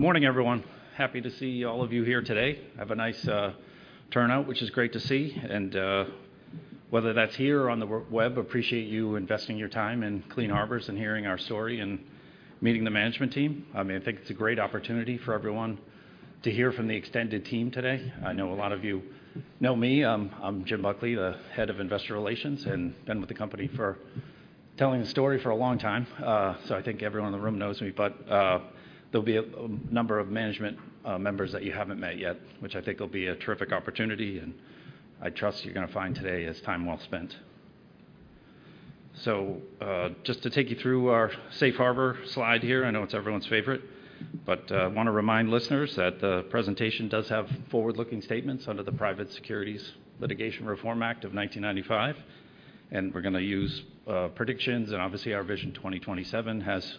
Good morning, everyone. Happy to see all of you here today. Have a nice turnout, which is great to see. Whether that's here or on the web, appreciate you investing your time in Clean Harbors and hearing our story and meeting the management team. I mean, I think it's a great opportunity for everyone to hear from the extended team today. I know a lot of you know me. I'm Jim Buckley, the Head of Investor Relations, and been with the company for telling the story for a long time. I think everyone in the room knows me, but there'll be a number of management members that you haven't met yet, which I think will be a terrific opportunity, and I trust you're gonna find today is time well spent. Just to take you through our safe harbor slide here. I know it's everyone's favorite, but wanna remind listeners that the presentation does have forward-looking statements under the Private Securities Litigation Reform Act of 1995. We're gonna use predictions, and obviously our Vision 2027 has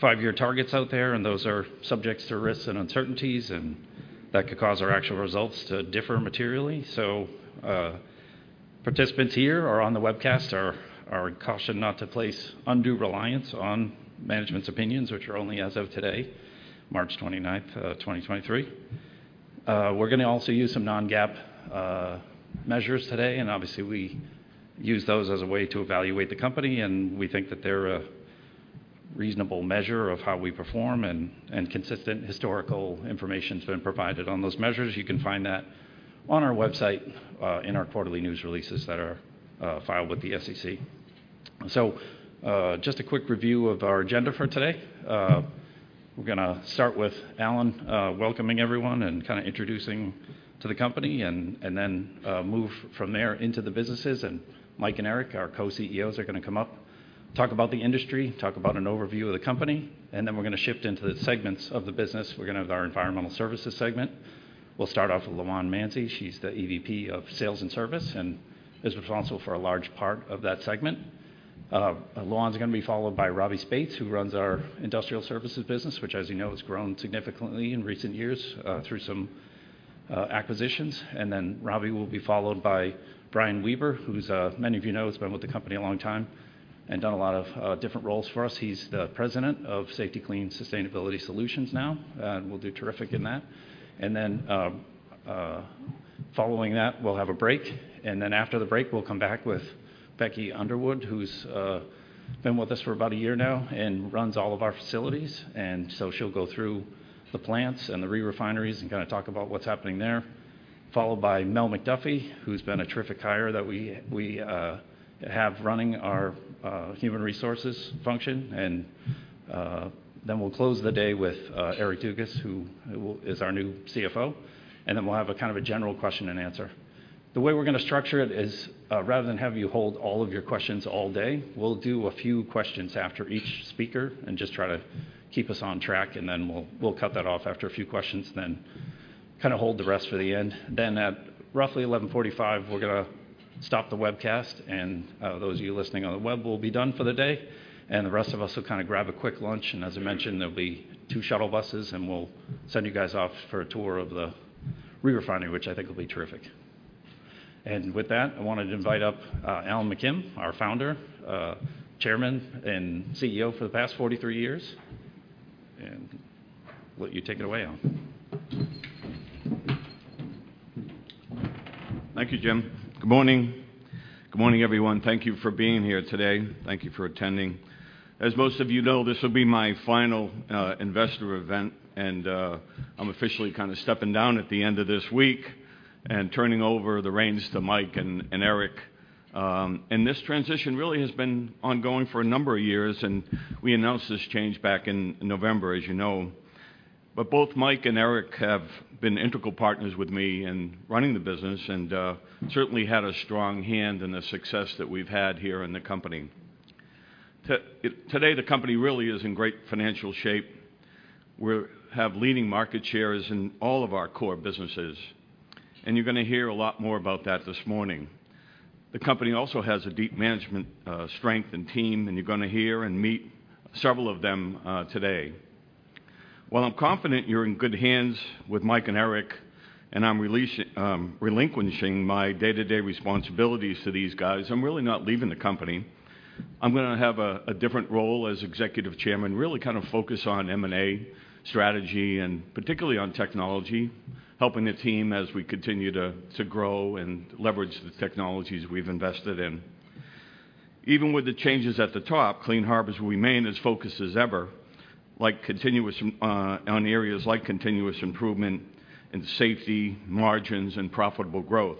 five-year targets out there, and those are subjects to risks and uncertainties, and that could cause our actual results to differ materially. Participants here or on the webcast are cautioned not to place undue reliance on management's opinions, which are only as of today, March 29th, 2023. We're gonna also use some non-GAAP measures today, and obviously we use those as a way to evaluate the company, and we think that they're a reasonable measure of how we perform, and consistent historical information's been provided on those measures. You can find that on our website, in our quarterly news releases that are, filed with the SEC. Just a quick review of our agenda for today. We're gonna start with Alan, welcoming everyone and kinda introducing to the company and then, move from there into the businesses. Mike and Eric, our Co-CEOs, are gonna come up, talk about the industry, talk about an overview of the company, and then we're gonna shift into the segments of the business. We're gonna have our Environmental Services segment. We'll start off with Loan Mansy. She's the EVP of Sales and Service and is responsible for a large part of that segment. Loan's gonna be followed by Robby Speights, who runs our Industrial Services Business, which as you know, has grown significantly in recent years, through some acquisitions. Robby will be followed by Brian Weber, who's, many of you know, has been with the company a long time and done a lot of different roles for us. He's the President of Safety-Kleen Sustainability Solutions now, and will do terrific in that. Following that, we'll have a break, and then after the break we'll come back with Becky Underwood, who's been with us for about a year now and runs all of our facilities. She'll go through the plants and the re-refineries and kinda talk about what's happening there. Followed by Mel McDuffie, who's been a terrific hire that we have running our human resources function. Then we'll close the day with Eric Dugas, who is our new CFO. We'll have a kind of a general question and answer. The way we're gonna structure it is, rather than have you hold all of your questions all day, we'll do a few questions after each speaker and just try to keep us on track, then we'll cut that off after a few questions, then kinda hold the rest for the end. At roughly 11:45 A.M., we're gonna stop the webcast, those of you listening on the web will be done for the day, the rest of us will kinda grab a quick lunch. As I mentioned, there'll be two shuttle buses, we'll send you guys off for a tour of the re-refinery, which I think will be terrific. With that, I wanted to invite up Alan McKim, our Founder, Chairman, and CEO for the past 43 years. Let you take it away, Alan. Thank you, Jim. Good morning. Good morning, everyone. Thank you for being here today. Thank you for attending. As most of you know, this will be my final investor event, and I'm officially kinda stepping down at the end of this week and turning over the reins to Mike and Eric. This transition really has been ongoing for a number of years, and we announced this change back in November, as you know. Both Mike and Eric have been integral partners with me in running the business and certainly had a strong hand in the success that we've had here in the company. Today, the company really is in great financial shape. We have leading market shares in all of our core businesses, and you're gonna hear a lot more about that this morning. The company also has a deep management strength and team, you're gonna hear and meet several of them today. While I'm confident you're in good hands with Mike and Eric, and I'm relinquishing my day-to-day responsibilities to these guys, I'm really not leaving the company. I'm gonna have a different role as Executive Chairman, really kind of focus on M&A strategy and particularly on technology, helping the team as we continue to grow and leverage the technologies we've invested in. Even with the changes at the top, Clean Harbors will remain as focused as ever on areas like continuous improvement and safety, margins and profitable growth.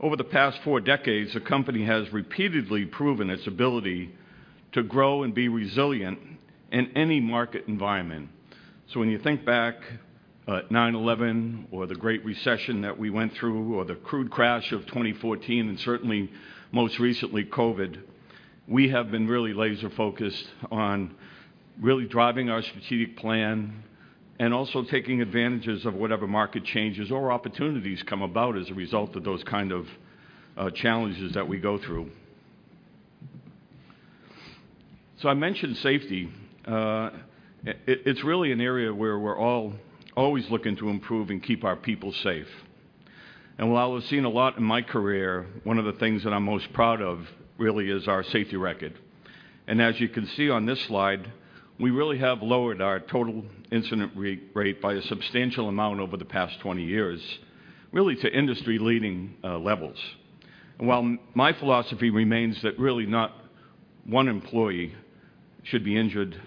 Over the past four decades, the company has repeatedly proven its ability to grow and be resilient in any market environment. When you think back at 9/11 or the Great Recession that we went through, or the crude crash of 2014, and certainly most recently COVID, we have been really laser-focused on really driving our strategic plan and also taking advantages of whatever market changes or opportunities come about as a result of those kind of challenges that we go through. I mentioned safety. It's really an area where we're all always looking to improve and keep our people safe. And while I was seeing a lot in my career, one of the things that I'm most proud of really is our safety record. As you can see on this slide, we really have lowered our total incident re-rate by a substantial amount over the past 20 years, really to industry-leading levels. While my philosophy remains that really not one employee should be injured,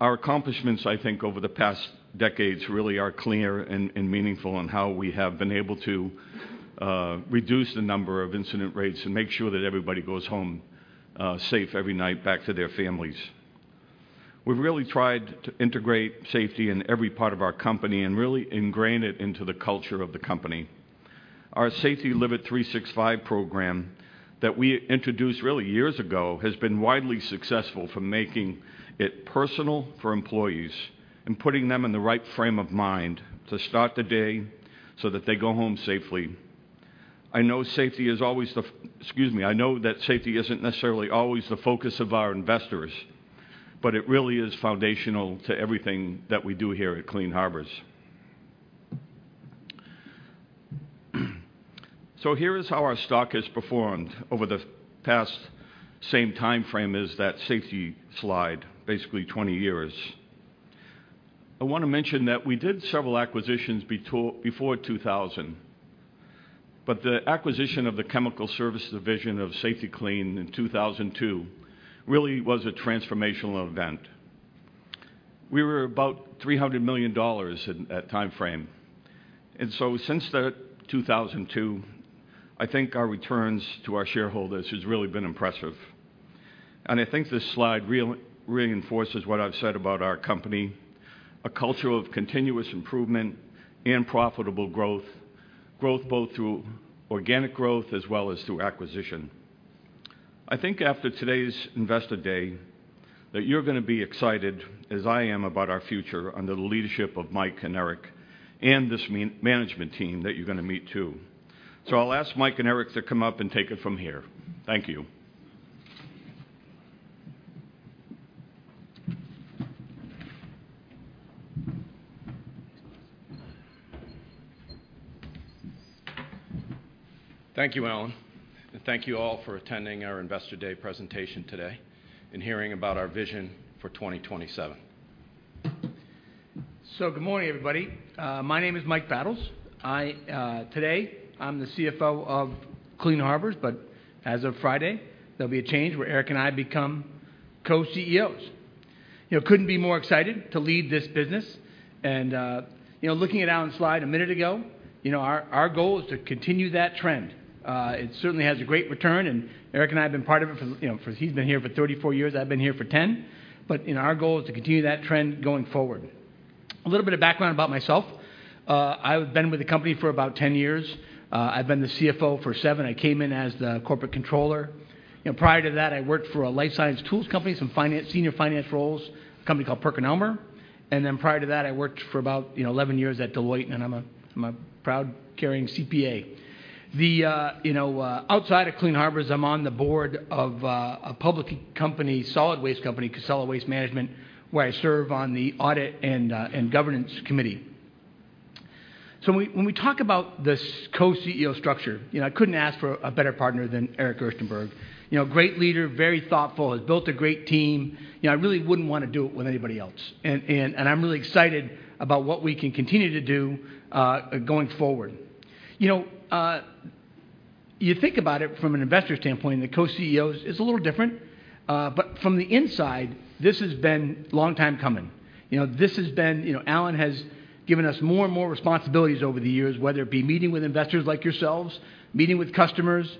our accomplishments, I think, over the past decades really are clear and meaningful in how we have been able to reduce the number of incident rates and make sure that everybody goes home safe every night back to their families. We've really tried to integrate safety in every part of our company and really ingrain it into the culture of the company. Our Safety- Live It 365 program that we introduced really years ago has been widely successful for making it personal for employees and putting them in the right frame of mind to start the day so that they go home safely. I know that safety isn't necessarily always the focus of our investors, but it really is foundational to everything that we do here at Clean Harbors. Here is how our stock has performed over the past same timeframe as that safety slide, basically 20 years. I wanna mention that we did several acquisitions before 2000, but the acquisition of the Chemical Services Division of Safety-Kleen in 2002 really was a transformational event. We were about $300 million at that timeframe. Since the 2002, I think our returns to our shareholders has really been impressive. I think this slide reinforces what I've said about our company, a culture of continuous improvement and profitable growth both through organic growth as well as through acquisition. I think after today's Investor Day, that you're gonna be excited as I am about our future under the leadership of Mike and Eric and this management team that you're gonna meet too. I'll ask Mike and Eric to come up and take it from here. Thank you. Thank you, Alan, and thank you all for attending our Investor Day presentation today and hearing about our Vision 2027. Good morning, everybody. My name is Mike Battles. Today I'm the CFO of Clean Harbors, but as of Friday, there'll be a change where Eric and I become Co-CEOs. You know, couldn't be more excited to lead this business and, you know, looking at Alan's slide a minute ago, you know, our goal is to continue that trend. It certainly has a great return, and Eric and I have been part of it for, you know, He's been here for 34 years, I've been here for 10 years. You know, our goal is to continue that trend going forward. A little bit of background about myself. I've been with the company for about 10 years. I've been the CFO for seven years. I came in as the corporate controller. You know, prior to that, I worked for a life science tools company, some finance, senior finance roles, a company called PerkinElmer. Prior to that, I worked for about, you know, 11 years at Deloitte, and I'm a, I'm a proud carrying CPA. You know, outside of Clean Harbors, I'm on the board of a public company, solid waste company, Casella Waste Management, where I serve on the audit and governance committee. When we talk about the Co-CEO structure, you know, I couldn't ask for a better partner than Eric Gerstenberg. You know, great leader, very thoughtful, has built a great team. You know, I really wouldn't wanna do it with anybody else. I'm really excited about what we can continue to do going forward. You know, you think about it from an investor standpoint, the Co-CEOs is a little different. From the inside, this has been long time coming. You know, Alan has given us more and more responsibilities over the years, whether it be meeting with investors like yourselves, meeting with customers,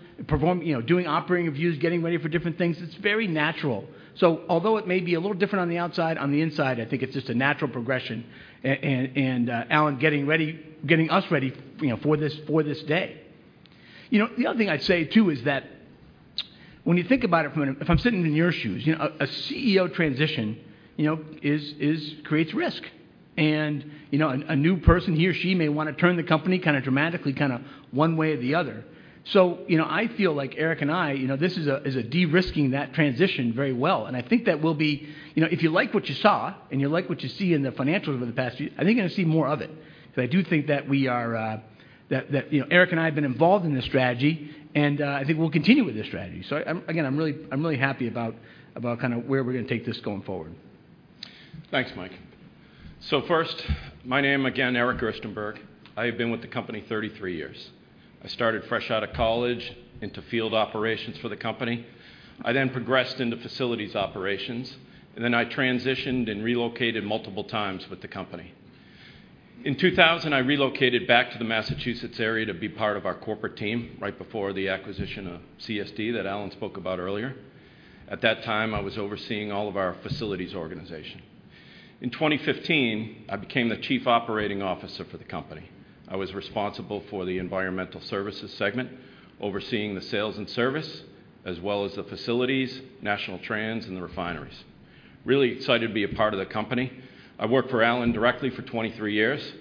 doing operating reviews, getting ready for different things. It's very natural. Although it may be a little different on the outside, on the inside, I think it's just a natural progression and Alan getting ready, getting us ready, you know, for this, for this day. You know, the other thing I'd say too is that when you think about it, if I'm sitting in your shoes, you know, a CEO transition, you know, is creates risk. You know, a new person, he or she may wanna turn the company kinda dramatically, kinda one way or the other. You know, I feel like Eric and I, you know, this is a de-risking that transition very well. I think that we'll be. You know, if you like what you saw and you like what you see in the financials over the past few, I think you're gonna see more of it. I do think that we are, that, you know, Eric and I have been involved in this strategy and I think we'll continue with this strategy. I'm, again, I'm really happy about kinda where we're gonna take this going forward. Thanks, Mike. First, my name again, Eric Gerstenberg. I have been with the company 33 years. I started fresh out of college into field operations for the company. I then progressed into facilities operations, and then I transitioned and relocated multiple times with the company. In 2000, I relocated back to the Massachusetts area to be part of our corporate team right before the acquisition of CSD that Alan spoke about earlier. At that time, I was overseeing all of our facilities organization. In 2015, I became the Chief Operating Officer for the company. I was responsible for the Environmental Services segment, overseeing the sales and service, as well as the facilities, national trends, and the refineries. Really excited to be a part of the company. I've worked for Alan directly for 23 years.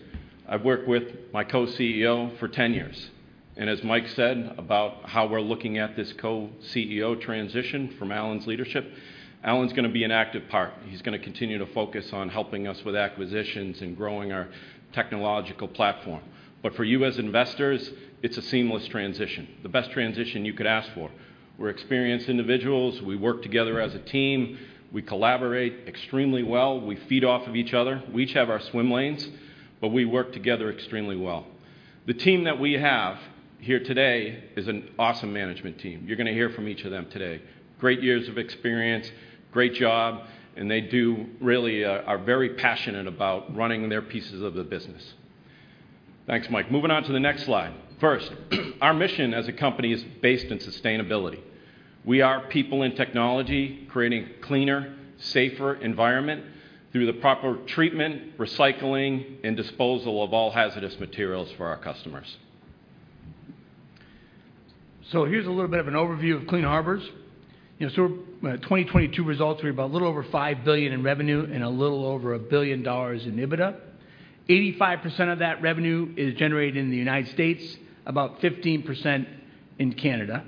I've worked with my Co-CEO for 10 years. As Mike said about how we're looking at this Co-CEO transition from Alan's leadership, Alan's gonna be an active part. He's gonna continue to focus on helping us with acquisitions and growing our technological platform. For you as investors, it's a seamless transition, the best transition you could ask for. We're experienced individuals. We work together as a team. We collaborate extremely well. We feed off of each other. We each have our swim lanes, but we work together extremely well. The team that we have here today is an awesome management team. You're gonna hear from each of them today. Great years of experience, great job, and they do really are very passionate about running their pieces of the business. Thanks, Mike. Moving on to the next slide. First, our mission as a company is based in sustainability. We are people in technology creating cleaner, safer environment through the proper treatment, recycling, and disposal of all hazardous materials for our customers. Here's a little bit of an overview of Clean Harbors. You know, 2022 results were about a little over $5 billion in revenue and a little over $1 billion in EBITDA. 85% of that revenue is generated in the United States, about 15% in Canada.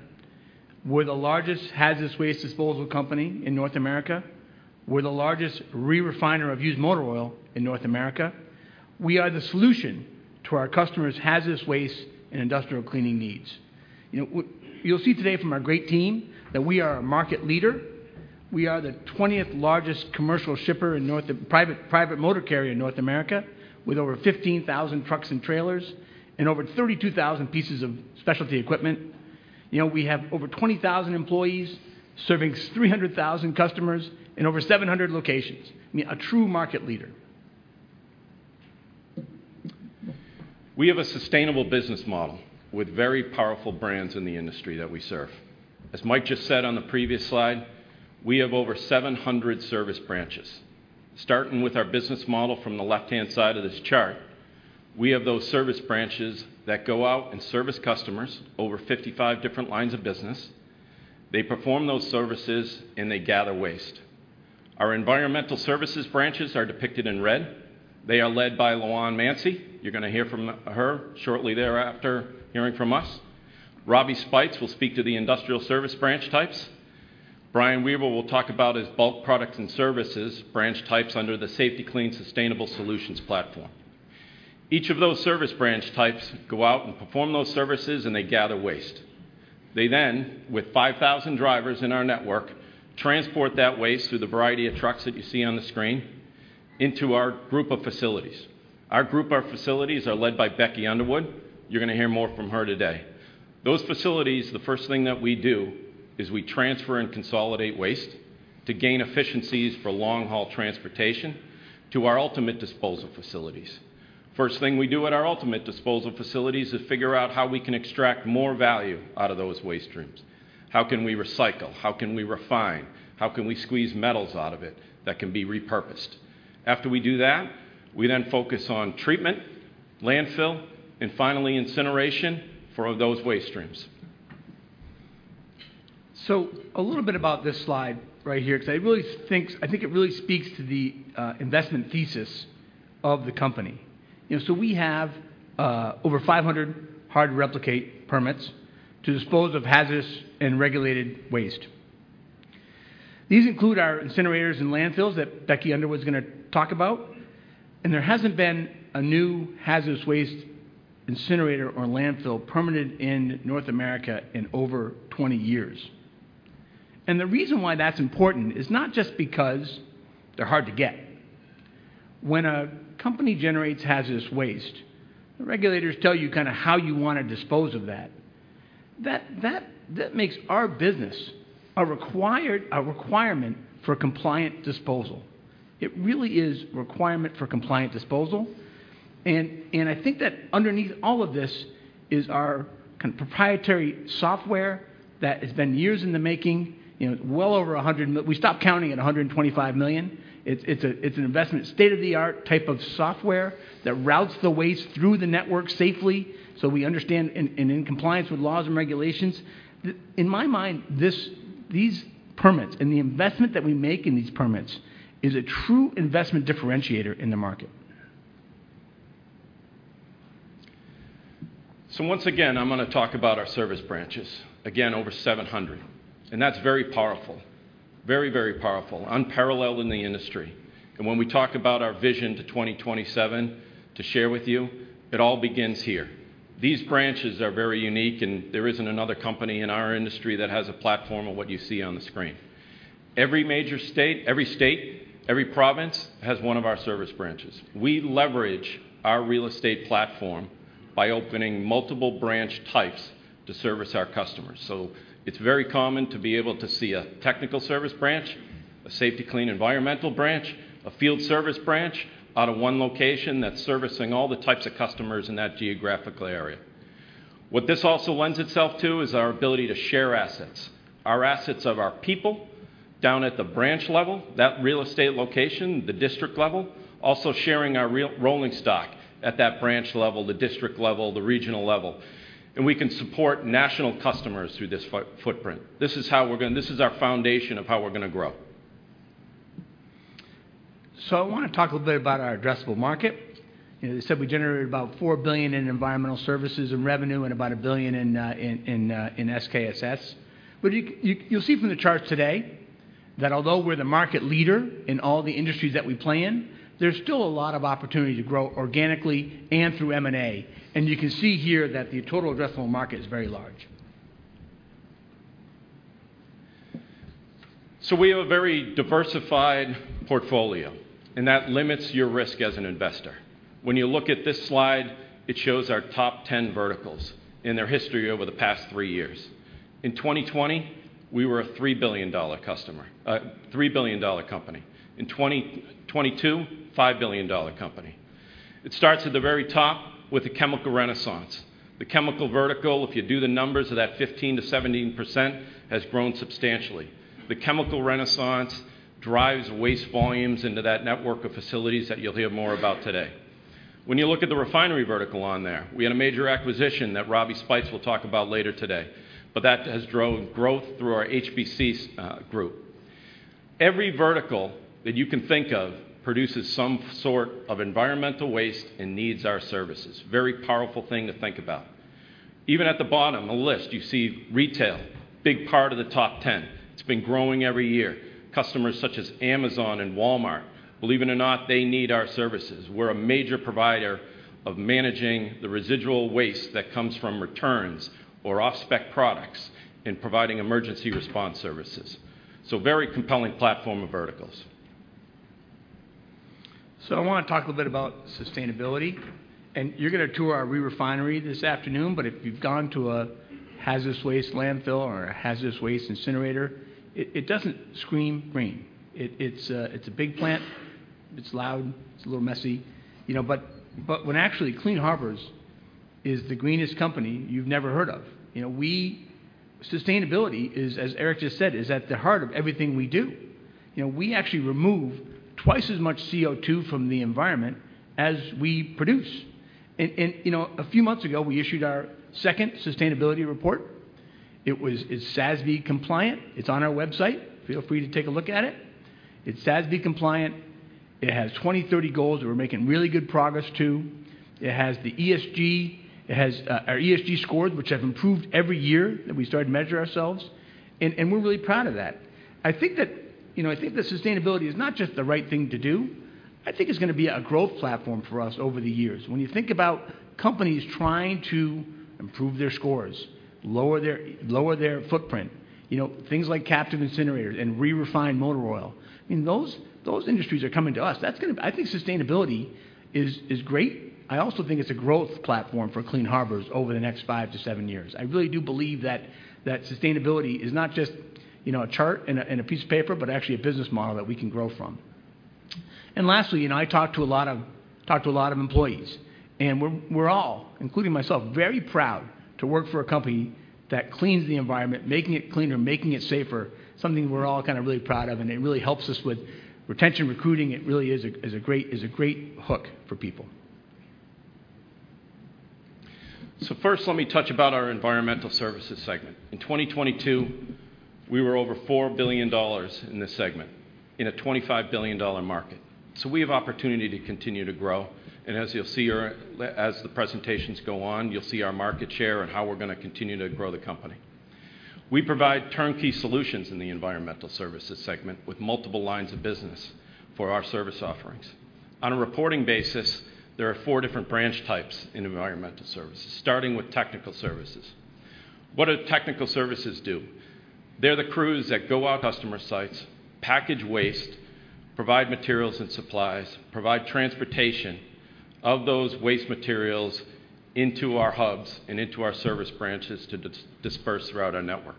We're the largest hazardous waste disposal company in North America. We're the largest re-refiner of used motor oil in North America. We are the solution to our customers' hazardous waste and industrial cleaning needs. You know, you'll see today from our great team that we are a market leader. We are the 20th largest commercial shipper in private motor carrier in North America, with over 15,000 trucks and trailers and over 32,000 pieces of specialty equipment. You know, we have over 20,000 employees serving 300,000 customers in over 700 locations. I mean, a true market leader. We have a sustainable business model with very powerful brands in the industry that we serve. As Mike just said on the previous slide, we have over 700 service branches. Starting with our business model from the left-hand side of this chart, we have those service branches that go out and service customers over 55 different lines of business. They perform those services, and they gather waste. Our environmental services branches are depicted in red. They are led by Loan Mansy. You're gonna hear from her shortly thereafter hearing from us. Robby Speights will speak to the industrial service branch types. Brian Weber will talk about his Bulk Products and Services branch types under the Safety-Kleen Sustainable Solutions platform. Each of those service branch types go out and perform those services, and they gather waste. They, with 5,000 drivers in our network, transport that waste through the variety of trucks that you see on the screen into our group of facilities. Our group of facilities are led by Becky Underwood. You're gonna hear more from her today. Those facilities, the first thing that we do is we transfer and consolidate waste to gain efficiencies for long-haul transportation to our ultimate disposal facilities. First thing we do at our ultimate disposal facilities is figure out how we can extract more value out of those waste streams. How can we recycle? How can we refine? How can we squeeze metals out of it that can be repurposed? After we do that, we focus on treatment, landfill, and finally incineration for those waste streams. A little bit about this slide right here, 'cause I really think it really speaks to the investment thesis of the company. You know, we have over 500 hard-to-replicate permits to dispose of hazardous and regulated waste. These include our incinerators and landfills that Becky Underwood's going to talk about, and there hasn't been a new hazardous waste incinerator or landfill permitted in North America in over 20 years. The reason why that's important is not just because they're hard to get. When a company generates hazardous waste, the regulators tell you kind of how you want to dispose of that. That makes our business a requirement for compliant disposal. It really is requirement for compliant disposal, and I think that underneath all of this is our proprietary software that has been years in the making. You know, we stopped counting at $125 million. It's an investment state-of-the-art type of software that routes the waste through the network safely, so we understand, and in compliance with laws and regulations. In my mind, these permits and the investment that we make in these permits is a true investment differentiator in the market. Once again, I'm gonna talk about our service branches. Again, over 700, and that's very powerful. Very, very powerful. Unparalleled in the industry. When we talk about our Vision 2027 to share with you, it all begins here. These branches are very unique, and there isn't another company in our industry that has a platform of what you see on the screen. Every major state, every state, every province has one of our service branches. We leverage our real estate platform by opening multiple branch types to service our customers. It's very common to be able to see a Technical Services branch, a Safety-Kleen Environmental branch, a Field Services branch out of one location that's servicing all the types of customers in that geographical area. What this also lends itself to is our ability to share assets. Our assets of our people down at the branch level, that real estate location, the district level, also sharing our rolling stock at that branch level, the district level, the regional level, and we can support national customers through this footprint. This is our foundation of how we're gonna grow. I wanna talk a little bit about our addressable market. You know, they said we generated about $4 billion in environmental services and revenue and about $1 billion in SKSS. You'll see from the charts today that although we're the market leader in all the industries that we play in, there's still a lot of opportunity to grow organically and through M&A. You can see here that the total addressable market is very large. We have a very diversified portfolio, and that limits your risk as an investor. When you look at this slide, it shows our top 10 verticals and their history over the past thre years. In 2020, we were a $3 billion company. In 2022, $5 billion company. It starts at the very top with the chemical renaissance. The chemical vertical, if you do the numbers of that 15%-17%, has grown substantially. The chemical renaissance drives waste volumes into that network of facilities that you'll hear more about today. When you look at the refinery vertical on there, we had a major acquisition that Robby Speights will talk about later today, but that has drove growth through our HPCS group. Every vertical that you can think of produces some sort of environmental waste and needs our services. Very powerful thing to think about. Even at the bottom, the list, you see retail, big part of the top 10. It's been growing every year. Customers such as Amazon and Walmart, believe it or not, they need our services. We're a major provider of managing the residual waste that comes from returns or off-spec products and providing emergency response services. Very compelling platform of verticals. I wanna talk a little bit about sustainability. You're gonna tour our re-refinery this afternoon, but if you've gone to a hazardous waste landfill or a hazardous waste incinerator, it doesn't scream green. It's a big plant. It's loud. It's a little messy, you know, but when actually Clean Harbors is the greenest company you've never heard of. Sustainability is, as Eric just said, is at the heart of everything we do. You know, we actually remove twice as much CO2 from the environment as we produce. A few months ago, we issued our second sustainability report. It's SASB compliant. It's on our website. Feel free to take a look at it. It's SASB compliant. It has 2030 goals that we're making really good progress to. It has the ESG. It has our ESG scores, which have improved every year that we started to measure ourselves. We're really proud of that. I think that, you know, I think that sustainability is not just the right thing to do. I think it's gonna be a growth platform for us over the years. When you think about companies trying to improve their scores, lower their footprint, you know, things like captive incinerators and re-refined motor oil, I mean, those industries are coming to us. That's gonna. I think sustainability is great. I also think it's a growth platform for Clean Harbors over the next five to seven years. I really do believe that sustainability is not just, you know, a chart and a, and a piece of paper, but actually a business model that we can grow from. Lastly, you know, I talk to a lot of employees. We're all, including myself, very proud to work for a company that cleans the environment, making it cleaner, making it safer, something we're all kind of really proud of. It really helps us with retention, recruiting. It really is a great hook for people. First, let me touch about our environmental services segment. In 2022, we were over $4 billion in this segment in a $25 billion market. We have opportunity to continue to grow. As you'll see here, as the presentations go on, you'll see our market share and how we're gonna continue to grow the company. We provide turnkey solutions in the environmental services segment with multiple lines of business for our service offerings. On a reporting basis, there are four different branch types in Environmental Services, starting with Technical Services. What do Technical Services do? They're the crews that go out customer sites, package waste, provide materials and supplies, provide transportation of those waste materials into our hubs and into our service branches to disperse throughout our network.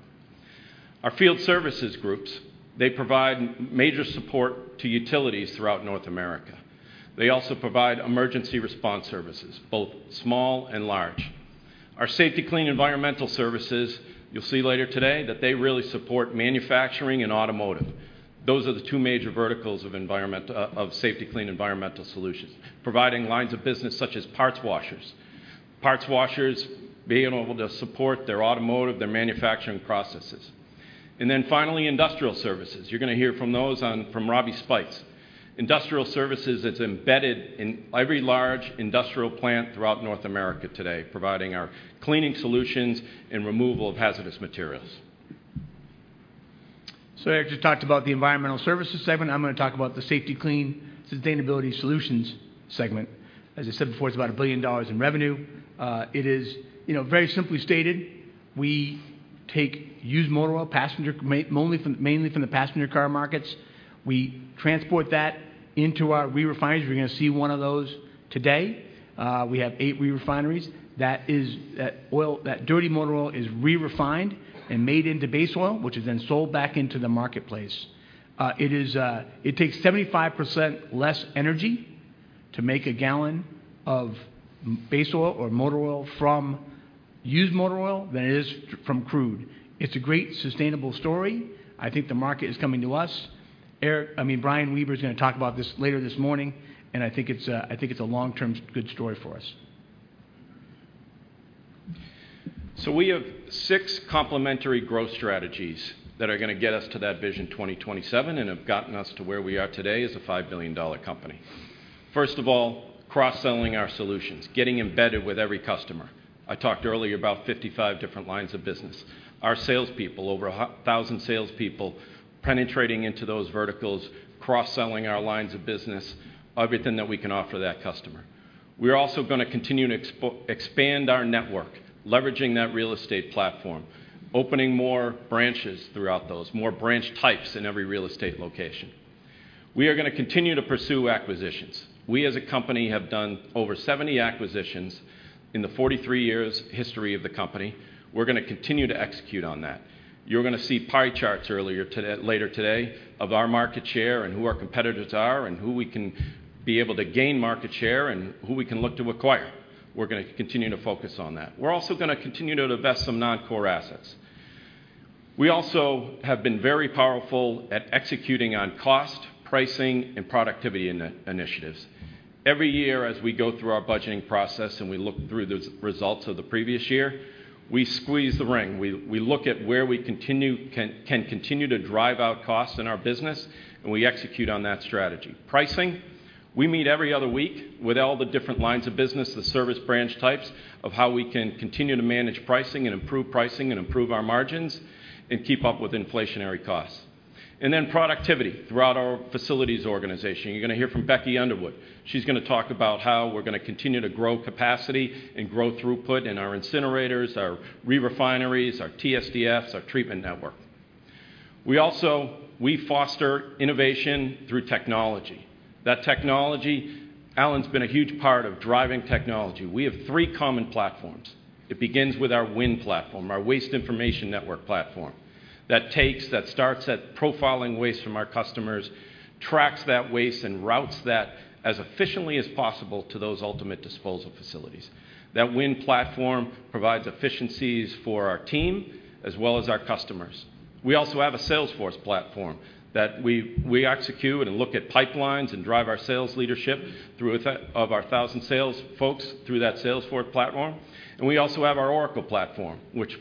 Our Field Services groups, they provide major support to utilities throughout North America. They also provide emergency response services, both small and large. Our Safety-Kleen Environmental Services, you'll see later today that they really support manufacturing and automotive. Those are the two major verticals of Safety-Kleen Environmental Services, providing lines of business such as parts washers. Parts washers being able to support their automotive, their manufacturing processes. Finally, industrial services. You're gonna hear from Robby Speights. Industrial services, it's embedded in every large industrial plant throughout North America today, providing our cleaning solutions and removal of hazardous materials. Eric just talked about the Environmental Services segment. I'm going to talk about the Safety-Kleen Sustainability Solutions segment. As I said before, it's about $1 billion in revenue. It is, you know, very simply stated, we take used motor oil, mainly from the passenger car markets. We transport that into our re-refineries. We're going to see one of those today. We have eight re-refineries. That dirty motor oil is re-refined and made into base oil, which is then sold back into the marketplace. It takes 75% less energy to make a gallon of base oil or motor oil from used motor oil than it is from crude. It's a great sustainable story. I think the market is coming to us. Eric, I mean, Brian Weber's gonna talk about this later this morning, and I think it's a long-term good story for us. We have six complementary growth strategies that are going to get us to that Vision 2027 and have gotten us to where we are today as a $5 billion company. First of all, cross-selling our solutions, getting embedded with every customer. I talked earlier about 55 different lines of business. Our salespeople, over a 1,000 salespeople penetrating into those verticals, cross-selling our lines of business, everything that we can offer that customer. We're also going to continue to expand our network, leveraging that real estate platform, opening more branches throughout those, more branch types in every real estate location. We are going to continue to pursue acquisitions. We as a company have done over 70 acquisitions in the 43 years history of the company. We're going to continue to execute on that. You're gonna see pie charts later today of our market share and who our competitors are and who we can be able to gain market share and who we can look to acquire. We're gonna continue to focus on that. We're also gonna continue to divest some non-core assets. We also have been very powerful at executing on cost, pricing, and productivity initiatives. Every year as we go through our budgeting process and we look through the results of the previous year, we squeeze the ring. We look at where we can continue to drive out costs in our business, and we execute on that strategy. Pricing, we meet every other week with all the different lines of business, the service branch types of how we can continue to manage pricing and improve pricing and improve our margins and keep up with inflationary costs. Then productivity throughout our facilities organization. You're gonna hear from Rebecca Underwood. She's gonna talk about how we're gonna continue to grow capacity and grow throughput in our incinerators, our re-refineries, our TSDFs, our treatment network. We also. We foster innovation through technology. That technology, Alan's been a huge part of driving technology. We have three common platforms. It begins with our WIN platform, our Waste Information Network platform, that starts at profiling waste from our customers, tracks that waste, and routes that as efficiently as possible to those ultimate disposal facilities. That WIN platform provides efficiencies for our team as well as our customers. We also have a Salesforce platform that we execute and look at pipelines and drive our sales leadership through of our 1,000 sales folks through that Salesforce platform. We also have our Oracle platform, which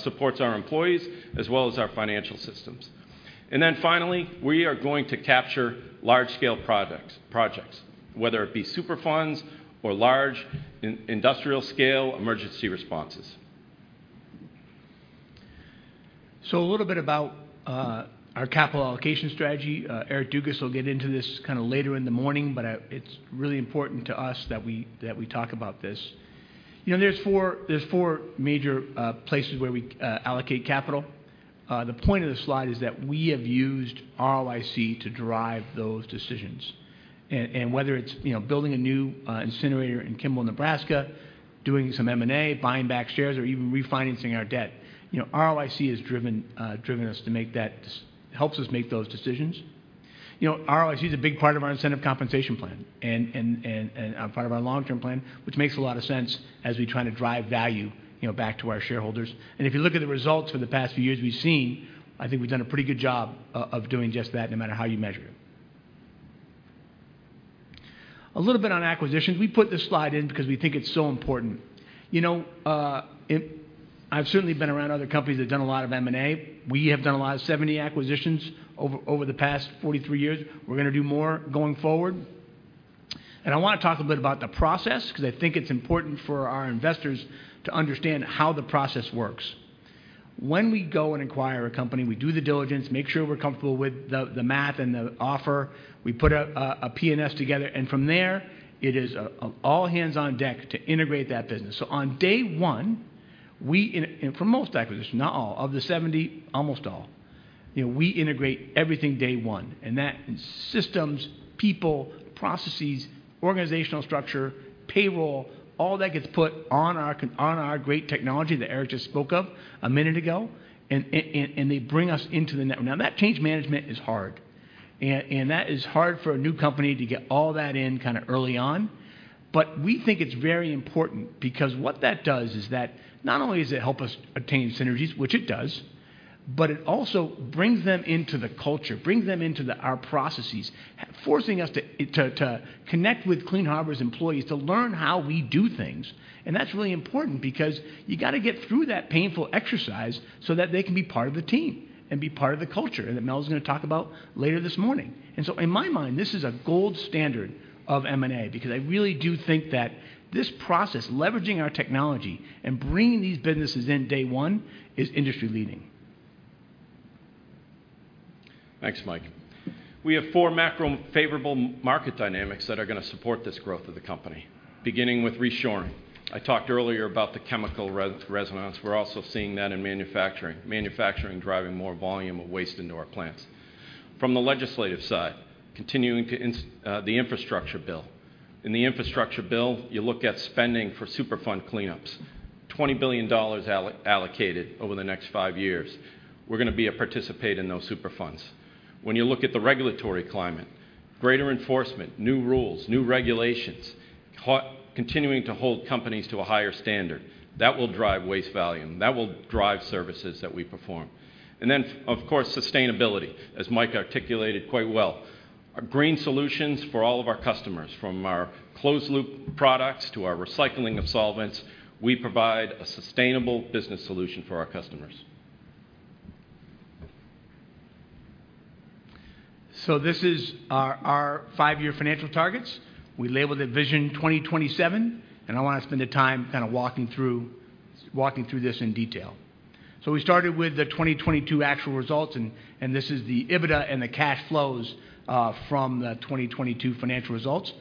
supports our employees as well as our financial systems. Finally, we are going to capture large-scale projects, whether it be Superfunds or large industrial scale emergency responses. A little bit about our capital allocation strategy. Eric Dugas will get into this kinda later in the morning, but it's really important to us that we, that we talk about this. You know, there's four major places where we allocate capital. The point of this slide is that we have used ROIC to drive those decisions. Whether it's, you know, building a new incinerator in Kimball, Nebraska, doing some M&A, buying back shares, or even refinancing our debt, you know, ROIC has driven us to make those decisions. You know, ROIC is a big part of our incentive compensation plan and part of our long-term plan, which makes a lot of sense as we try to drive value, you know, back to our shareholders. If you look at the results for the past few years we've seen, I think we've done a pretty good job of doing just that, no matter how you measure it. A little bit on acquisitions. We put this slide in because we think it's so important. You know, I've certainly been around other companies that have done a lot of M&A. We have done a lot of 70 acquisitions over the past 43 years. We're gonna do more going forward. I wanna talk a bit about the process, 'cause I think it's important for our investors to understand how the process works. When we go and acquire a company, we do the diligence, make sure we're comfortable with the math and the offer. We put a P&S together. From there it is all hands on deck to integrate that business. On day one, for most acquisitions, not all, of the 70, almost all, you know, we integrate everything day one. That is systems, people, processes, organizational structure, payroll, all that gets put on our great technology that Eric just spoke of a minute ago, and they bring us into the net. That change management is hard. That is hard for a new company to get all that in kinda early on. We think it's very important because what that does is that not only does it help us attain synergies, which it does, but it also brings them into our processes, forcing us to connect with Clean Harbors' employees to learn how we do things. That's really important because you gotta get through that painful exercise so that they can be part of the team and be part of the culture, and that Mel is gonna talk about later this morning. In my mind, this is a gold standard of M&A because I really do think that this process, leveraging our technology and bringing these businesses in day one, is industry-leading. Thanks, Mike. We have four macro favorable market dynamics that are gonna support this growth of the company, beginning with reshoring. I talked earlier about the chemical resonance. We're also seeing that in manufacturing driving more volume of waste into our plants. From the legislative side, continuing the infrastructure bill. The infrastructure bill, you look at spending for Superfund cleanups, $20 billion allocated over the next five years. We're gonna be a participate in those Superfunds. You look at the regulatory climate, greater enforcement, new rules, new regulations, continuing to hold companies to a higher standard, that will drive waste volume. Will drive services that we perform. Of course, sustainability, as Mike articulated quite well. Our green solutions for all of our customers, from our closed loop products to our recycling of solvents, we provide a sustainable business solution for our customers. This is our five-year financial targets. We label it Vision 2027, and I wanna spend the time kinda walking through this in detail. We started with the 2022 actual results, and this is the EBITDA and the cash flows from the 2022 financial results.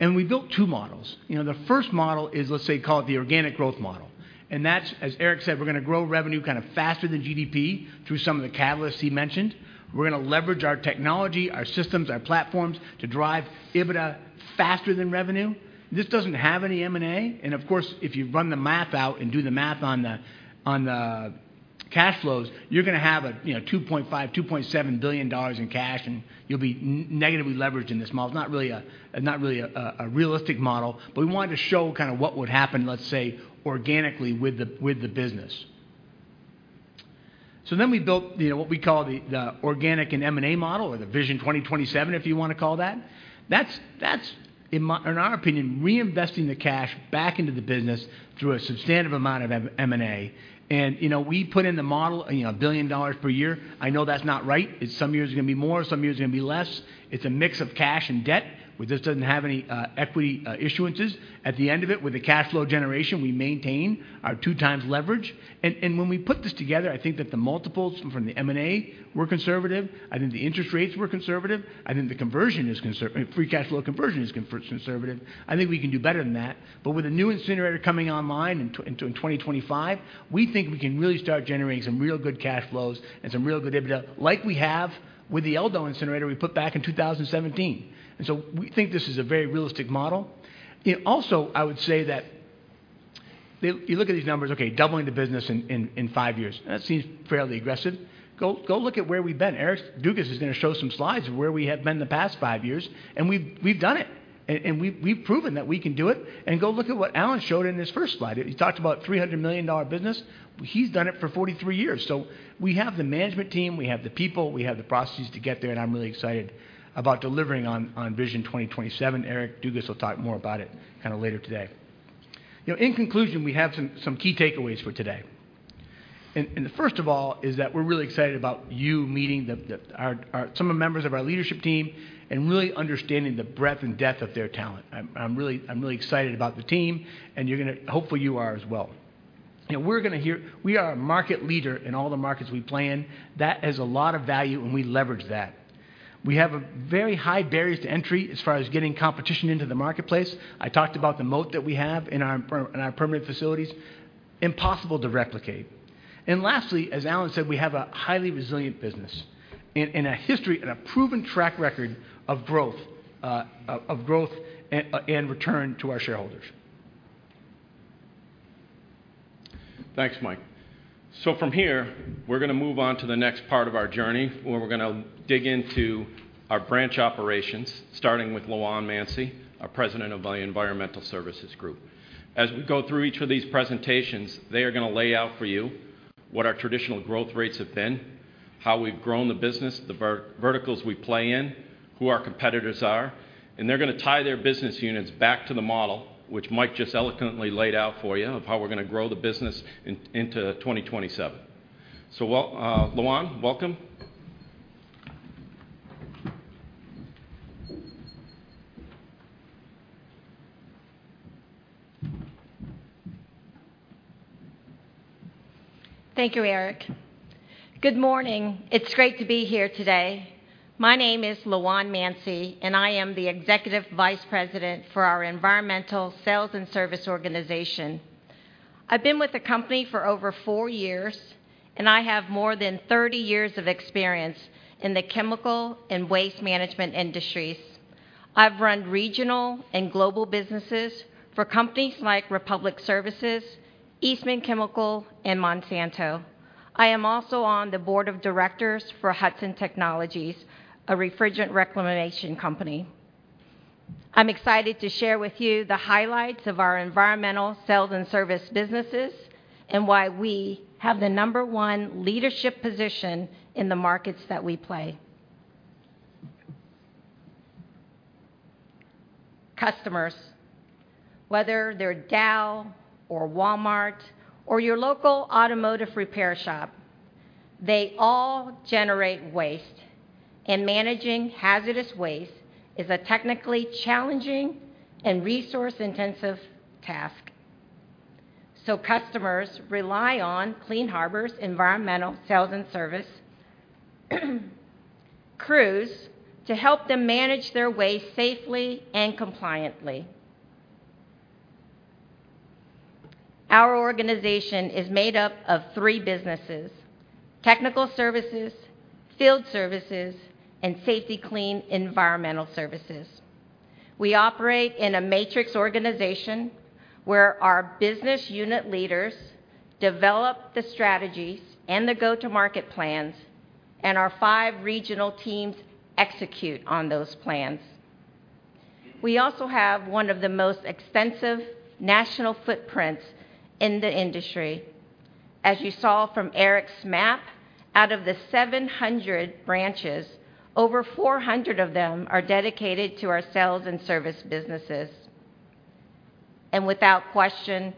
We built two models. You know, the first model is, let's say, call it the organic growth model. That's, as Eric said, we're gonna grow revenue kind of faster than GDP through some of the catalysts he mentioned. We're gonna leverage our technology, our systems, our platforms to drive EBITDA faster than revenue. This doesn't have any M&A, and of course, if you run the math out and do the math on the cash flows, you're gonna have, you know, $2.5 billion-$2.7 billion in cash, and you'll be negatively leveraged in this model. It's not really a realistic model, but we wanted to show kind of what would happen, let's say, organically with the business. We built, you know, what we call the organic and M&A model or the Vision 2027, if you wanna call it that. That's, in our opinion, reinvesting the cash back into the business through a substantive amount of M&A. You know, we put in the model, you know, $1 billion per year. I know that's not right. Some years are gonna be more, some years are gonna be less. It's a mix of cash and debt. This doesn't have any equity issuances. At the end of it, with the cash flow generation, we maintain our 2x leverage. When we put this together, I think that the multiples from the M&A were conservative. I think the interest rates were conservative. I think the conversion is free cash flow conversion is conservative. I think we can do better than that. With a new incinerator coming online in 2025, we think we can really start generating some real good cash flows and some real good EBITDA, like we have with the El Dorado incinerator we put back in 2017. We think this is a very realistic model. Also, I would say that if you look at these numbers, okay, doubling the business in five years. That seems fairly aggressive. Go look at where we've been. Eric Dugas is going to show some slides of where we have been the past five years, and we've done it. We've proven that we can do it. Go look at what Alan showed in his first slide. He talked about $300 million business. He's done it for 43 years. We have the management team, we have the people, we have the processes to get there, and I'm really excited about delivering on Vision 2027. Eric Dugas will talk more about it kind of later today. You know, in conclusion, we have some key takeaways for today. The first of all is that we're really excited about you meeting some of the members of our leadership team and really understanding the breadth and depth of their talent. I'm really excited about the team, and you're gonna hopefully you are as well. You know, we are a market leader in all the markets we play in. That has a lot of value, and we leverage that. We have a very high barriers to entry as far as getting competition into the marketplace. I talked about the moat that we have in our permitted facilities. Impossible to replicate. Lastly, as Alan said, we have a highly resilient business and a history and a proven track record of growth and return to our shareholders. From here, we're gonna move on to the next part of our journey, where we're gonna dig into our branch operations, starting with Loan Mansy, our President of the Environmental Services group. As we go through each of these presentations, they are gonna lay out for you what our traditional growth rates have been, how we've grown the business, the verticals we play in, who our competitors are, and they're gonna tie their business units back to the model, which Mike just eloquently laid out for you, of how we're gonna grow the business into 2027. Loan, welcome. Thank you, Eric. Good morning. It's great to be here today. My name is Loan Mansy, and I am the Executive Vice President for our Environmental Sales and Service Organization. I've been with the company for over four years, and I have more than 30 years of experience in the chemical and waste management industries. I've run regional and global businesses for companies like Republic Services, Eastman Chemical, and Monsanto. I am also on the board of directors for Hudson Technologies, a refrigerant reclamation company. I'm excited to share with you the highlights of our environmental sales and service businesses and why we have the number one leadership position in the markets that we play. Customers, whether they're Dow or Walmart or your local automotive repair shop, they all generate waste, and managing hazardous waste is a technically challenging and resource-intensive task. Customers rely on Clean Harbors' environmental sales and service crews to help them manage their waste safely and compliantly. Our organization is made up of three businesses: Technical Services, Field Services, and Safety-Kleen Environmental Services. We operate in a matrix organization where our business unit leaders develop the strategies and the go-to-market plans, and our five regional teams execute on those plans. We also have one of the most extensive national footprints in the industry. As you saw from Eric's map, out of the 700 branches, over 400 of them are dedicated to our sales and service businesses. Without question,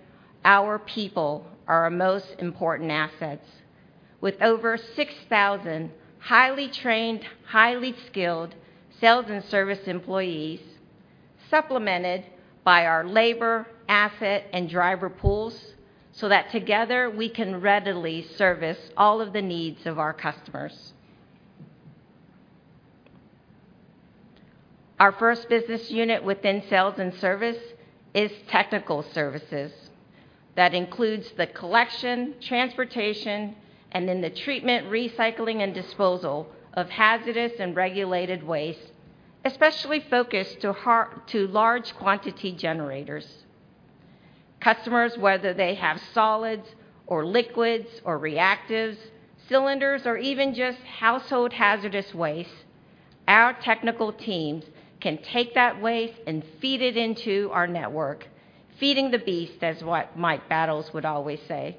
our people are our most important assets. With over 6,000 highly trained, highly skilled sales and service employees, supplemented by our labor, asset, and driver pools, so that together we can readily service all of the needs of our customers. Our first business unit within sales and service is Technical Services. That includes the collection, transportation, the treatment, recycling, and disposal of hazardous and regulated waste, especially focused to large quantity generators. Customers, whether they have solids or liquids or reactives, cylinders or even just household hazardous waste, our technical teams can take that waste and feed it into our network. Feeding the beast is what Mike Battles would always say.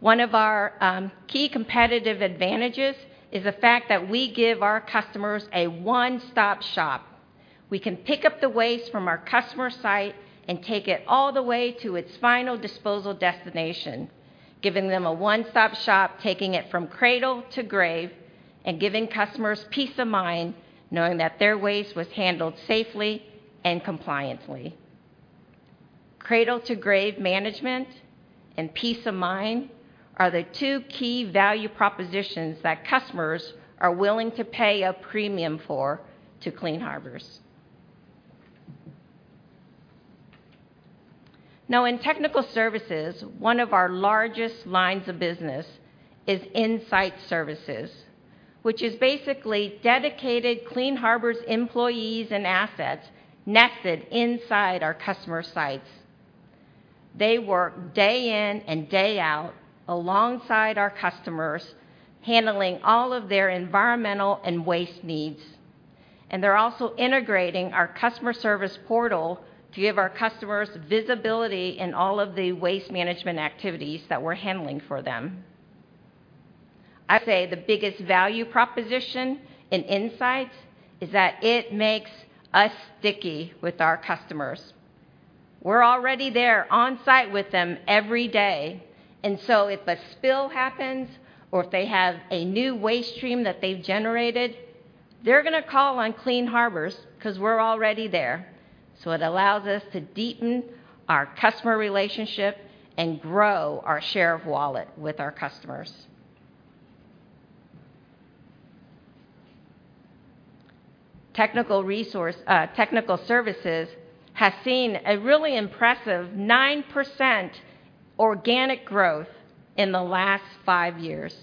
One of our key competitive advantages is the fact that we give our customers a one-stop shop. We can pick up the waste from our customer site and take it all the way to its final disposal destination, giving them a one-stop shop, taking it from cradle to grave, and giving customers peace of mind knowing that their waste was handled safely and compliantly. Cradle to grave management and peace of mind are the two key value propositions that customers are willing to pay a premium for to Clean Harbors. In Technical Services, one of our largest lines of business is InSite Services, which is basically dedicated Clean Harbors employees and assets nested inside our customer sites. They work day in and day out alongside our customers, handling all of their environmental and waste needs. They're also integrating our customer service portal to give our customers visibility in all of the waste management activities that we're handling for them. I'd say the biggest value proposition in InSite is that it makes us sticky with our customers. We're already there on site with them every day, if a spill happens or if they have a new waste stream that they've generated, they're gonna call on Clean Harbors 'cause we're already there. It allows us to deepen our customer relationship and grow our share of wallet with our customers. Technical resource, Technical Services has seen a really impressive 9% organic growth in the last five years.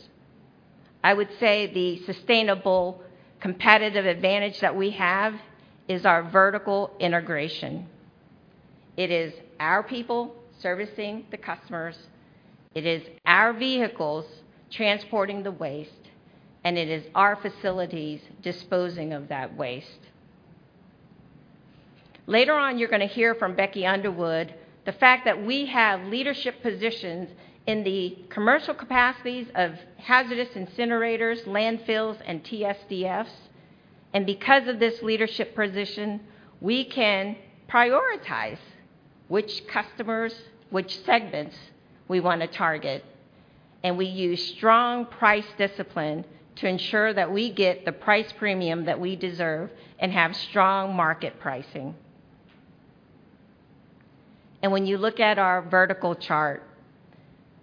I would say the sustainable competitive advantage that we have is our vertical integration. It is our people servicing the customers, it is our vehicles transporting the waste, and it is our facilities disposing of that waste. Later on, you're gonna hear from Becky Underwood the fact that we have leadership positions in the commercial capacities of hazardous incinerators, landfills, and TSDFs. Because of this leadership position, we can prioritize which customers, which segments we wanna target. We use strong price discipline to ensure that we get the price premium that we deserve and have strong market pricing. When you look at our vertical chart,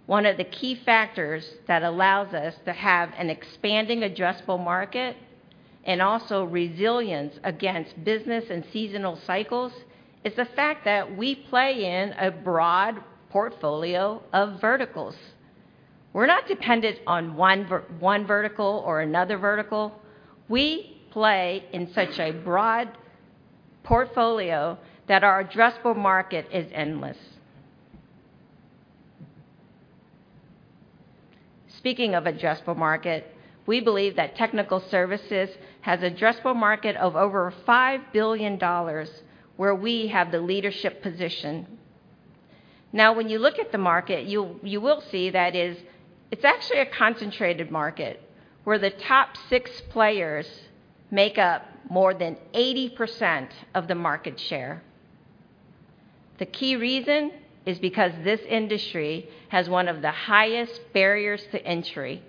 one of the key factors that allows us to have an expanding addressable market and also resilience against business and seasonal cycles is the fact that we play in a broad portfolio of verticals. We're not dependent on one vertical or another vertical. We play in such a broad portfolio that our addressable market is endless. Speaking of addressable market, we believe that Technical Services has addressable market of over $5 billion where we have the leadership position. When you look at the market, you will see that is it's actually a concentrated market, where the top six players make up more than 80% of the market share. The key reason is because this industry has one of the highest barriers to entry.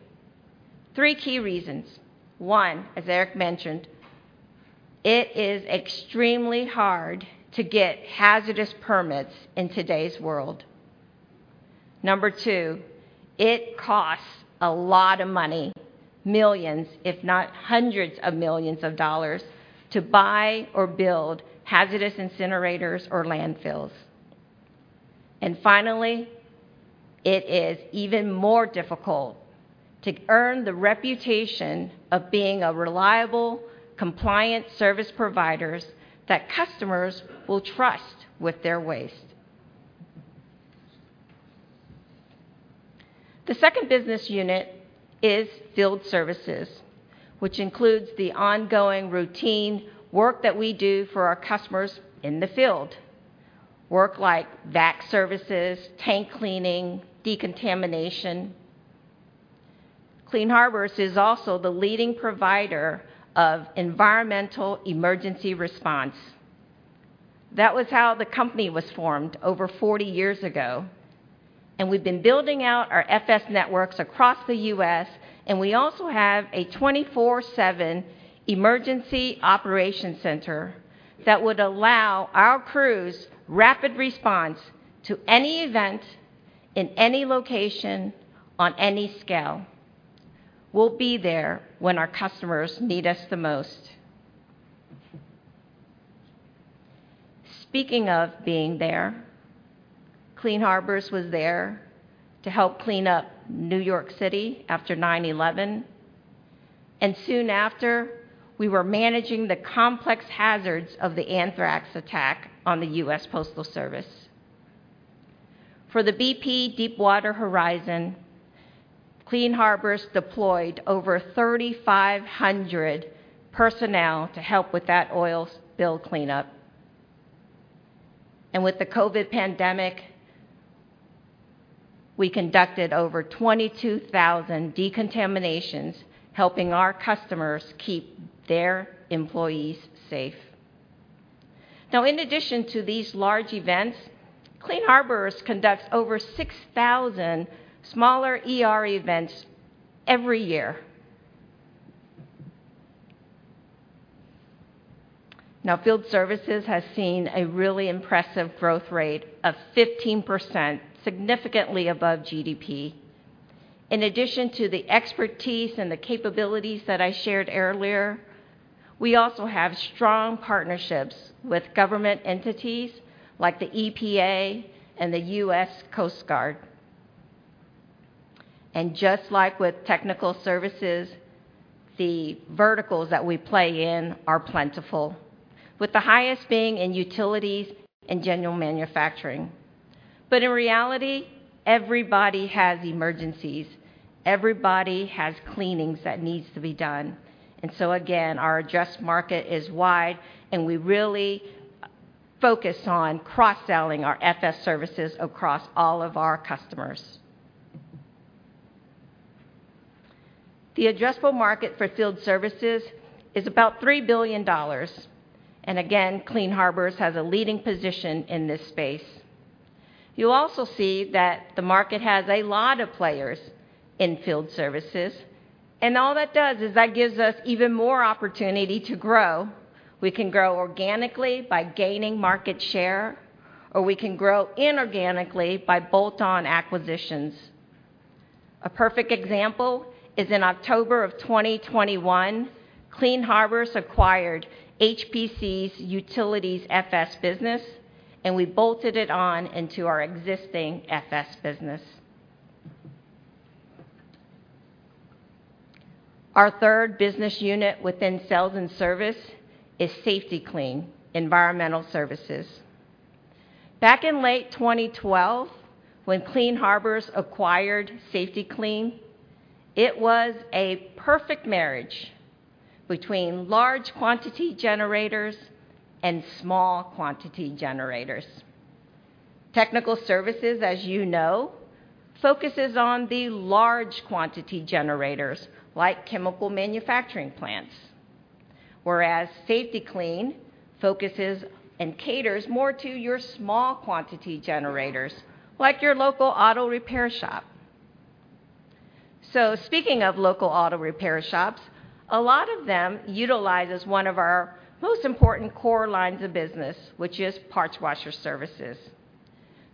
Three key reasons. One, as Eric mentioned, it is extremely hard to get hazardous permits in today's world. Number two, it costs a lot of money, millions, if not hundreds of millions of dollars, to buy or build hazardous incinerators or landfills. Finally, it is even more difficult to earn the reputation of being a reliable, compliant service providers that customers will trust with their waste. The second business unit is Field Services, which includes the ongoing routine work that we do for our customers in the field. Work like vac services, tank cleaning, decontamination. Clean Harbors is also the leading provider of environmental emergency response. That was how the company was formed over 40 years ago. We've been building out our FS networks across the U.S., and we also have a 24/7 emergency operation center that would allow our crews rapid response to any event in any location on any scale. We'll be there when our customers need us the most. Speaking of being there, Clean Harbors was there to help clean up New York City after 9/11. Soon after, we were managing the complex hazards of the anthrax attack on the US Postal Service. For the BP Deepwater Horizon, Clean Harbors deployed over 3,500 personnel to help with that oil spill cleanup. With the COVID pandemic, we conducted over 22,000 decontaminations, helping our customers keep their employees safe. In addition to these large events, Clean Harbors conducts over 6,000 smaller ER events every year. Field Services has seen a really impressive growth rate of 15%, significantly above GDP. In addition to the expertise and the capabilities that I shared earlier, we also have strong partnerships with government entities like the EPA and the US Coast Guard. Just like with Technical Services, the verticals that we play in are plentiful, with the highest being in utilities and general manufacturing. In reality, everybody has emergencies. Everybody has cleanings that needs to be done. Again, our address market is wide, and we really focus on cross-selling our FS services across all of our customers. The addressable market for Field Services is about $3 billion. Again, Clean Harbors has a leading position in this space. You'll also see that the market has a lot of players in Field Services, and all that does is that gives us even more opportunity to grow. We can grow organically by gaining market share, or we can grow inorganically by bolt-on acquisitions. A perfect example is in October of 2021, Clean Harbors acquired HPCS' Utilities FS business, and we bolted it on into our existing FS business. Our third business unit within sales and service is Safety-Kleen Environmental Services. Back in late 2012, when Clean Harbors acquired Safety-Kleen, it was a perfect marriage between large quantity generators and small quantity generators. Technical Services, as you know, focuses on the large quantity generators like chemical manufacturing plants. Whereas Safety-Kleen focuses and caters more to your small quantity generators like your local auto repair shop. Speaking of local auto repair shops, a lot of them utilizes one of our most important core lines of business, which is parts washer services.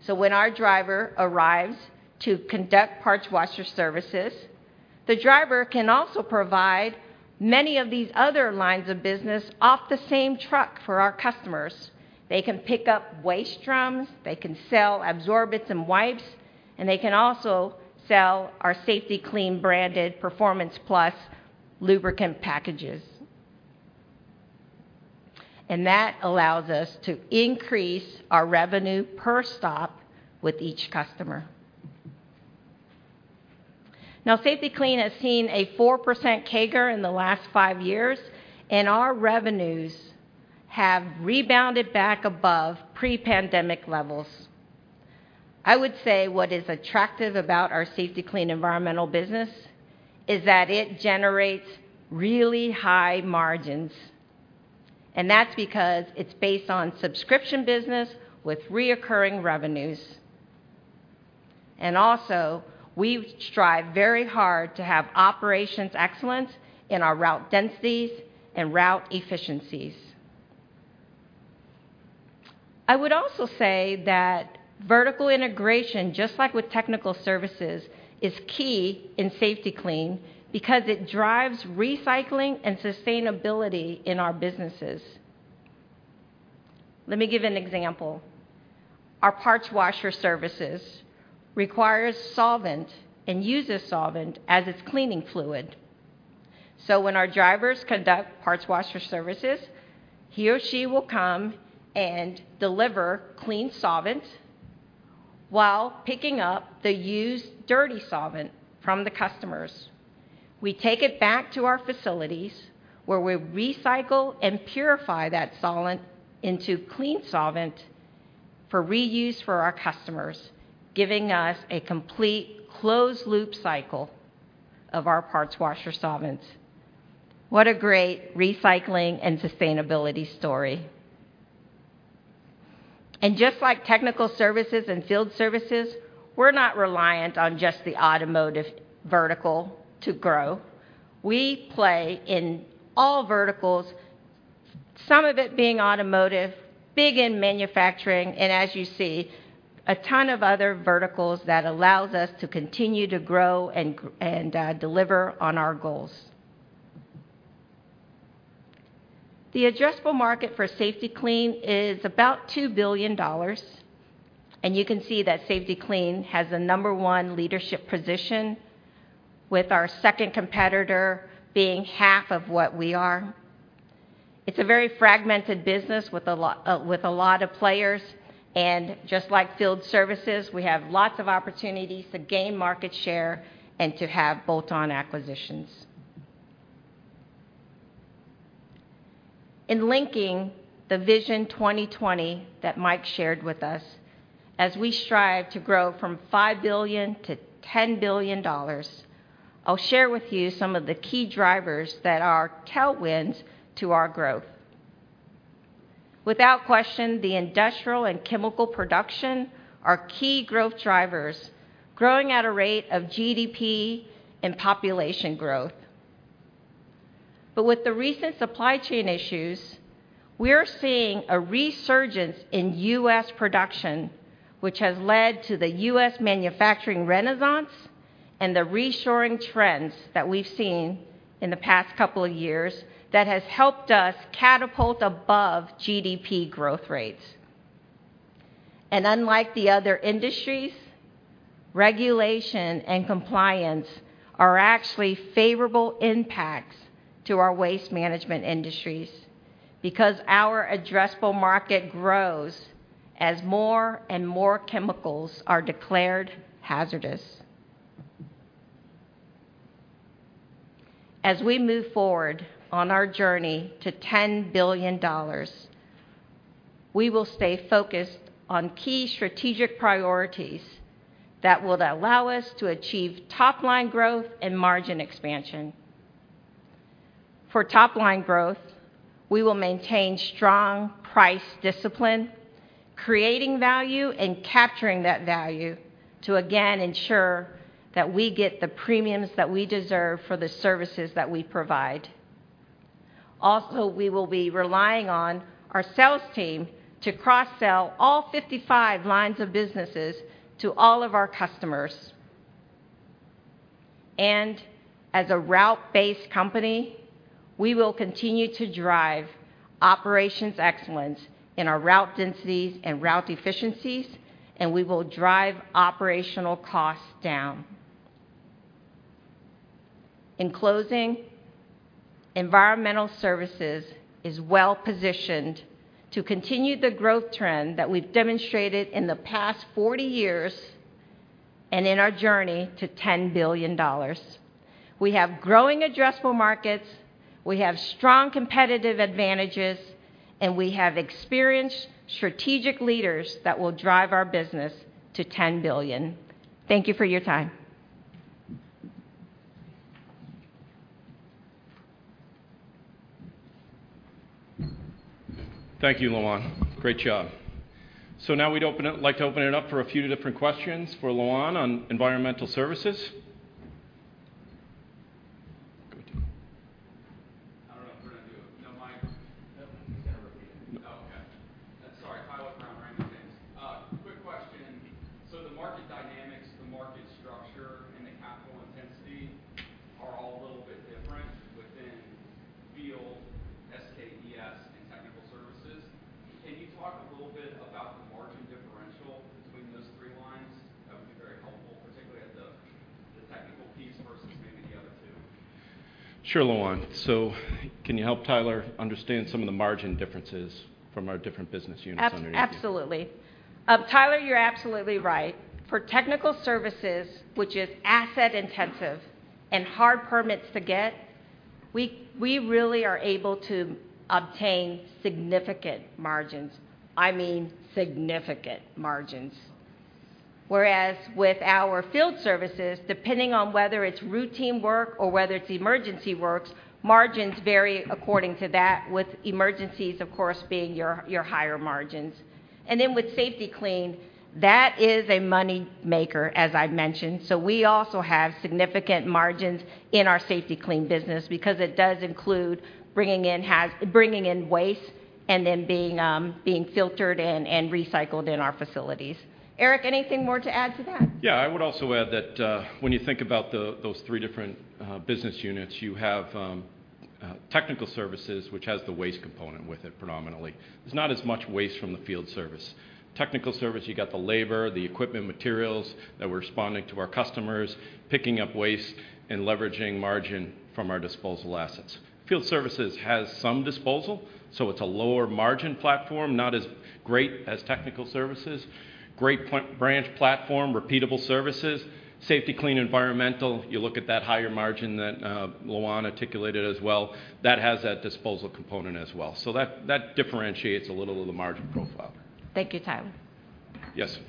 When our driver arrives to conduct parts washer services, the driver can also provide many of these other lines of business off the same truck for our customers. They can pick up waste drums, they can sell absorbents and wipes, and they can also sell our Safety-Kleen branded Performance Plus lubricant packages. That allows us to increase our revenue per stop with each customer. Safety-Kleen has seen a 4% CAGR in the last five years, and our revenues have rebounded back above pre-pandemic levels. I would say what is attractive about our Safety-Kleen Environmental business is that it generates really high margins, and that's because it's based on subscription business with recurring revenues. Also, we strive very hard to have operations excellence in our route densities and route efficiencies. I would also say that vertical integration, just like with Technical Services, is key in Safety-Kleen because it drives recycling and sustainability in our businesses. Let me give an example. Our parts washer services require solvent and uses solvent as its cleaning fluid. When our drivers conduct parts washer services, he or she will come and deliver clean solvent while picking up the used dirty solvent from the customers. We take it back to our facilities, where we recycle and purify that solvent into clean solvent for reuse for our customers, giving us a complete closed loop cycle of our parts washer solvents. What a great recycling and sustainability story. Just like Technical Services and Field Services, we're not reliant on just the automotive vertical to grow. We play in all verticals, some of it being automotive, big in manufacturing. As you see, a ton of other verticals that allows us to continue to grow and deliver on our goals. The addressable market for Safety-Kleen is about $2 billion. You can see that Safety-Kleen has the number one leadership position with our second competitor being half of what we are. It's a very fragmented business with a lot of players, and just like Field Services, we have lots of opportunities to gain market share and to have bolt-on acquisitions. In linking the Vision 2027 that Mike shared with us, as we strive to grow from $5 billion to $10 billion, I'll share with you some of the key drivers that are tailwinds to our growth. Without question, the industrial and chemical production are key growth drivers, growing at a rate of GDP and population growth. With the recent supply chain issues, we're seeing a resurgence in U.S. production, which has led to the U.S. manufacturing renaissance and the reshoring trends that we've seen in the past couple of years that has helped us catapult above GDP growth rates. Unlike the other industries, regulation and compliance are actually favorable impacts to our waste management industries because our addressable market grows as more and more chemicals are declared hazardous. As we move forward on our journey to $10 billion, we will stay focused on key strategic priorities that will allow us to achieve top-line growth and margin expansion. For top-line growth, we will maintain strong price discipline, creating value and capturing that value to again ensure that we get the premiums that we deserve for the services that we provide. We will be relying on our sales team to cross-sell all 55 lines of businesses to all of our customers. As a route-based company, we will continue to drive operations excellence in our route densities and route efficiencies, and we will drive operational costs down. In closing, Environmental Services is well-positioned to continue the growth trend that we've demonstrated in the past 40 years and in our journey to $10 billion. We have growing addressable markets. We have strong competitive advantages, and we have experienced strategic leaders that will drive our business to $10 billion. Thank you for your time. Thank you, Loan. Great job. Now we'd like to open it up for a few different questions for Loan on Environmental Services. Go Whereas with our Field Services, depending on whether it's routine work or whether it's emergency works, margins vary according to that, with emergencies, of course, being your higher margins. Then with Safety-Kleen, that is a money maker, as I've mentioned. We also have significant margins in our Safety-Kleen business because it does include bringing in waste, and then being filtered and recycled in our facilities. Eric, anything more to add to that? Yeah. I would also add that, when you think about the those three different business units, you have Technical Services, which has the waste component with it predominantly. There's not as much waste from the Field Services. Technical Services, you got the labor, the equipment materials that we're responding to our customers, picking up waste and leveraging margin from our disposal assets. Field Services has some disposal, so it's a lower margin platform, not as great as Technical Services. Great branch platform, repeatable services. Safety-Kleen Environmental, you look at that higher margin that Loan Mansy articulated as well. That has that disposal component as well. That differentiates a little of the margin profile. Thank you, Tyler. Yes. Hi. Jim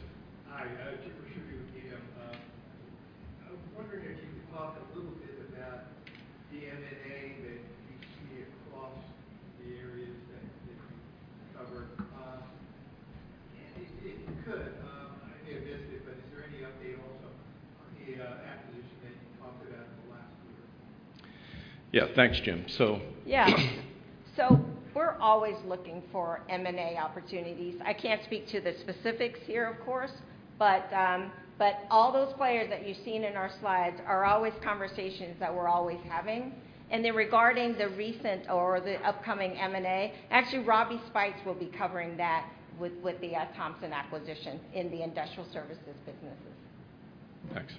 [Schumm] with BMO. I was wondering if you could talk a little bit about the M&A that you see across the areas that we covered. If you could, I may have missed it, but is there any update also on the acquisition that you talked about in the last quarter? Yeah. Thanks, Jim. Yeah. We're always looking for M&A opportunities. I can't speak to the specifics here, of course, but all those players that you've seen in our slides are always conversations that we're always having. Regarding the recent or the upcoming M&A, actually Robby Speights will be covering that with the Thompson acquisition in the Industrial Services businesses. Thanks.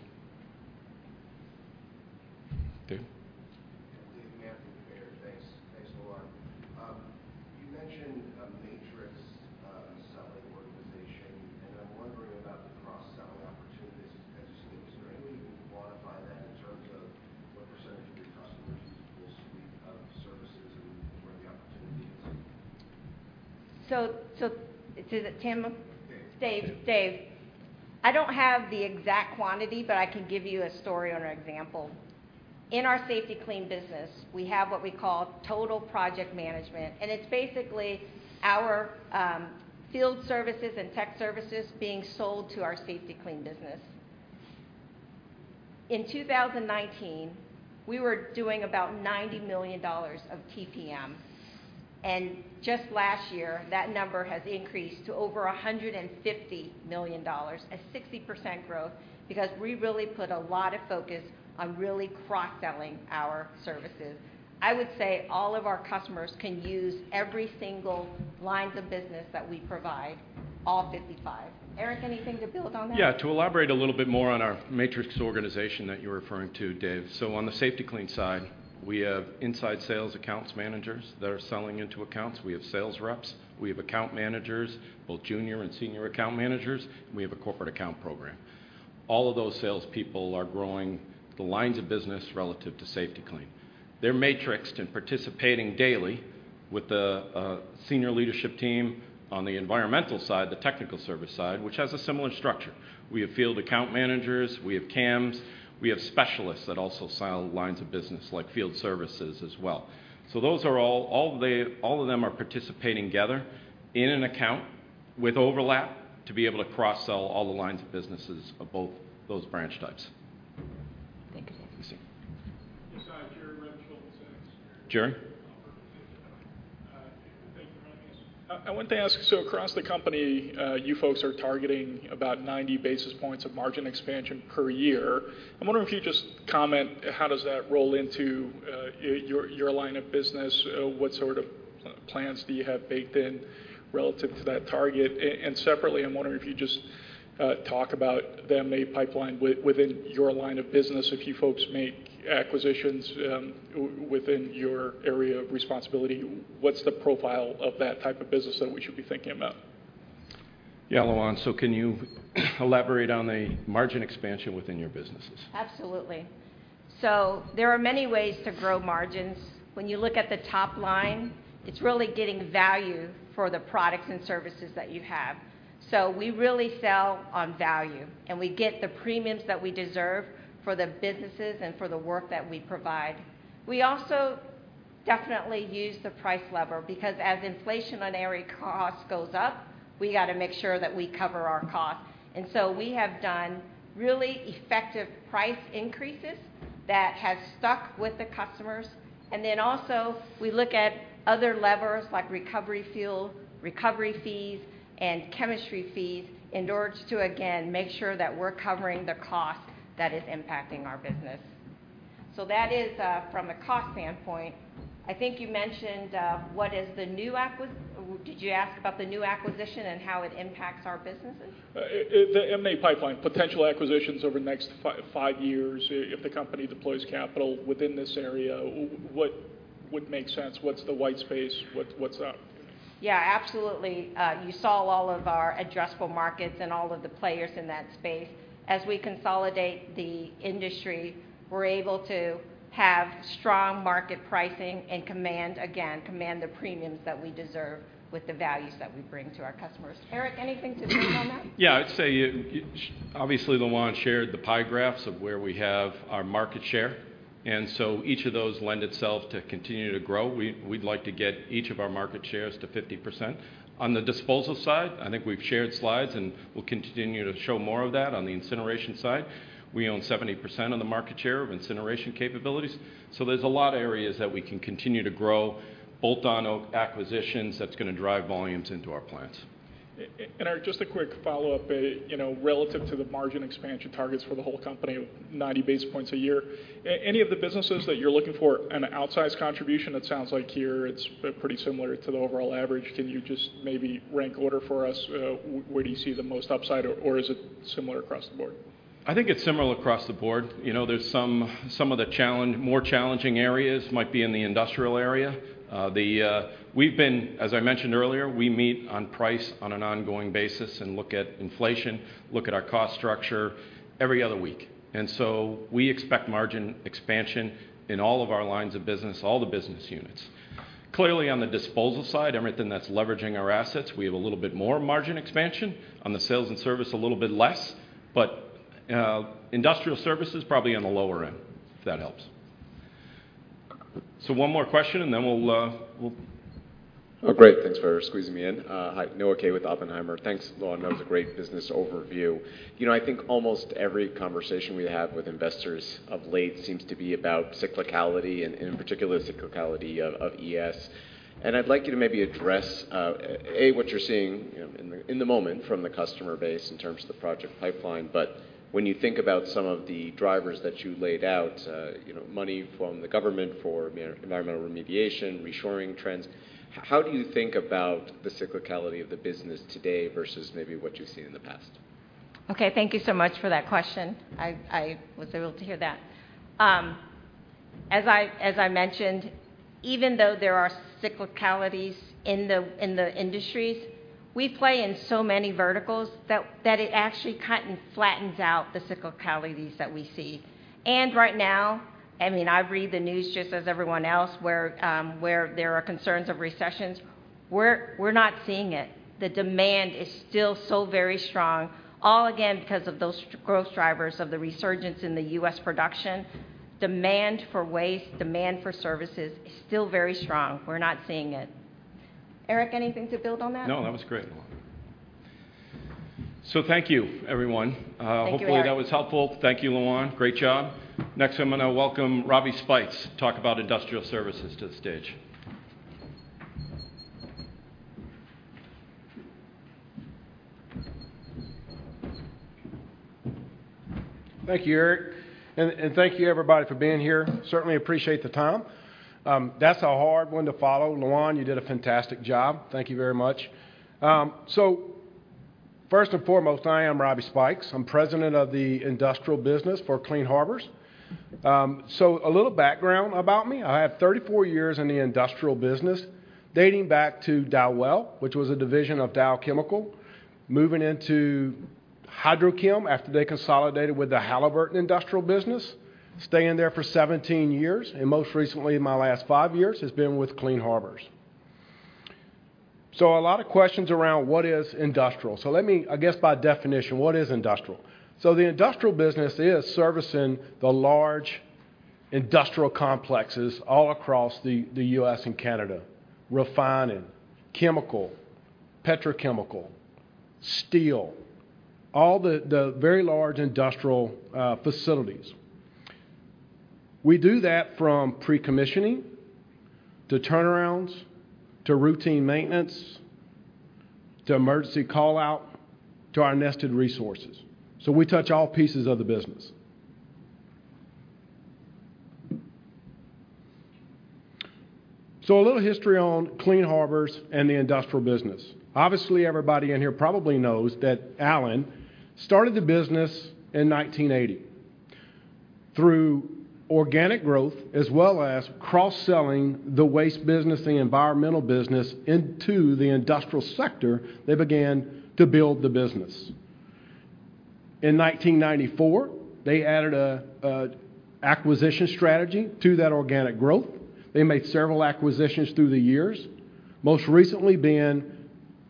Dave? Yeah, Dave Manthey from Baird. Thanks. Thanks, everyone. You mentioned a matrix selling organization, and I'm wondering about the cross-sell opportunities as you see. Is there any way you can quantify that in terms of what percentage of your customers use the full suite of services and where the opportunity is? Is it Tyler? Dave. Dave. Dave. I don't have the exact quantity, but I can give you a story or an example. In our Safety-Kleen business, we have what we call Total Project Management, and it's basically our Field Services and Tech Services being sold to our Safety-Kleen business. In 2019, we were doing about $90 million of TPM. Just last year, that number has increased to over $150 million, a 60% growth, because we really put a lot of focus on really cross-selling our services. I would say all of our customers can use every single lines of business that we provide, all 55. Eric, anything to build on that? Yeah. To elaborate a little bit more on our matrix organization that you're referring to, Dave. On the Safety-Kleen side, we have inside sales accounts managers that are selling into accounts. We have sales reps. We have account managers, both junior and senior account managers. And we have a corporate account program. All of those salespeople are growing the lines of business relative to Safety-Kleen. They're matrixed and participating daily with the senior leadership team on the Environmental side, the Technical Services side, which has a similar structure. We have field account managers, we have CAMs, we have specialists that also sell lines of business like Field Services as well. All of them are participating together in an account with overlap to be able to cross-sell all the lines of businesses of both those branch types. Thank you, Dave. You see. Jerry. Thank you for having us. I want to ask, Across the company, you folks are targeting about 90 basis points of margin expansion per year. I'm wondering if you just comment how does that roll into your line of business? What sort of plans do you have baked in relative to that target? Separately, I'm wondering if you just talk about the M&A pipeline within your line of business. If you folks make acquisitions, within your area of responsibility, what's the profile of that type of business that we should be thinking about? Loan, can you elaborate on the margin expansion within your businesses? Absolutely. There are many ways to grow margins. When you look at the top line, it's really getting value for the products and services that you have. We really sell on value, and we get the premiums that we deserve for the businesses and for the work that we provide. We also definitely use the price lever because as inflationary cost goes up, we got to make sure that we cover our costs. We have done really effective price increases that have stuck with the customers. We look at other levers like recovery fuel, recovery fees, and chemistry fees in order to, again, make sure that we're covering the cost that is impacting our business. That is from a cost standpoint. I think you mentioned what is the new... Did you ask about the new acquisition and how it impacts our businesses? The M&A pipeline, potential acquisitions over the next five years if the company deploys capital within this area, what would make sense? What's the white space? What's up? Yeah, absolutely. You saw all of our addressable markets and all of the players in that space. As we consolidate the industry, we're able to have strong market pricing and command the premiums that we deserve with the values that we bring to our customers. Eric, anything to add on that? Yeah, I'd say, you. Obviously, Loan shared the pie graphs of where we have our market share, each of those lend itself to continue to grow. We'd like to get each of our market shares to 50%. On the disposal side, I think we've shared slides, and we'll continue to show more of that on the incineration side. We own 70% of the market share of incineration capabilities. There's a lot of areas that we can continue to grow, bolt-on acquisitions that's gonna drive volumes into our plants. Eric, just a quick follow-up. You know, relative to the margin expansion targets for the whole company, 90 basis points a year, any of the businesses that you're looking for an outsized contribution? It sounds like here it's pretty similar to the overall average. Can you just maybe rank order for us, where do you see the most upside or is it similar across the board? I think it's similar across the board. You know, there's some, more challenging areas might be in the industrial area. We've been, as I mentioned earlier, we meet on price on an ongoing basis and look at inflation, look at our cost structure every other week. We expect margin expansion in all of our lines of business, all the business units. Clearly on the disposal side, everything that's leveraging our assets, we have a little bit more margin expansion. On the sales and service, a little bit less. Industrial Services is probably on the lower end, if that helps. One more question, and then we'll. Great. Thanks for squeezing me in. Hi, Noah Kaye with Oppenheimer. Thanks, Loan. That was a great business overview. You know, I think almost every conversation we have with investors of late seems to be about cyclicality and in particular cyclicality of ES. I'd like you to maybe address A, what you're seeing, you know, in the moment from the customer base in terms of the project pipeline, but when you think about some of the drivers that you laid out, you know, money from the government for environmental remediation, reshoring trends, how do you think about the cyclicality of the business today versus maybe what you've seen in the past? Okay. Thank you so much for that question. I was able to hear that. As I mentioned, even though there are cyclicalities in the industries, we play in so many verticals that it actually kind of flattens out the cyclicalities that we see. Right now, I mean, I read the news just as everyone else, where there are concerns of recessions. We're not seeing it. The demand is still so very strong, all again, because of those growth drivers of the resurgence in the U.S. production. Demand for waste, demand for services is still very strong. We're not seeing it. Eric, anything to build on that? No, that was great. Thank you, everyone. Thank you, Eric. Hopefully that was helpful. Thank you, Loan. Great job. Next, I'm gonna welcome Robby Speights to talk about Industrial Services to the stage. Thank you, Eric. Thank you, everybody, for being here. Certainly appreciate the time. That's a hard one to follow. Loan Mansy, you did a fantastic job. Thank you very much. First and foremost, I am Robby Speights. I'm President of the Industrial Business for Clean Harbors. A little background about me. I have 34 years in the industrial business, dating back to Dowell, which was a division of Dow Chemical, moving into HydroChem after they consolidated with the Halliburton industrial business, staying there for 17 years, and most recently, my last five years has been with Clean Harbors. A lot of questions around what is industrial. I guess, by definition, what is industrial? The industrial business is servicing the large industrial complexes all across the U.S. and Canada. Refining, chemical, petrochemical, steel, all the very large industrial facilities. We do that from pre-commissioning, to turnarounds, to routine maintenance, to emergency call-out, to our nested resources. We touch all pieces of the business. A little history on Clean Harbors and the industrial business. Obviously, everybody in here probably knows that Alan started the business in 1980. Through organic growth, as well as cross-selling the waste business, the environmental business into the industrial sector, they began to build the business. In 1994, they added a acquisition strategy to that organic growth. They made several acquisitions through the years. Most recently being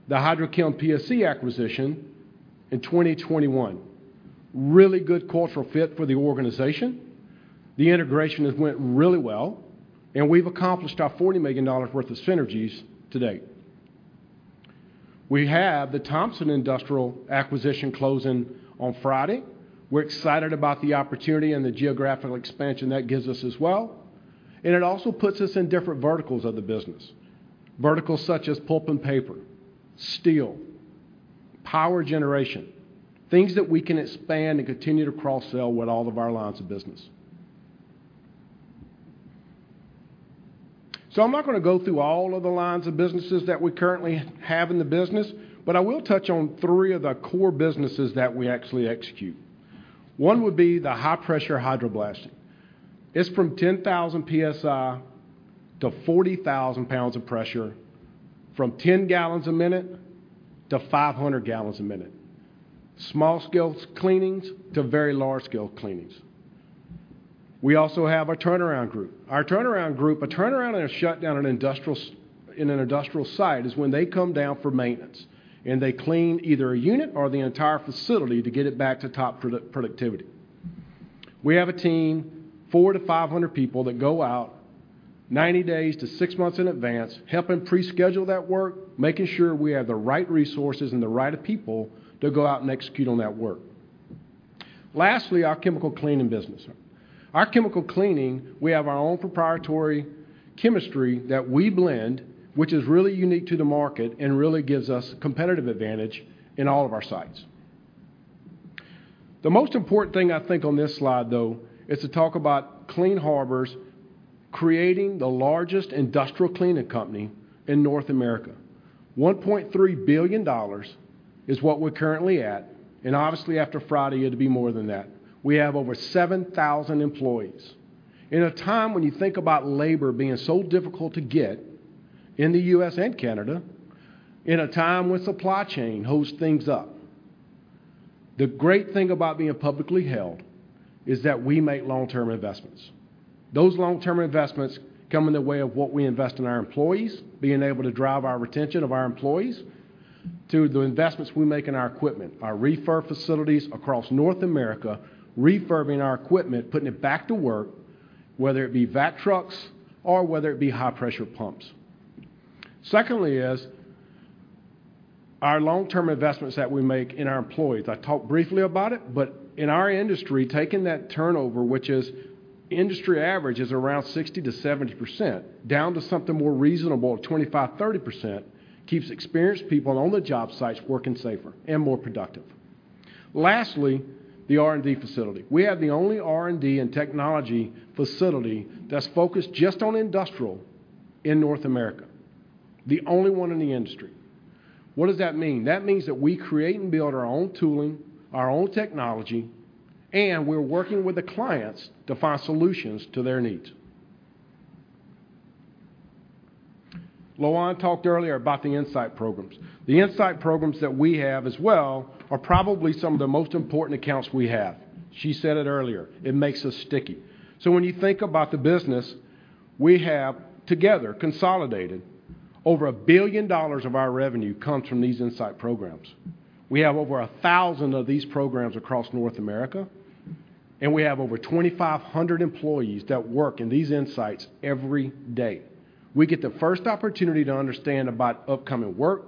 the HydroChemPSC acquisition in 2021. Really good cultural fit for the organization. The integration has went really well, and we've accomplished our $40 million worth of synergies to date. We have the Thompson Industrial acquisition closing on Friday. We're excited about the opportunity and the geographical expansion that gives us as well. It also puts us in different verticals of the business. Verticals such as pulp and paper, steel, power generation, things that we can expand and continue to cross-sell with all of our lines of business. I'm not gonna go through all of the lines of businesses that we currently have in the business, but I will touch on three of the core businesses that we actually execute. One would be the high-pressure hydro blasting. It's from 10,000 psi to 40,000 psi of pressure, from 10 gal a minute to 500 gallons a minute. Small scale cleanings to very large scale cleanings. We also have our turnaround group. Our turnaround group, a turnaround and a shutdown in an industrial site is when they come down for maintenance, and they clean either a unit or the entire facility to get it back to top productivity. We have a team, 400-500 people, that go out 90 days to six months in advance, helping pre-schedule that work, making sure we have the right resources and the right people to go out and execute on that work. Lastly, our chemical cleaning business. Our chemical cleaning, we have our own proprietary chemistry that we blend, which is really unique to the market and really gives us competitive advantage in all of our sites. The most important thing I think on this slide, though, is to talk about Clean Harbors creating the largest industrial cleaning company in North America. $1.3 billion is what we're currently at, and obviously, after Friday, it'll be more than that. We have over 7,000 employees. In a time when you think about labor being so difficult to get in the U.S. and Canada, in a time when supply chain holds things up. The great thing about being publicly held is that we make long-term investments. Those long-term investments come in the way of what we invest in our employees, being able to drive our retention of our employees, to the investments we make in our equipment, our refurb facilities across North America, refurbing our equipment, putting it back to work, whether it be vat trucks or whether it be high pressure pumps. Secondly is our long-term investments that we make in our employees. I talked briefly about it. In our industry, taking that turnover, which is industry average is around 60%-70%, down to something more reasonable at 25%, 30%, keeps experienced people on the job sites working safer and more productive. Lastly, the R&D facility. We have the only R&D and technology facility that's focused just on industrial in North America, the only one in the industry. What does that mean? That means that we create and build our own tooling, our own technology, and we're working with the clients to find solutions to their needs. Loan talked earlier about the InSite programs. The InSite programs that we have as well are probably some of the most important accounts we have. She said it earlier, it makes us sticky. When you think about the business, we have together consolidated over $1 billion of our revenue comes from these InSite programs. We have over 1,000 of these programs across North America, we have over 2,500 employees that work in these InSites every day. We get the first opportunity to understand about upcoming work,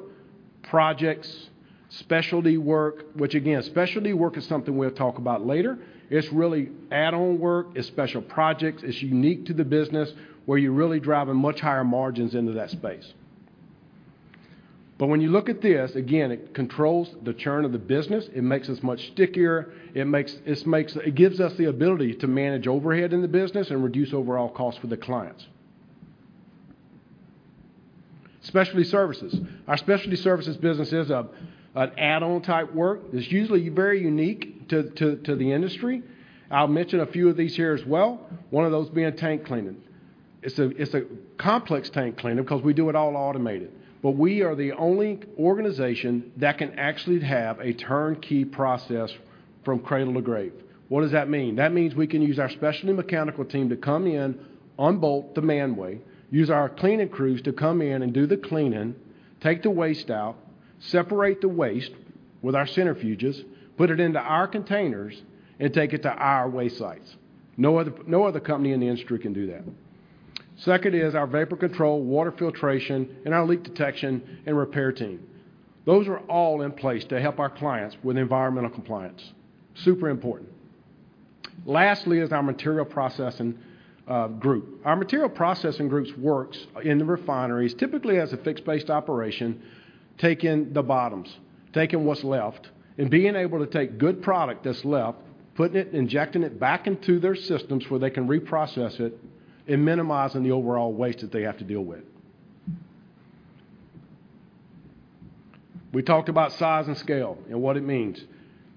projects, specialty work, which again, specialty work is something we'll talk about later. It's really add-on work. It's special projects. It's unique to the business where you're really driving much higher margins into that space. When you look at this, again, it controls the churn of the business. It makes us much stickier. It gives us the ability to manage overhead in the business and reduce overall costs for the clients. Specialty services. Our specialty services business is an add-on type work. It's usually very unique to the industry. I'll mention a few of these here as well, one of those being tank cleaning. It's a complex tank cleaning because we do it all automated. We are the only organization that can actually have a turnkey process from cradle to grave. What does that mean? That means we can use our specialty mechanical team to come in, unbolt the manway, use our cleaning crews to come in and do the cleaning, take the waste out, separate the waste with our centrifuges, put it into our containers and take it to our waste sites. No other company in the industry can do that. Second is our vapor control, water filtration, and our leak detection and repair team. Those are all in place to help our clients with environmental compliance. Super important. Lastly is our material processing group. Our material processing groups works in the refineries, typically as a fixed-based operation, taking the bottoms, taking what's left, and being able to take good product that's left, putting it, injecting it back into their systems where they can reprocess it and minimizing the overall waste that they have to deal with. We talked about size and scale and what it means.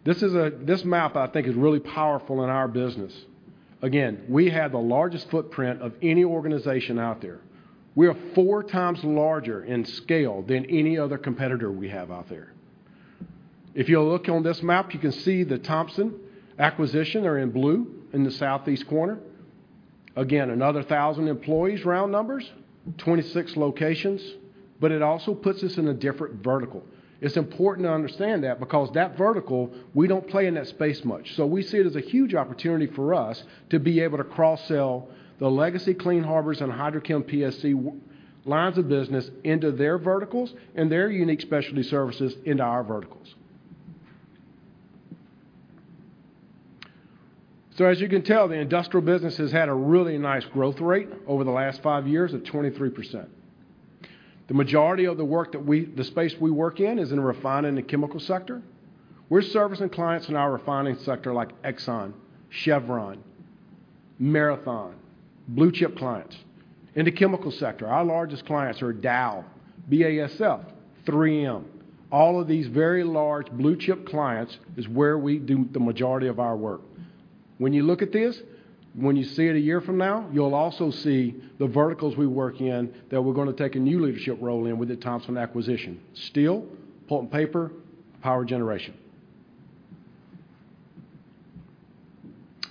This map I think is really powerful in our business. We are 4x larger in scale than any other competitor we have out there. If you look on this map, you can see the Thompson acquisition are in blue in the southeast corner. Another 1,000 employees, round numbers, 26 locations, it also puts us in a different vertical. It's important to understand that because that vertical, we don't play in that space much. We see it as a huge opportunity for us to be able to cross-sell the legacy Clean Harbors and HydroChemPSC lines of business into their verticals and their unique specialty services into our verticals. As you can tell, the industrial business has had a really nice growth rate over the last five years of 23%. The majority of the work that the space we work in is in the refining and chemical sector. We're servicing clients in our refining sector like Exxon, Chevron, Marathon, blue-chip clients. In the chemical sector, our largest clients are Dow, BASF, 3M. All of these very large blue-chip clients is where we do the majority of our work. When you look at this, when you see it a year from now, you'll also see the verticals we work in that we're going to take a new leadership role in with the Thompson acquisition: steel, pulp and paper, power generation.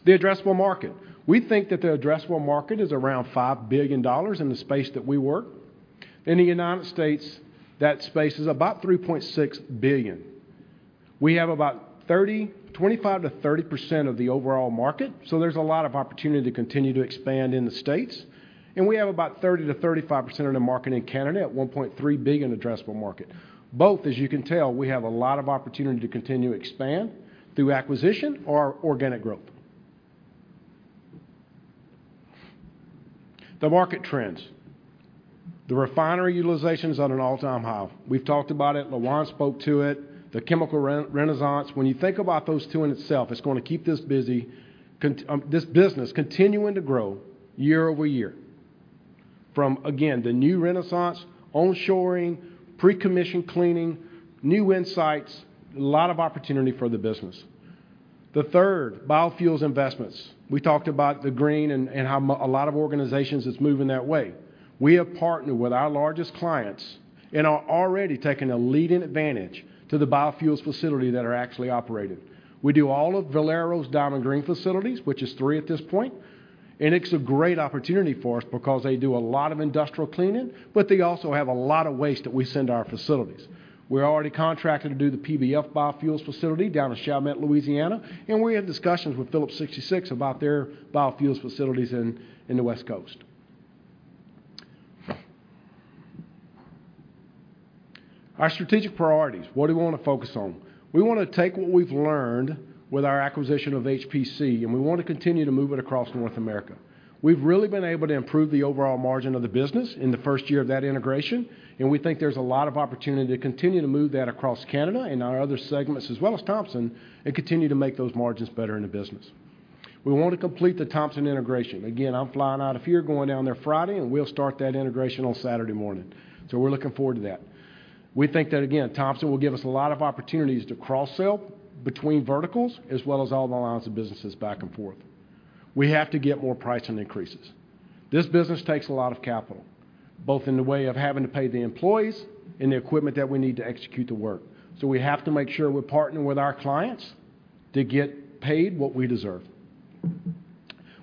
The addressable market. We think that the addressable market is around $5 billion in the space that we work. In the United States, that space is about $3.6 billion. We have about 25%-30% of the overall market, so there's a lot of opportunity to continue to expand in the States. We have about 30%-35% of the market in Canada at a $1.3 billion addressable market. Both, as you can tell, we have a lot of opportunity to continue to expand through acquisition or organic growth. The market trends. The refinery utilization is at an all-time high. We've talked about it. Loan spoke to it. The chemical renaissance. When you think about those two in itself, it's gonna keep this business continuing to grow year-over-year from, again, the new renaissance, onshoring, pre-commission cleaning, new InSite, a lot of opportunity for the business. The third, biofuels investments. We talked about the green and how a lot of organizations is moving that way. We have partnered with our largest clients and are already taking a leading advantage to the biofuels facility that are actually operating. We do all of Valero's Diamond Green facilities, which is three at this point, and it's a great opportunity for us because they do a lot of industrial cleaning, but they also have a lot of waste that we send to our facilities. We're already contracted to do the PBF biofuels facility down in Chalmette, Louisiana, and we have discussions with Phillips 66 about their biofuels facilities in the West Coast. Our strategic priorities. What do we wanna focus on? We wanna take what we've learned with our acquisition of HPC, and we want to continue to move it across North America. We've really been able to improve the overall margin of the business in the first year of that integration, and we think there's a lot of opportunity to continue to move that across Canada and our other segments as well as Thompson, and continue to make those margins better in the business. We want to complete the Thompson integration. Again, I'm flying out of here going down there Friday, and we'll start that integration on Saturday morning. We're looking forward to that. We think that, again, Thompson will give us a lot of opportunities to cross-sell between verticals as well as all the lines of businesses back and forth. We have to get more pricing increases. This business takes a lot of capital, both in the way of having to pay the employees and the equipment that we need to execute the work. We have to make sure we're partnering with our clients to get paid what we deserve.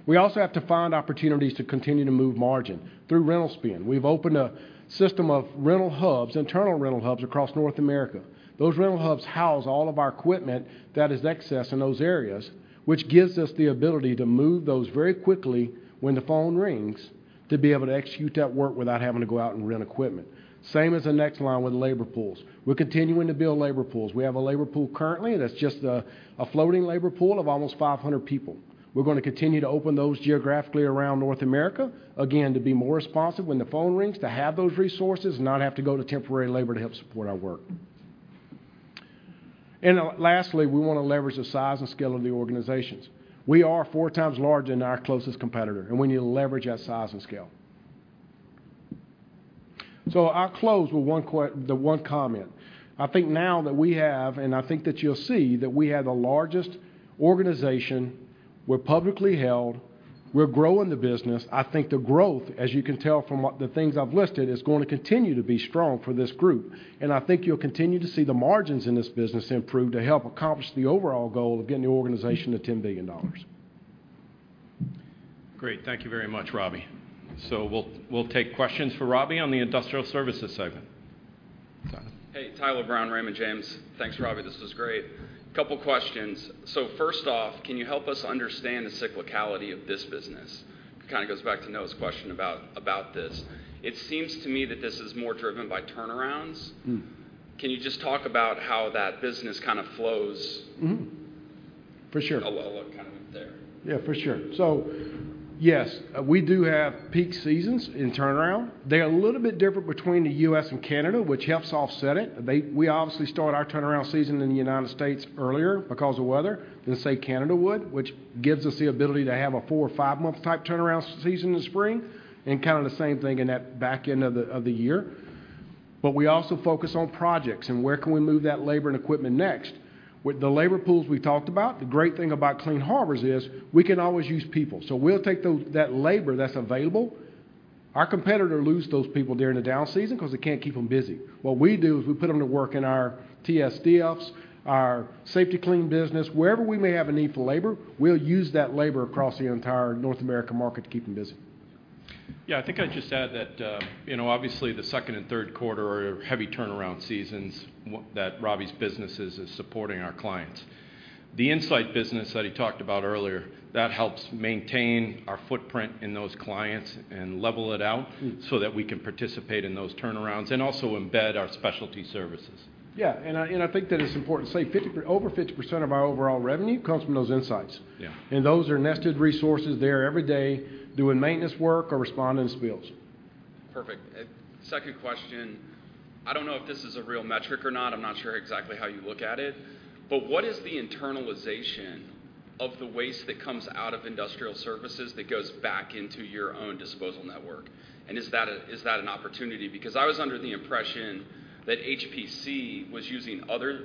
We also have to find opportunities to continue to move margin through rental spend. We've opened a system of rental hubs, internal rental hubs across North America. Those rental hubs house all of our equipment that is excess in those areas, which gives us the ability to move those very quickly when the phone rings to be able to execute that work without having to go out and rent equipment. Same as the next line with labor pools. We're continuing to build labor pools. We have a labor pool currently that's just a floating labor pool of almost 500 people. We're gonna continue to open those geographically around North America, again, to be more responsive when the phone rings to have those resources and not have to go to temporary labor to help support our work. Lastly, we wanna leverage the size and scale of the organizations. We are 4x larger than our closest competitor, and we need to leverage that size and scale. I'll close with the one comment. I think now that we have, and I think that you'll see that we have the largest organization. We're publicly held. We're growing the business. I think the growth, as you can tell from the things I've listed, is going to continue to be strong for this group. I think you'll continue to see the margins in this business improve to help accomplish the overall goal of getting the organization to $10 billion. Great. Thank you very much, Robby. We'll take questions for Robby on the Industrial Services segment. Tyler. Hey, Tyler Brown, Raymond James. Thanks, Robby. This was great. Couple questions. First off, can you help us understand the cyclicality of this business? It kinda goes back to Noah's question about this. It seems to me that this is more driven by turnarounds. Mm. Can you just talk about how that business kinda flows? Mm-hmm. For sure. a little kind of there. Yeah, for sure. Yes, we do have peak seasons in turnaround. They're a little bit different between the US and Canada, which helps offset it. We obviously start our turnaround season in the United States earlier because of weather than say Canada would, which gives us the ability to have a four or five-month type turnaround season in the spring and kind of the same thing in that back end of the year. We also focus on projects and where can we move that labor and equipment next. With the labor pools we talked about, the great thing about Clean Harbors is we can always use people. We'll take that labor that's available. Our competitor lose those people during the down season 'cause they can't keep them busy. What we do is we put them to work in our TSDFs, our Safety-Kleen business. Wherever we may have a need for labor, we'll use that labor across the entire North American market to keep them busy. Yeah. I think I'd just add that, you know, obviously, the second and third quarter are heavy turnaround seasons that Robby's businesses is supporting our clients. The InSite business that he talked about earlier, that helps maintain our footprint in those clients and level it out. Mm... that we can participate in those turnarounds and also embed our specialty services. Yeah. I think that it's important to say over 50% of our overall revenue comes from those InSites. Yeah. Those are nested resources there every day doing maintenance work or responding to spills. Perfect. Second question. I don't know if this is a real metric or not. I'm not sure exactly how you look at it. What is the internalization of the waste that comes out of industrial services that goes back into your own disposal network? Is that an opportunity? Because I was under the impression that HydroChemPSC was using other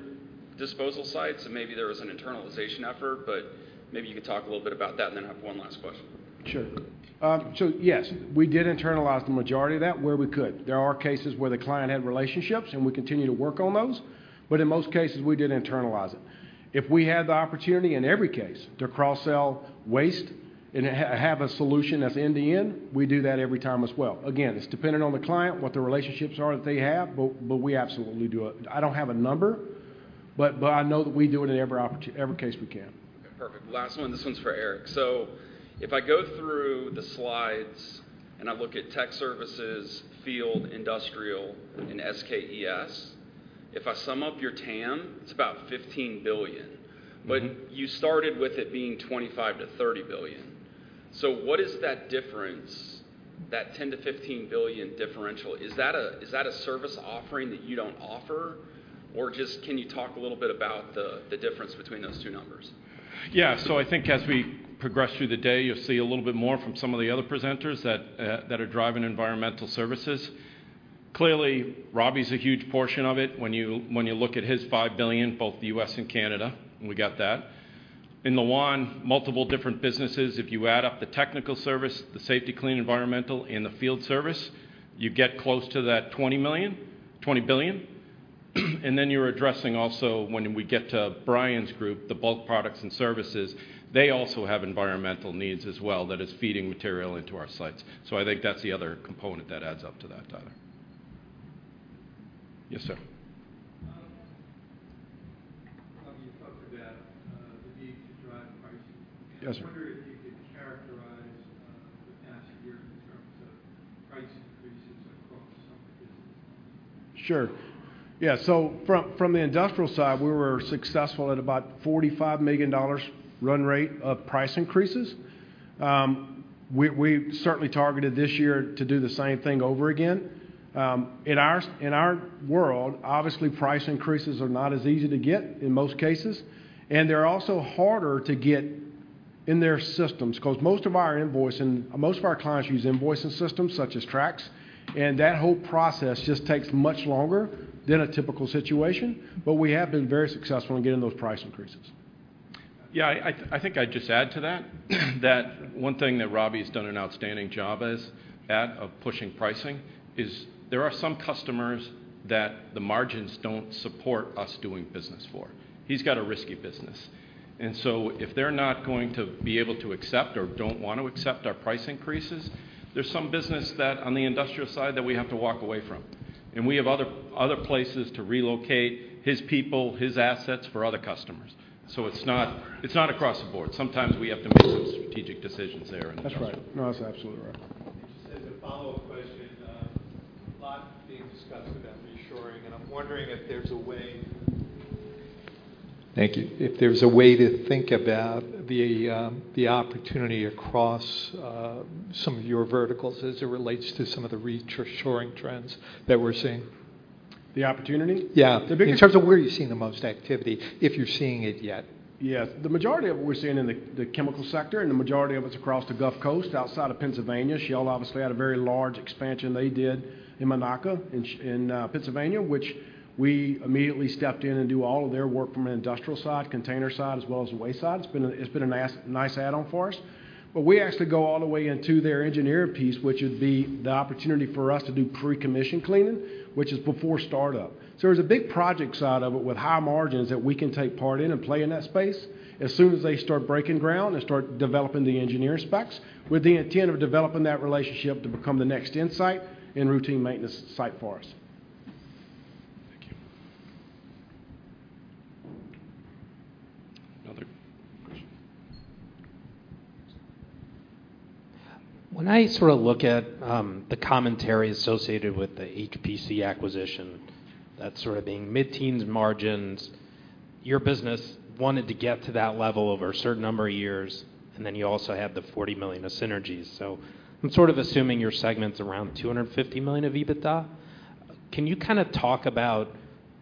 disposal sites, and maybe there was an internalization effort, but maybe you could talk a little bit about that. I have one last question. Sure. Yes, we did internalize the majority of that where we could. There are cases where the client had relationships, and we continue to work on those. In most cases, we did internalize it. If we had the opportunity in every case to cross-sell waste and have a solution that's end-to-end, we do that every time as well. It's dependent on the client, what the relationships are that they have, but we absolutely do it. I don't have a number, but I know that we do it in every case we can. Okay, perfect. Last one. This one's for Eric. If I go through the slides and I look at Tech Services, Field, Industrial, and SKES, if I sum up your TAM, it's about $15 billion. Mm-hmm. You started with it being $25 billion-$30 billion. What is that difference, that $10 billion-$15 billion differential? Is that a service offering that you don't offer? Just can you talk a little bit about the difference between those two numbers? Yeah. I think as we progress through the day, you'll see a little bit more from some of the other presenters that are driving environmental services. Clearly, Robby's a huge portion of it when you look at his $5 billion, both U.S. and Canada. We got that. In the one, multiple different businesses, if you add up the Technical Services, the Safety-Kleen Environmental, and the Field Services, you get close to that $20 billion. Then you're addressing also when we get to Brian Weber's group, the Bulk Products and Services, they also have environmental needs as well that is feeding material into our sites. I think that's the other component that adds up to that, Tyler. Yes, sir. Robby you talked about the need to drive pricing. Yes, sir. I wonder if you could characterize the past year in terms of price increases across some of the businesses. Sure. Yeah, from the industrial side, we were successful at about $45 million run rate of price increases. We certainly targeted this year to do the same thing over again. In our world, obviously, price increases are not as easy to get in most cases, and they're also harder to get in their systems 'cause most of our clients use invoicing systems such as Trax, and that whole process just takes much longer than a typical situation. We have been very successful in getting those price increases. Yeah. I think I'd just add to that one thing that Robby has done an outstanding job of pushing pricing, there are some customers that the margins don't support us doing business for. He's got a risky business. If they're not going to be able to accept or don't want to accept our price increases, there's some business that on the industrial side that we have to walk away from. We have other places to relocate his people, his assets for other customers. It's not across the board. Sometimes we have to make some strategic decisions there and that's all. That's right. That's absolutely right. Just as a follow-up question, a lot being discussed about reshoring, and I'm wondering if there's a way to think about the opportunity across some of your verticals as it relates to some of the reshoring trends that we're seeing. The opportunity? Yeah. The big- In terms of where you're seeing the most activity, if you're seeing it yet. Yes. The majority of what we're seeing in the chemical sector and the majority of it's across the Gulf Coast outside of Pennsylvania. Shell obviously had a very large expansion they did in Monaca, in Pennsylvania, which we immediately stepped in and do all of their work from an industrial side, container side, as well as the waste side. It's been a nice add-on for us. We actually go all the way into their engineering piece, which would be the opportunity for us to do pre-commission cleaning, which is before startup. There's a big project side of it with high margins that we can take part in and play in that space as soon as they start breaking ground and start developing the engineering specs with the intent of developing that relationship to become the next InSite and routine maintenance site for us. Thank you. Another question. When I sort of look at, the commentary associated with the HydroChemPSC acquisition, that's sort of being mid-teens margins. Your business wanted to get to that level over a certain number of years. You also have the $40 million of synergies. I'm sort of assuming your segment's around $250 million of EBITDA. Can you kind of talk about,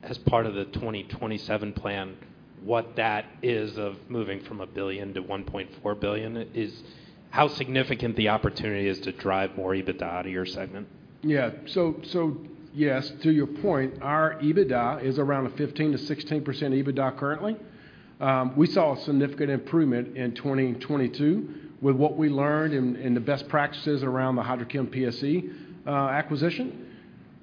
as part of the 2027 plan, what that is of moving from $1 billion to $1.4 billion is how significant the opportunity is to drive more EBITDA to your segment? Yes, to your point, our EBITDA is around a 15%-16% EBITDA currently. We saw a significant improvement in 2022 with what we learned in the best practices around the HydroChemPSC acquisition.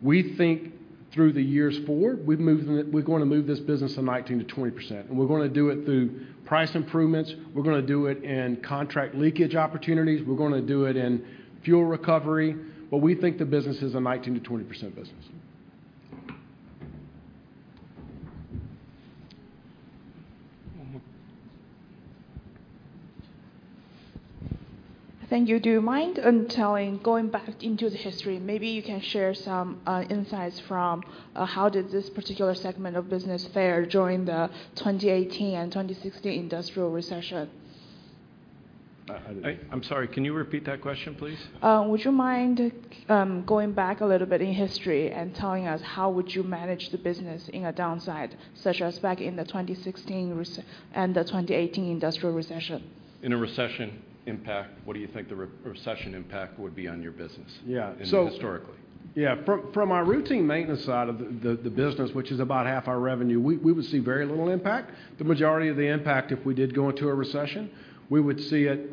We think through the years forward, we're going to move this business to 19%-20%, we're going to do it through price improvements, we're going to do it in contract leakage opportunities, we're going to do it in fuel recovery. We think the business is a 19%-20% business. One more. Thank you. Do you mind telling, going back into the history, maybe you can share some insight from how did this particular segment of business fare during the 2018 and 2016 industrial recession? how did- I'm sorry. Can you repeat that question, please? Would you mind going back a little bit in history and telling us how would you manage the business in a downside, such as back in the 2016 and the 2018 industrial recession? In a recession impact, what do you think the recession impact would be on your business? Yeah. I mean, historically. Yeah. From our routine maintenance side of the business, which is about half our revenue, we would see very little impact. The majority of the impact, if we did go into a recession, we would see it,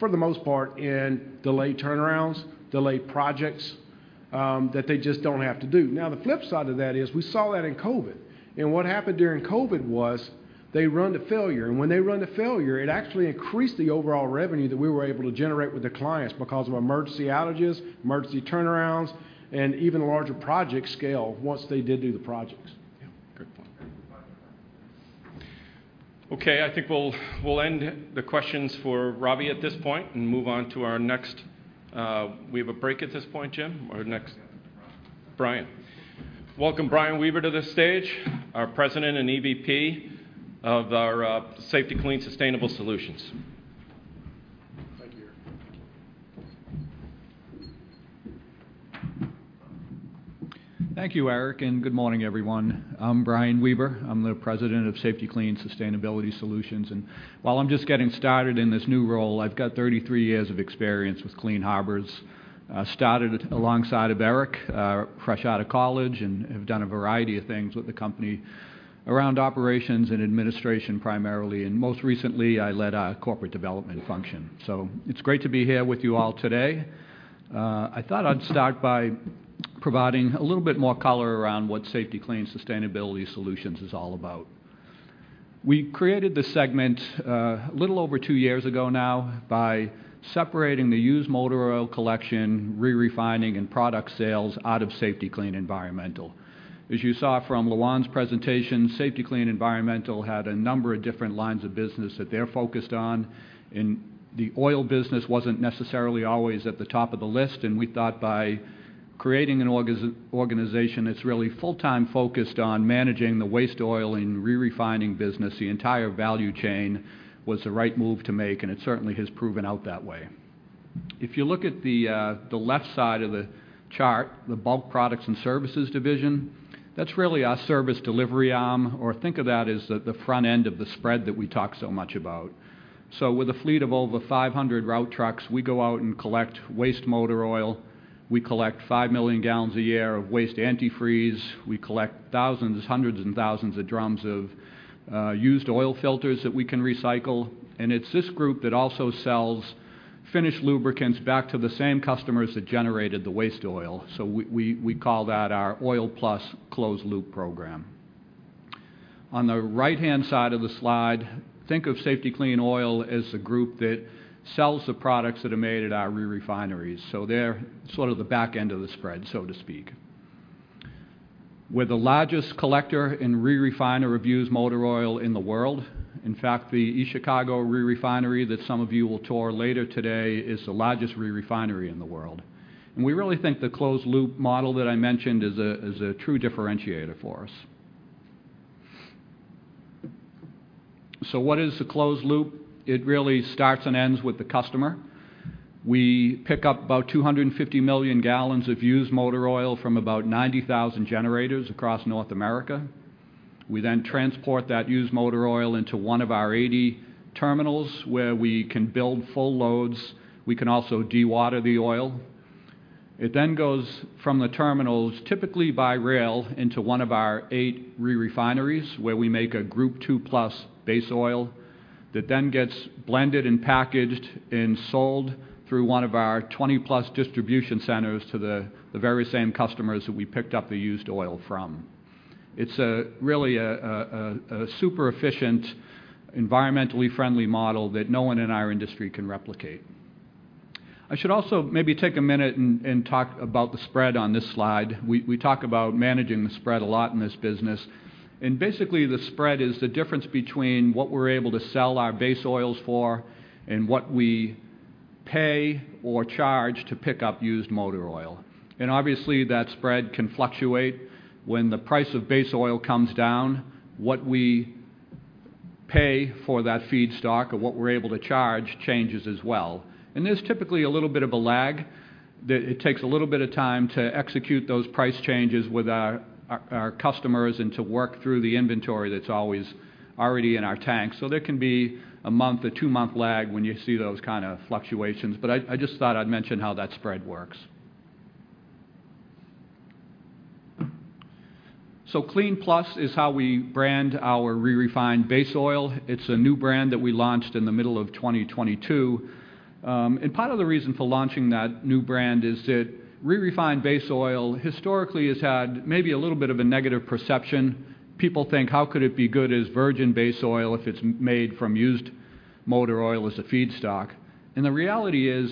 for the most part, in delayed turnarounds, delayed projects, that they just don't have to do. Now, the flip side of that is we saw that in COVID. What happened during COVID was they run to failure. When they run to failure, it actually increased the overall revenue that we were able to generate with the clients because of emergency outages, emergency turnarounds, and even larger project scale once they did do the projects. Yeah. Good point. Okay. I think we'll end the questions for Robby at this point and move on to our next. We have a break at this point, Jim? Brian. Welcome, Brian Weber, to the stage, our President and EVP of our Safety-Kleen Sustainable Solutions. Thank you. Thank you, Eric, good morning, everyone. I'm Brian Weber. I'm the President of Safety-Kleen Sustainability Solutions. While I'm just getting started in this new role, I've got 33 years of experience with Clean Harbors. Started alongside of Eric, fresh out of college, have done a variety of things with the company around operations and administration primarily. Most recently, I led our corporate development function. It's great to be here with you all today. I thought I'd start by providing a little bit more color around what Safety-Kleen Sustainability Solutions is all about. We created this segment a little over two years ago now by separating the used motor oil collection, re-refining, and product sales out of Safety-Kleen Environmental. As you saw from Loan's presentation, Safety-Kleen Environmental had a number of different lines of business that they're focused on, and the oil business wasn't necessarily always at the top of the list. We thought by creating an organization that's really full-time focused on managing the waste oil and re-refining business, the entire value chain, was the right move to make, and it certainly has proven out that way. You look at the left side of the chart, the Bulk Products and Services division, that's really our service delivery arm, or think of that as the front end of the spread that we talk so much about. With a fleet of over 500 route trucks, we go out and collect waste motor oil. We collect 5 million gallons a year of waste antifreeze. We collect thousands, hundreds and thousands of drums of used oil filters that we can recycle. It's this group that also sells finished lubricants back to the same customers that generated the waste oil. We call that our OilPlus Closed Loop program. On the right-hand side of the slide, think of Safety-Kleen Oil as the group that sells the products that are made at our re-refineries. They're sort of the back end of the spread, so to speak. We're the largest collector and re-refiner of used motor oil in the world. In fact, the East Chicago re-refinery that some of you will tour later today is the largest re-refinery in the world. We really think the closed loop model that I mentioned is a true differentiator for us. What is the closed loop? It really starts and ends with the customer. We pick up about 250 million gallons of used motor oil from about 90,000 generators across North America. We transport that used motor oil into one of our 80 terminals, where we can build full loads. We can also dewater the oil. It goes from the terminals, typically by rail, into one of our eight re-refineries, where we make a Group II+ base oil that then gets blended and packaged and sold through one of our 20+ distribution centers to the very same customers that we picked up the used oil from. It's a really a super efficient, environmentally friendly model that no one in our industry can replicate. I should also maybe take a minute and talk about the spread on this slide. We talk about managing the spread a lot in this business. Basically, the spread is the difference between what we're able to sell our base oils for and what we pay or charge to pick up used motor oil. Obviously, that spread can fluctuate. When the price of base oil comes down, what we pay for that feedstock or what we're able to charge changes as well. There's typically a little bit of a lag that it takes a little bit of time to execute those price changes with our customers and to work through the inventory that's always already in our tanks. There can be a month, a two-month lag when you see those kind of fluctuations. I just thought I'd mention how that spread works. KLEEN+ is how we brand our re-refined base oil. It's a new brand that we launched in the middle of 2022. Part of the reason for launching that new brand is that re-refined base oil historically has had maybe a little bit of a negative perception. People think, "How could it be good as virgin base oil if it's made from used motor oil as a feedstock?" The reality is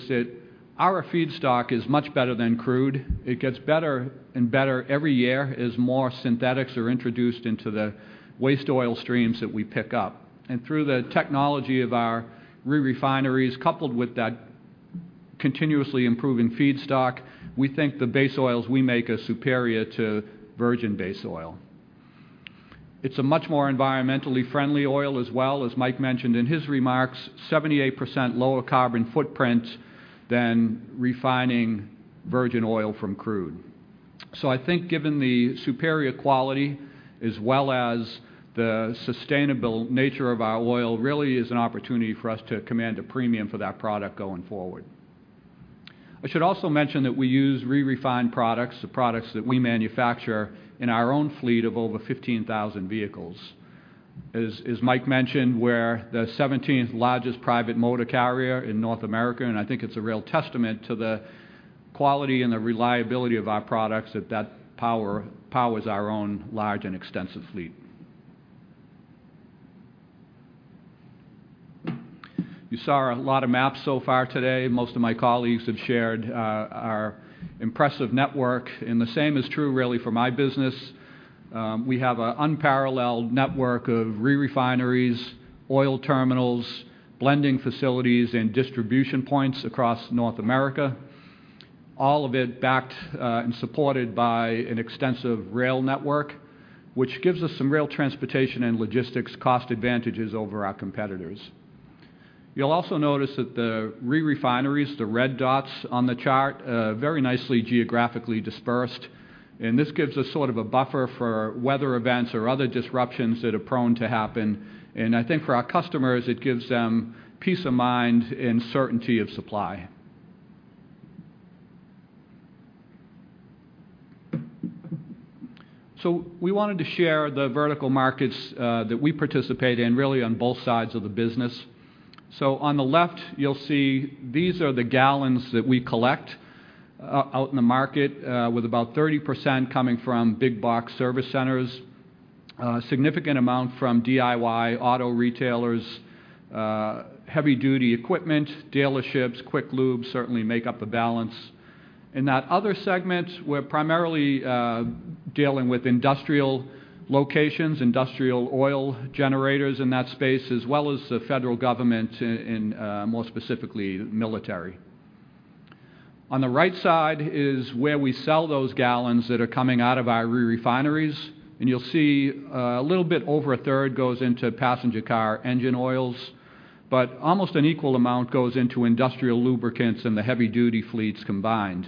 that our feedstock is much better than crude. It gets better and better every year as more synthetics are introduced into the waste oil streams that we pick up. Through the technology of our re-refineries, coupled with that continuously improving feedstock, we think the base oils we make are superior to virgin base oil. It's a much more environmentally friendly oil as well. As Mike mentioned in his remarks, 78% lower carbon footprint than refining virgin oil from crude. I think given the superior quality as well as the sustainable nature of our oil really is an opportunity for us to command a premium for that product going forward. I should also mention that we use re-refined products, the products that we manufacture in our own fleet of over 15,000 vehicles. As Mike mentioned, we're the 17th largest private motor carrier in North America. I think it's a real testament to the quality and the reliability of our products that powers our own large and extensive fleet. You saw a lot of maps so far today. Most of my colleagues have shared our impressive network. The same is true really for my business. We have an unparalleled network of re-refineries, oil terminals, blending facilities, and distribution points across North America, all of it backed and supported by an extensive rail network, which gives us some rail transportation and logistics cost advantages over our competitors. You'll also notice that the re-refineries, the red dots on the chart, very nicely geographically dispersed. This gives us sort of a buffer for weather events or other disruptions that are prone to happen. I think for our customers, it gives them peace of mind and certainty of supply. We wanted to share the vertical markets that we participate in really on both sides of the business. On the left, you'll see these are the gallons that we collect in the market, with about 30% coming from big box service centers, significant amount from DIY auto retailers, heavy duty equipment, dealerships, quick lubes certainly make up the balance. In that other segment, we're primarily dealing with industrial locations, industrial oil generators in that space, as well as the Federal Government in more specifically military. On the right side is where we sell those gallons that are coming out of our re-refineries, and you'll see, a little bit over 1/3 goes into passenger car engine oils. Almost an equal amount goes into industrial lubricants and the heavy duty fleets combined.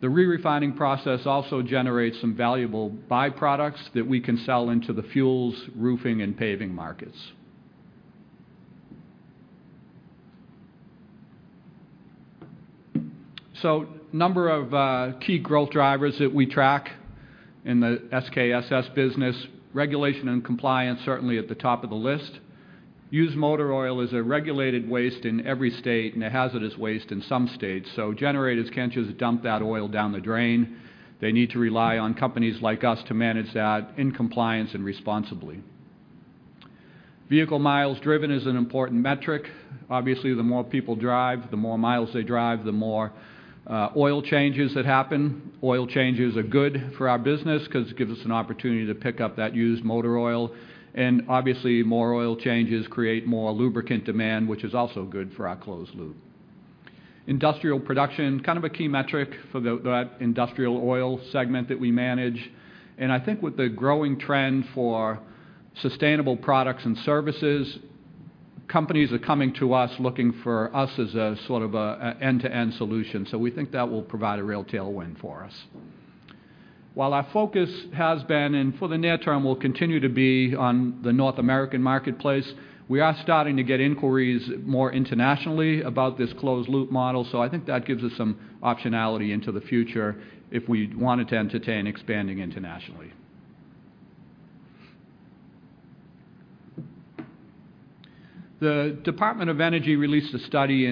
The re-refining process also generates some valuable byproducts that we can sell into the fuels, roofing, and paving markets. Number of key growth drivers that we track in the SKSS business. Regulation and compliance certainly at the top of the list. Used motor oil is a regulated waste in every state and a hazardous waste in some states. Generators can't just dump that oil down the drain. They need to rely on companies like us to manage that in compliance and responsibly. Vehicle miles driven is an important metric. Obviously, the more people drive, the more miles they drive, the more oil changes that happen. Oil changes are good for our business because it gives us an opportunity to pick up that used motor oil. Obviously, more oil changes create more lubricant demand, which is also good for our closed loop. Industrial production, kind of a key metric for that industrial oil segment that we manage. I think with the growing trend for sustainable products and services, companies are coming to us looking for us as a sort of a end-to-end solution. We think that will provide a real tailwind for us. While our focus has been, and for the near term, will continue to be on the North American marketplace, we are starting to get inquiries more internationally about this closed loop model. I think that gives us some optionality into the future if we wanted to entertain expanding internationally. The Department of Energy released a study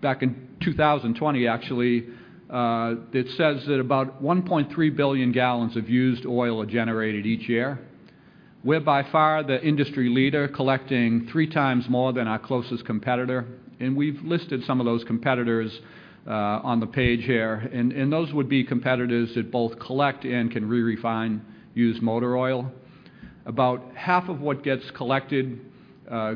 back in 2020, actually, that says that about 1.3 billion gallons of used oil are generated each year. We're by far the industry leader, collecting 3x more than our closest competitor, and we've listed some of those competitors on the page here. Those would be competitors that both collect and can re-refine used motor oil. About half of what gets collected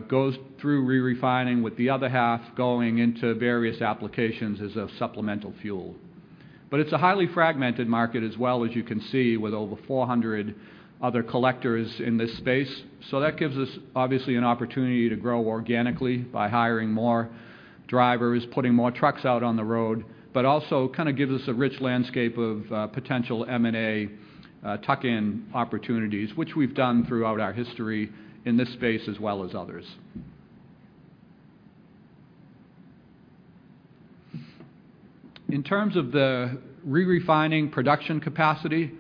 goes through re-refining, with the other half going into various applications as a supplemental fuel. It's a highly fragmented market as well, as you can see, with over 400 other collectors in this space. That gives us obviously an opportunity to grow organically by hiring more drivers, putting more trucks out on the road, but also kinda gives us a rich landscape of potential M&A tuck-in opportunities, which we've done throughout our history in this space as well as others. In terms of the re-refining production capacity,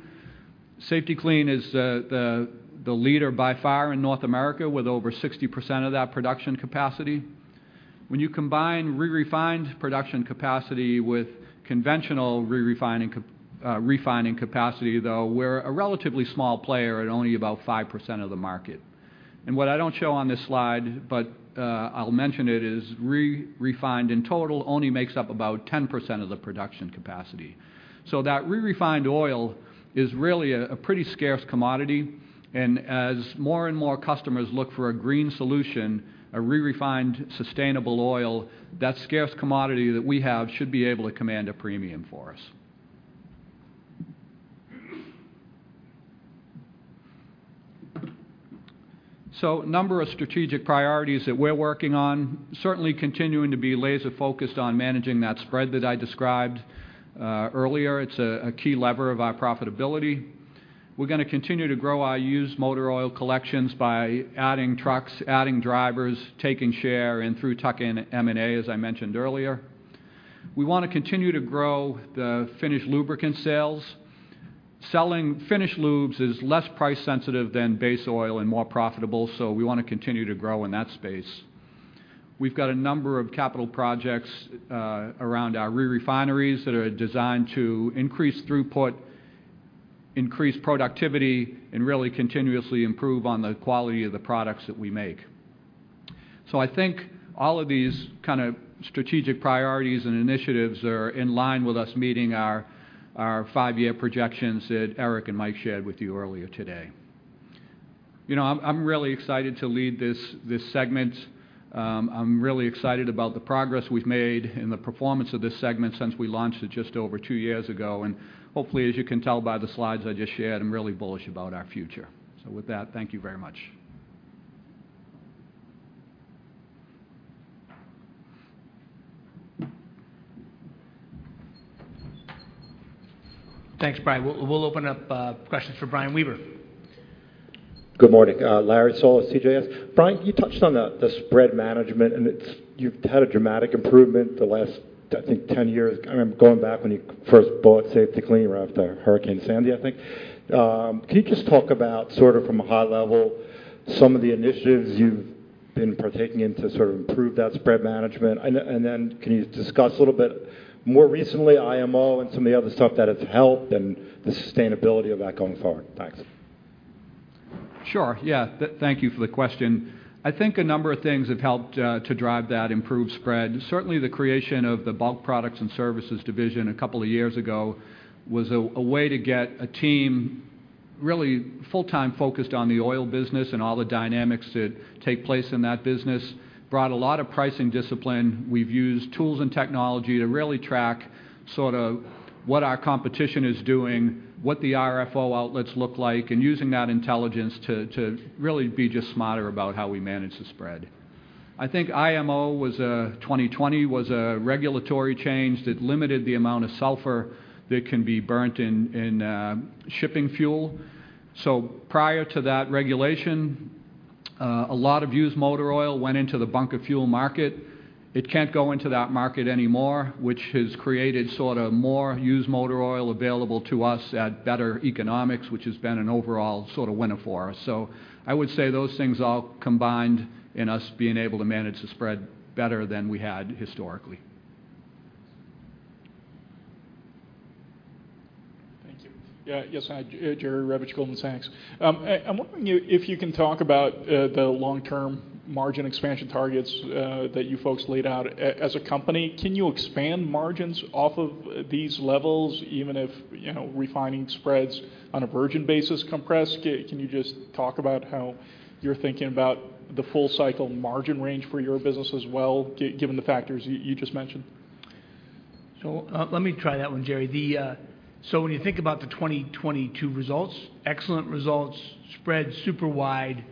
Safety-Kleen is the leader by far in North America with over 60% of that production capacity. When you combine re-refined production capacity with conventional refining capacity, though, we're a relatively small player at only about 5% of the market. What I don't show on this slide, but I'll mention it, is re-refined in total only makes up about 10% of the production capacity. That re-refined oil is really a pretty scarce commodity. As more and more customers look for a green solution, a re-refined sustainable oil, that scarce commodity that we have should be able to command a premium for us. Number of strategic priorities that we're working on, certainly continuing to be laser focused on managing that spread that I described earlier. It's a key lever of our profitability. We're gonna continue to grow our used motor oil collections by adding trucks, adding drivers, taking share, and through tuck-in M&A, as I mentioned earlier. We wanna continue to grow the finished lubricant sales. Selling finished lubes is less price sensitive than base oil and more profitable, so we wanna continue to grow in that space. We've got a number of capital projects around our re-refineries that are designed to increase throughput, increase productivity, and really continuously improve on the quality of the products that we make. I think all of these kind of strategic priorities and initiatives are in line with us meeting our five-year projections that Eric and Mike shared with you earlier today. You know, I'm really excited to lead this segment. I'm really excited about the progress we've made and the performance of this segment since we launched it just over two years ago. Hopefully, as you can tell by the slides I just shared, I'm really bullish about our future. With that, thank you very much. Thanks, Brian. We'll open up questions for Brian P. Weber. Good morning. Larry Solow, CJS. Brian, you touched on the spread management, you've had a dramatic improvement the last, I think, 10 years. I remember going back when you first bought Safety-Kleen right after Hurricane Sandy, I think. Can you just talk about sort of from a high level some of the initiatives you've been partaking in to sort of improve that spread management? Can you discuss a little bit more recently IMO and some of the other stuff that has helped and the sustainability of that going forward? Thanks. Sure. Yeah. Thank you for the question. I think a number of things have helped to drive that improved spread. Certainly, the creation of the Bulk Products and Services division two years ago was a way to get a team really full-time focused on the oil business and all the dynamics that take place in that business. Brought a lot of pricing discipline. We've used tools and technology to really track sort of what our competition is doing, what the RFO outlets look like, and using that intelligence to really be just smarter about how we manage the spread. I think IMO was a 2020 regulatory change that limited the amount of sulfur that can be burnt in shipping fuel. Prior to that regulation, a lot of used motor oil went into the bunker fuel market. It can't go into that market anymore, which has created sort of more used motor oil available to us at better economics, which has been an overall sort of winner for us. I would say those things all combined in us being able to manage the spread better than we had historically. Thank you. Yes. Jerry Revich, Goldman Sachs. I'm wondering if you can talk about the long-term margin expansion targets that you folks laid out. As a company, can you expand margins off of these levels even if, you know, refining spreads on a virgin basis compress? Can you just talk about how you're thinking about the full cycle margin range for your business as well given the factors you just mentioned? Let me try that one, Jerry. When you think about the 2022 results, excellent results, spread super wide,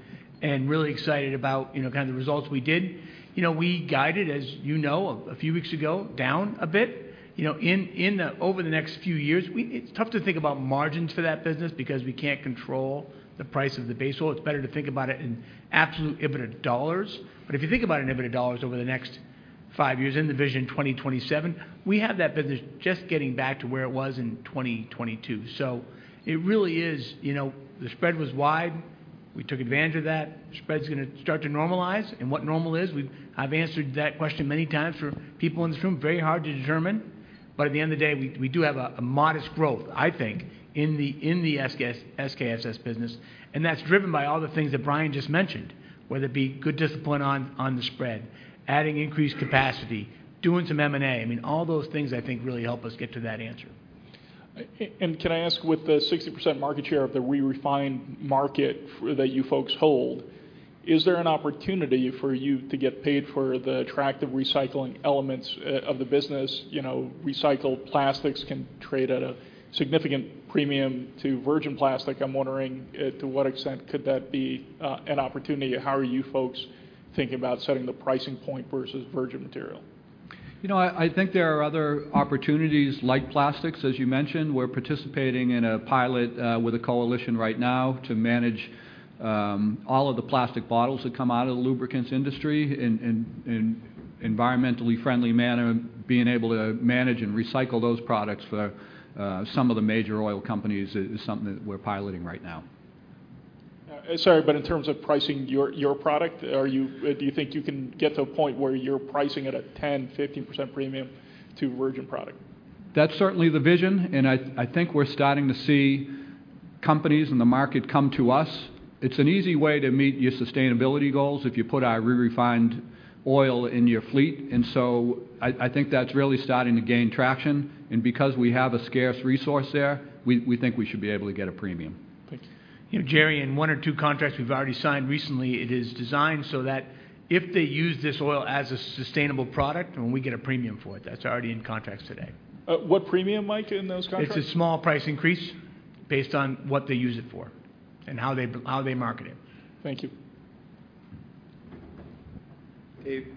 and really excited about, you know, kind of the results we did. You know, we guided, as you know, a few weeks ago, down a bit. You know, over the next few years, it's tough to think about margins for that business because we can't control the price of the base oil. It's better to think about it in absolute EBITDA dollars. If you think about an EBITDA dollars over the next five years in the Vision 2027, we have that business just getting back to where it was in 2022. It really is, you know, the spread was wide. We took advantage of that. Spread's gonna start to normalize. What normal is, I've answered that question many times for people in this room, very hard to determine. At the end of the day, we do have a modest growth, I think, in the SKSS business, and that's driven by all the things that Brian just mentioned, whether it be good discipline on the spread, adding increased capacity, doing some M&A. I mean, all those things I think really help us get to that answer. Can I ask, with the 60% market share of the re-refined market that you folks hold, is there an opportunity for you to get paid for the attractive recycling elements of the business? You know, recycled plastics can trade at a significant premium to virgin plastic. I'm wondering to what extent could that be an opportunity? How are you folks thinking about setting the pricing point versus virgin material? You know, I think there are other opportunities like plastics, as you mentioned. We're participating in a pilot, with a coalition right now to manage, all of the plastic bottles that come out of the lubricants industry in environmentally friendly manner. Being able to manage and recycle those products for, some of the major oil companies is something that we're piloting right now. Sorry, in terms of pricing your product, do you think you can get to a point where you're pricing it at 10%-15% premium to virgin product? That's certainly the vision, I think we're starting to see companies in the market come to us. It's an easy way to meet your sustainability goals if you put our re-refined oil in your fleet. I think that's really starting to gain traction. Because we have a scarce resource there, we think we should be able to get a premium. Thank you. You know, Jerry, in one or two contracts we've already signed recently, it is designed so that if they use this oil as a sustainable product, then we get a premium for it. That's already in contracts today. What premium, Mike, in those contracts? It's a small price increase based on what they use it for and how they market it. Thank you. Jim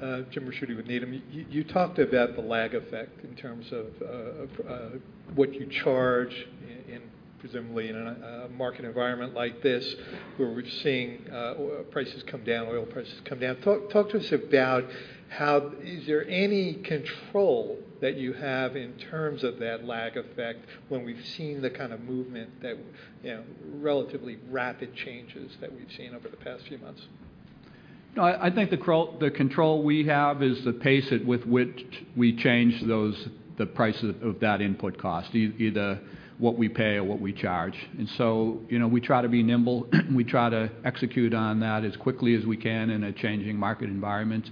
Ricchiuti with Needham. You talked about the lag effect in terms of what you charge in, presumably in a market environment like this, where we're seeing oil prices come down. Talk to us about how is there any control that you have in terms of that lag effect when we've seen the kind of movement that, you know, relatively rapid changes that we've seen over the past few months? No, I think the control we have is the pace at with which we change those, the price of that input cost, either what we pay or what we charge. you know, we try to be nimble, we try to execute on that as quickly as we can in a changing market environment.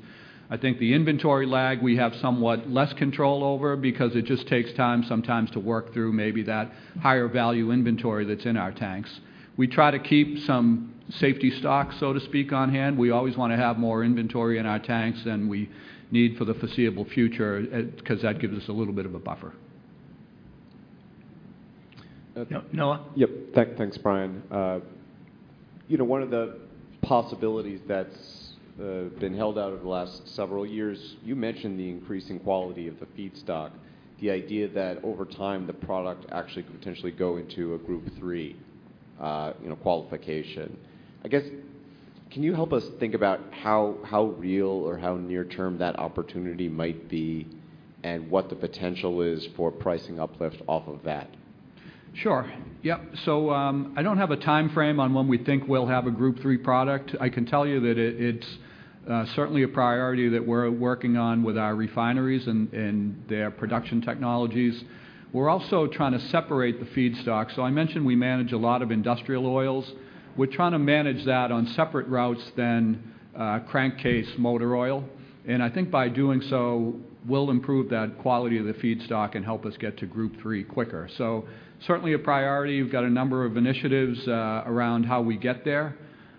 I think the inventory lag we have somewhat less control over because it just takes time sometimes to work through maybe that higher value inventory that's in our tanks. We try to keep some safety stock, so to speak, on hand. We always wanna have more inventory in our tanks than we need for the foreseeable future, 'cause that gives us a little bit of a buffer. Noah? Yep. Thanks, Brian. You know, one of the possibilities that's been held out over the last several years, you mentioned the increasing quality of the feedstock. The idea that over time the product actually could potentially go into a Group III, you know, qualification. I guess, can you help us think about how real or how near-term that opportunity might be, and what the potential is for pricing uplift off of that? Sure. Yep. I don't have a timeframe on when we think we'll have a Group III product. I can tell you that it's certainly a priority that we're working on with our refineries and their production technologies. We're also trying to separate the feedstock. I mentioned we manage a lot of industrial oils. We're trying to manage that on separate routes than crankcase motor oil. I think by doing so, we'll improve that quality of the feedstock and help us get to Group III quicker. Certainly a priority. We've got a number of initiatives around how we get there.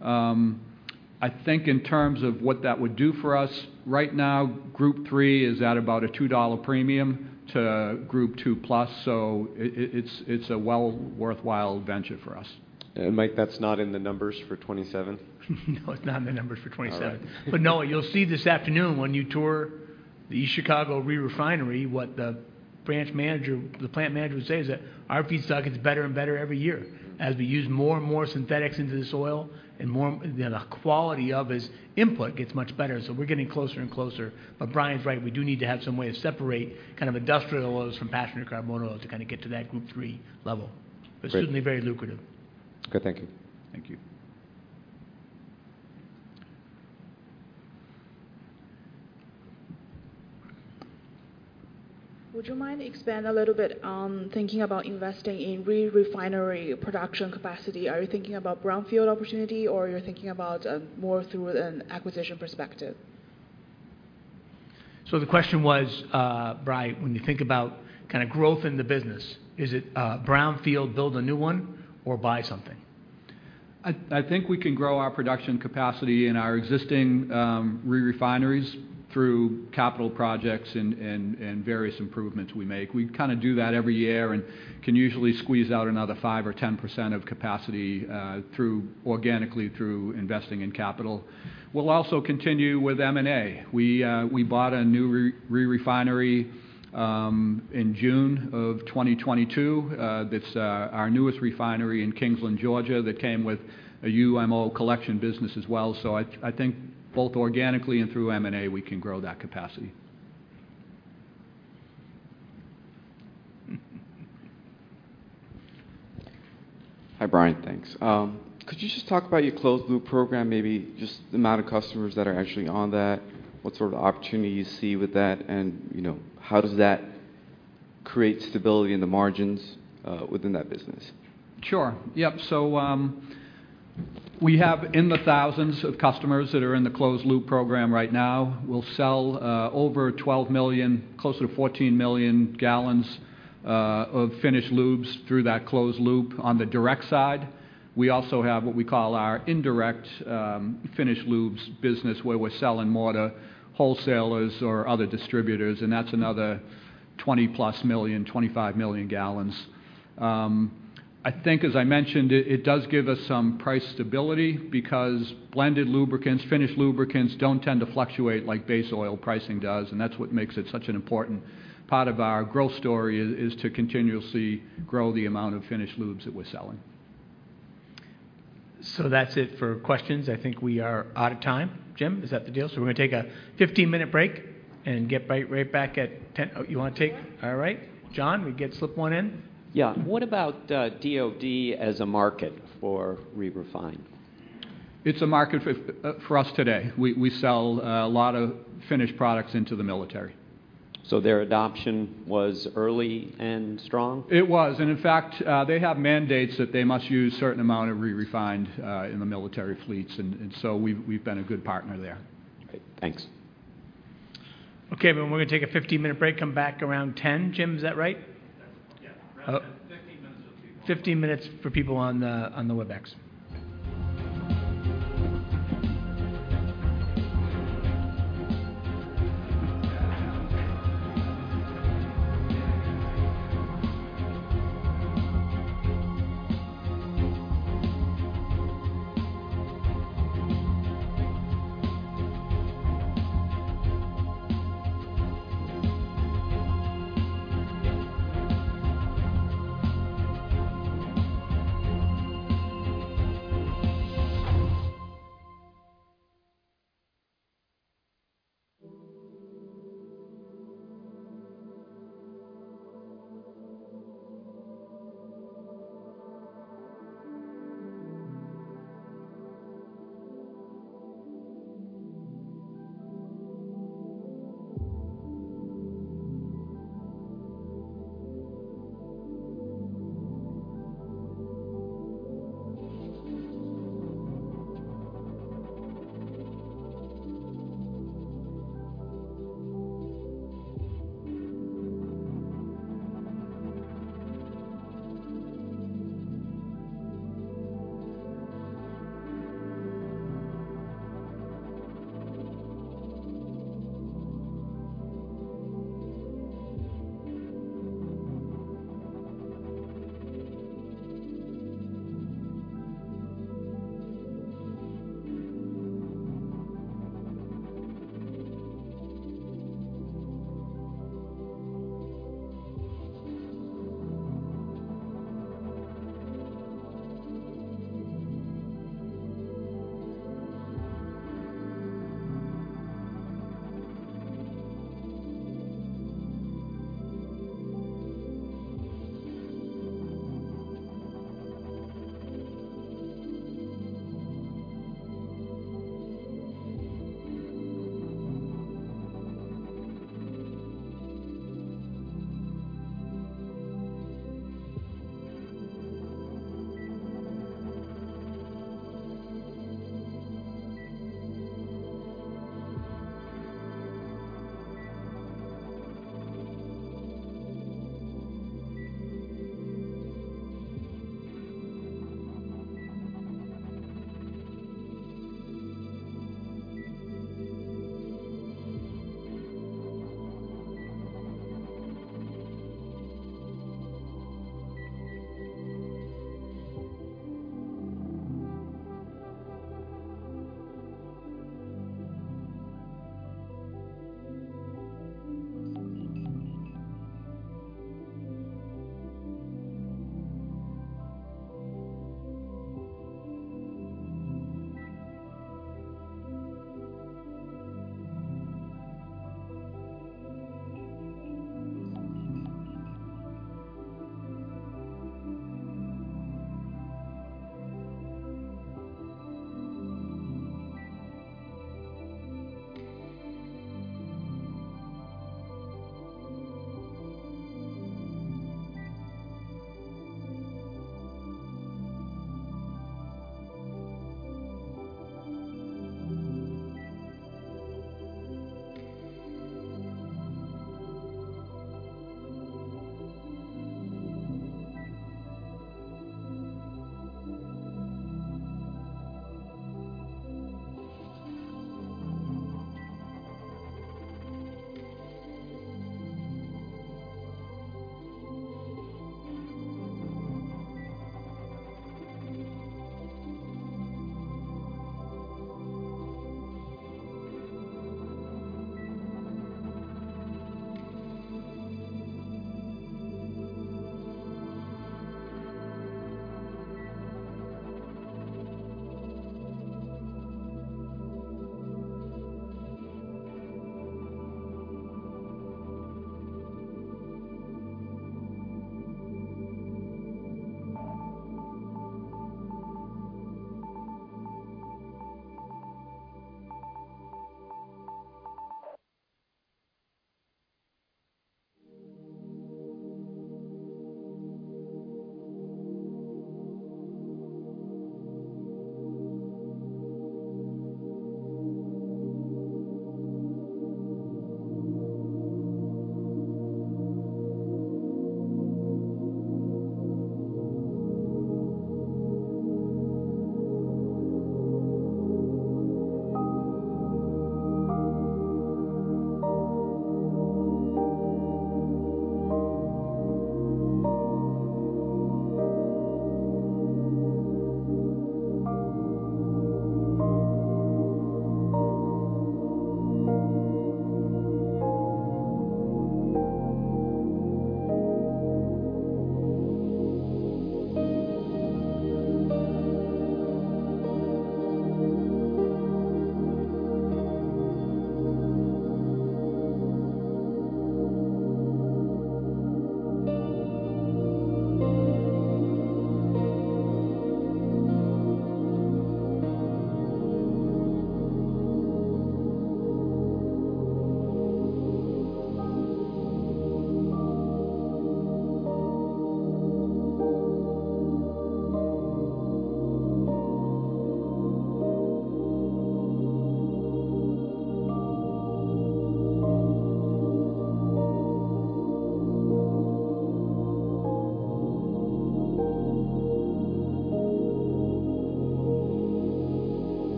I think in terms of what that would do for us, right now, Group III is at about a $2 premium to Group II+. It's a well worthwhile venture for us. Mike, that's not in the numbers for 2027? No, it's not in the numbers for 2027. All right. Noah, you'll see this afternoon when you tour the East Chicago re-refinery, what the plant manager would say is that our feedstock gets better and better every year. As we use more and more synthetics into the soil and more... the quality of his input gets much better. We're getting closer and closer. Brian's right, we do need to have some way to separate kinda industrial oils from passenger car motor oil to kinda get to that Group III level. Great. Certainly very lucrative. Good. Thank you. Thank you. Would you mind expand a little bit on thinking about investing in re-refinery production capacity? Are you thinking about brownfield opportunity or you're thinking about more through an acquisition perspective? The question was, Brian, when you think about kinda growth in the business, is it a brownfield, build a new one or buy something? I think we can grow our production capacity in our existing re-refineries through capital projects and various improvements we make. We kind of do that every year and can usually squeeze out another 5% or 10% of capacity organically through investing in capital. We'll also continue with M&A. We bought a new re-refinery in June 2022. That's our newest refinery in Kingsland, Georgia, that came with a UMO collection business as well. I think both organically and through M&A, we can grow that capacity. Hi, Brian. Thanks. Could you just talk about your Closed Loop Program, maybe just the amount of customers that are actually on that, what sort of opportunity you see with that, and, you know, how does that create stability in the margins within that business? Sure. Yep. We have in the thousands of customers that are in the Closed Loop program right now. We'll sell over 12 million, closer to 14 million gallons of finished lubes through that Closed Loop on the direct side. We also have what we call our indirect finished lubes business, where we're selling more to wholesalers or other distributors. That's another 20+ million, 25 million gallons. I think as I mentioned, it does give us some price stability because blended lubricants, finished lubricants don't tend to fluctuate like base oil pricing does. That's what makes it such an important part of our growth story is to continuously grow the amount of finished lubes that we're selling. That's it for questions. I think we are out of time. Jim, is that the deal? We're going to take a 15-minute break and get right back at 10. Oh, you want to take- Sure. All right. John, we can slip one in. Yeah. What about DoD as a market for re-refine? It's a market for us today. We sell a lot of finished products into the military. Their adoption was early and strong? It was. In fact, they have mandates that they must use certain amount of re-refined in the military fleets. So we've been a good partner there. Great. Thanks. Okay. We're gonna take a 15-minute break, come back around 10:00 A.M. Jim, is that right? That's. Yeah. Around 10:00 A.M. 15 minutes for people on the WebEx.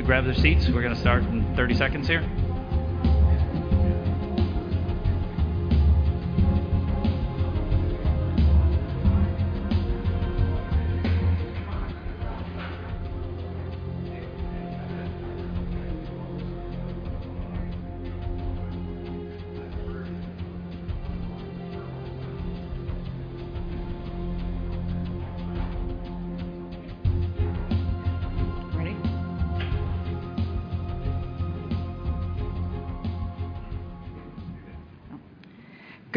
Can we get everyone to grab their seats? We're gonna start in 30 seconds here.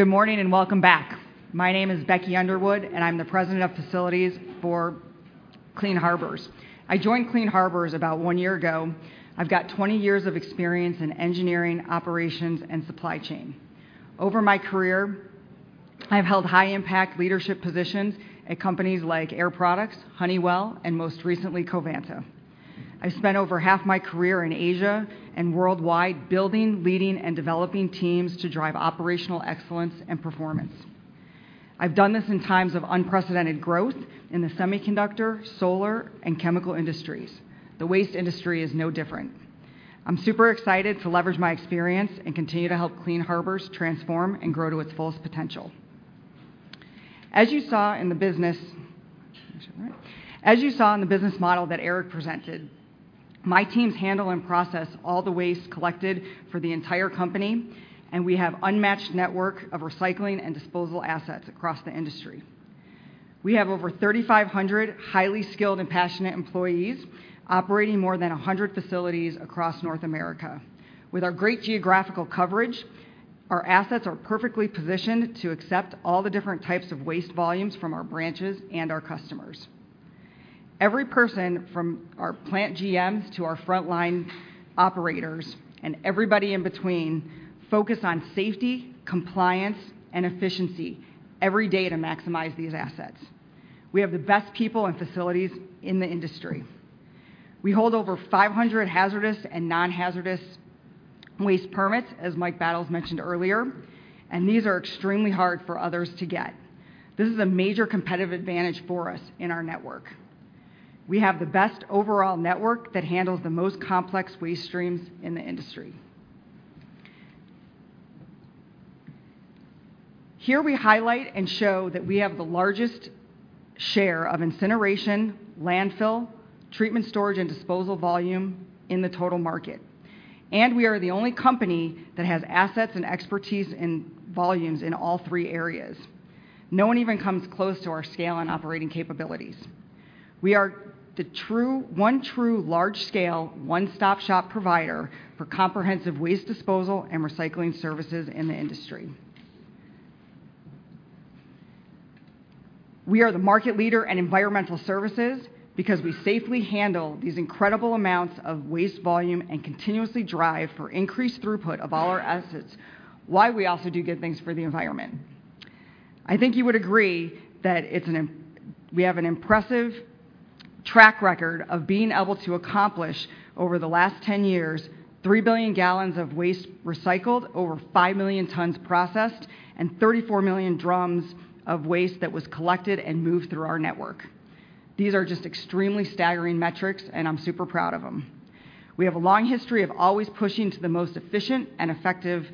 Ready? Good morning, and welcome back. My name is Becky Underwood, and I'm the President of Facilities for Clean Harbors. I joined Clean Harbors about one year ago. I've got 20 years of experience in engineering, operations, and supply chain. Over my career, I've held high-impact leadership positions at companies like Air Products, Honeywell, and most recently Covanta. I spent over half my career in Asia and worldwide building, leading, and developing teams to drive operational excellence and performance. I've done this in times of unprecedented growth in the semiconductor, solar, and chemical industries. The waste industry is no different. I'm super excited to leverage my experience and continue to help Clean Harbors transform and grow to its fullest potential. As you saw in the business... Make sure I got it. As you saw in the business model that Eric presented, my teams handle and process all the waste collected for the entire company, we have unmatched network of recycling and disposal assets across the industry. We have over 3,500 highly skilled and passionate employees operating more than 100 facilities across North America. With our great geographical coverage, our assets are perfectly positioned to accept all the different types of waste volumes from our branches and our customers. Every person from our plant GMs to our frontline operators and everybody in between focus on safety, compliance, and efficiency every day to maximize these assets. We have the best people and facilities in the industry. We hold over 500 hazardous and non-hazardous waste permits, as Mike Battles mentioned earlier, these are extremely hard for others to get. This is a major competitive advantage for us in our network. We have the best overall network that handles the most complex waste streams in the industry. Here we highlight and show that we have the largest share of incineration, landfill, treatment storage, and disposal volume in the total market. We are the only company that has assets and expertise in volumes in all three areas. No one even comes close to our scale and operating capabilities. We are the one true large-scale, one-stop-shop provider for comprehensive waste disposal and recycling services in the industry. We are the market leader in environmental services because we safely handle these incredible amounts of waste volume and continuously drive for increased throughput of all our assets while we also do good things for the environment. I think you would agree that we have an impressive track record of being able to accomplish over the last 10 years 3 billion gallons of waste recycled, over 5 million tons processed, and 34 million drums of waste that was collected and moved through our network. These are just extremely staggering metrics, I'm super proud of them. We have a long history of always pushing to the most efficient and effective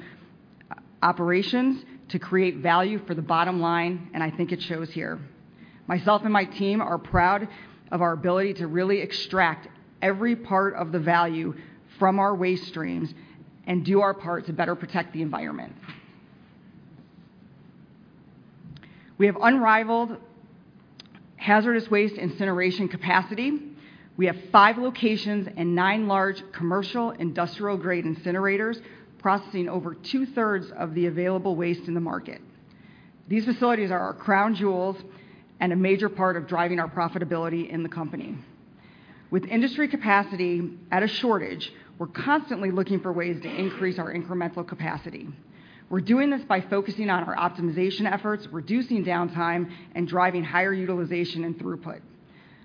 operations to create value for the bottom line, I think it shows here. Myself and my team are proud of our ability to really extract every part of the value from our waste streams and do our part to better protect the environment. We have unrivaled hazardous waste incineration capacity. We have five locations and nine large commercial industrial-grade incinerators processing over 2/3 of the available waste in the market. These facilities are our crown jewels and a major part of driving our profitability in the company. With industry capacity at a shortage, we're constantly looking for ways to increase our incremental capacity. We're doing this by focusing on our optimization efforts, reducing downtime, and driving higher utilization and throughput.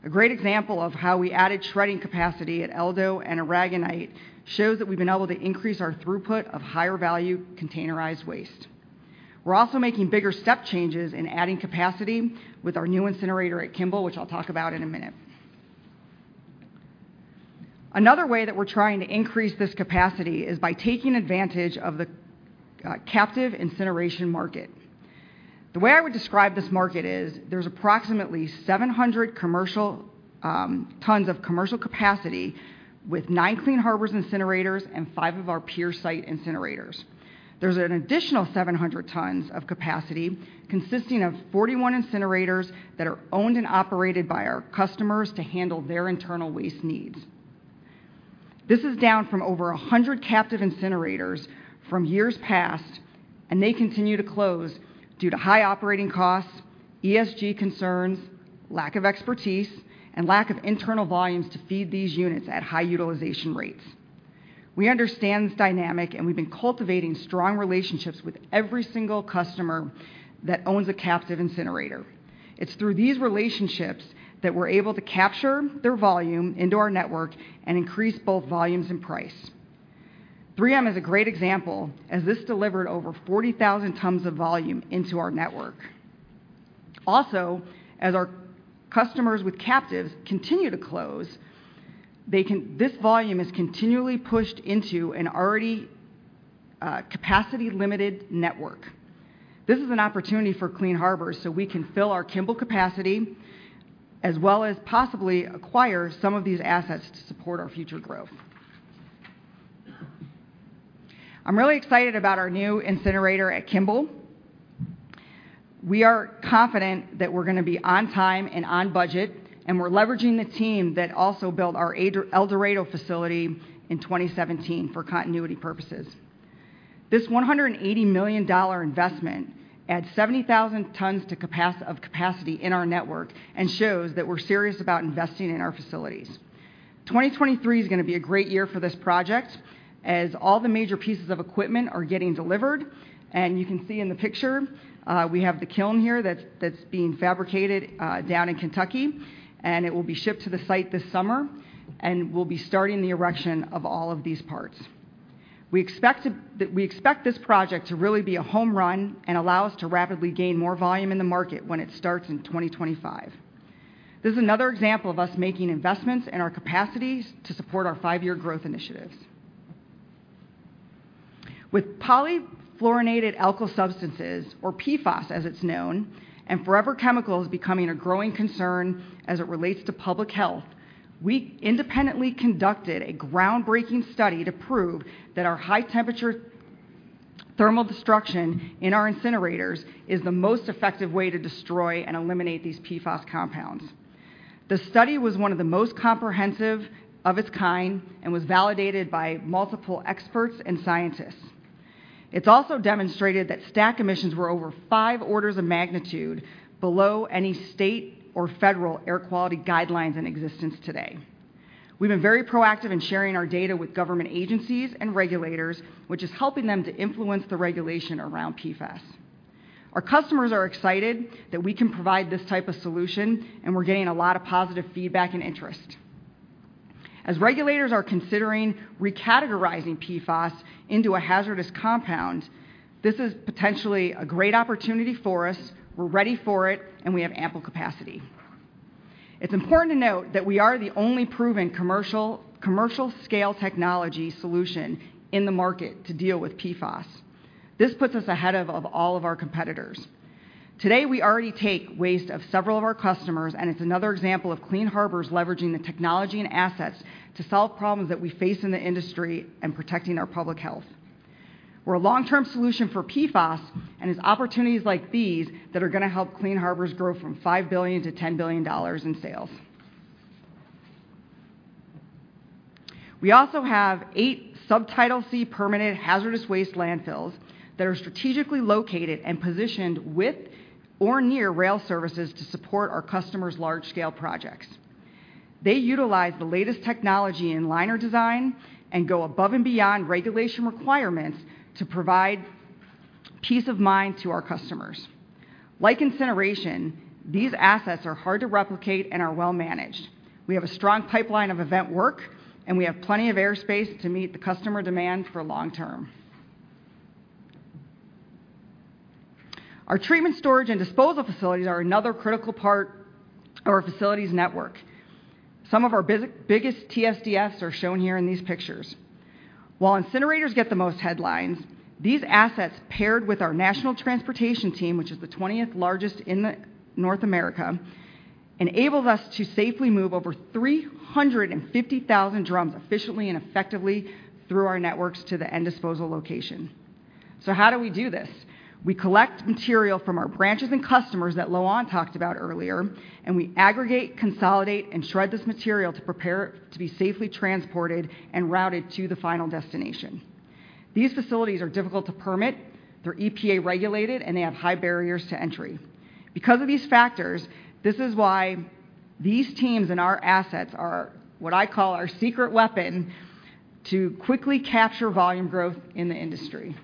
A great example of how we added shredding capacity at El Dorado and Aragonite shows that we've been able to increase our throughput of higher value containerized waste. We're also making bigger step changes in adding capacity with our new incinerator at Kimball, which I'll talk about in a minute. Another way that we're trying to increase this capacity is by taking advantage of the captive incineration market. The way I would describe this market is there's approximately 700 commercial tons of commercial capacity with nine Clean Harbors incinerators and five of our peer site incinerators. There's an additional 700 tons of capacity consisting of 41 incinerators that are owned and operated by our customers to handle their internal waste needs. This is down from over 100 captive incinerators from years past. They continue to close due to high operating costs, ESG concerns, lack of expertise, and lack of internal volumes to feed these units at high utilization rates. We understand this dynamic. We've been cultivating strong relationships with every single customer that owns a captive incinerator. It's through these relationships that we're able to capture their volume into our network and increase both volumes and price. 3M is a great example, as this delivered over 40,000 tons of volume into our network. As our customers with captives continue to close, this volume is continually pushed into an already capacity-limited network. This is an opportunity for Clean Harbors, so we can fill our Kimball capacity as well as possibly acquire some of these assets to support our future growth. I'm really excited about our new incinerator at Kimball. We are confident that we're gonna be on time and on budget, and we're leveraging the team that also built our El Dorado facility in 2017 for continuity purposes. This $180 million investment adds 70,000 tons of capacity in our network and shows that we're serious about investing in our facilities. 2023 is gonna be a great year for this project, as all the major pieces of equipment are getting delivered. You can see in the picture, we have the kiln here that's being fabricated down in Kentucky. It will be shipped to the site this summer. We'll be starting the erection of all of these parts. We expect this project to really be a home run and allow us to rapidly gain more volume in the market when it starts in 2025. This is another example of us making investments in our capacities to support our five-year growth initiatives. With per- and polyfluoroalkyl substances, or PFAS as it's known, and forever chemicals becoming a growing concern as it relates to public health, we independently conducted a groundbreaking study to prove that our high-temperature thermal destruction in our incinerators is the most effective way to destroy and eliminate these PFAS compounds. The study was one of the most comprehensive of its kind and was validated by multiple experts and scientists. It's also demonstrated that stack emissions were over five orders of magnitude below any state or federal air quality guidelines in existence today. We've been very proactive in sharing our data with government agencies and regulators, which is helping them to influence the regulation around PFAS. Our customers are excited that we can provide this type of solution, and we're getting a lot of positive feedback and interest. As regulators are considering recategorizing PFAS into a hazardous compound, this is potentially a great opportunity for us. We're ready for it, and we have ample capacity. It's important to note that we are the only proven commercial scale technology solution in the market to deal with PFAS. This puts us ahead of all of our competitors. Today, we already take waste of several of our customers, and it's another example of Clean Harbors leveraging the technology and assets to solve problems that we face in the industry and protecting our public health. We're a long-term solution for PFAS, and it's opportunities like these that are gonna help Clean Harbors grow from $5 billion to $10 billion in sales. We also have eight Subtitle C permanent hazardous waste landfills that are strategically located and positioned with or near rail services to support our customers' large-scale projects. They utilize the latest technology in liner design and go above and beyond regulation requirements to provide peace of mind to our customers. Like incineration, these assets are hard to replicate and are well managed. We have a strong pipeline of event work, and we have plenty of airspace to meet the customer demand for long term. Our treatment storage and disposal facilities are another critical part of our facilities network. Some of our biggest TSDFs are shown here in these pictures. While incinerators get the most headlines, these assets paired with our national transportation team, which is the 20th largest in the North America, enables us to safely move over 350,000 drums efficiently and effectively through our networks to the end disposal location. How do we do this? We collect material from our branches and customers that Loan talked about earlier. We aggregate, consolidate, and shred this material to prepare it to be safely transported and routed to the final destination. These facilities are difficult to permit, they're EPA regulated, and they have high barriers to entry. This is why these teams and our assets are what I call our secret weapon to quickly capture volume growth in the industry.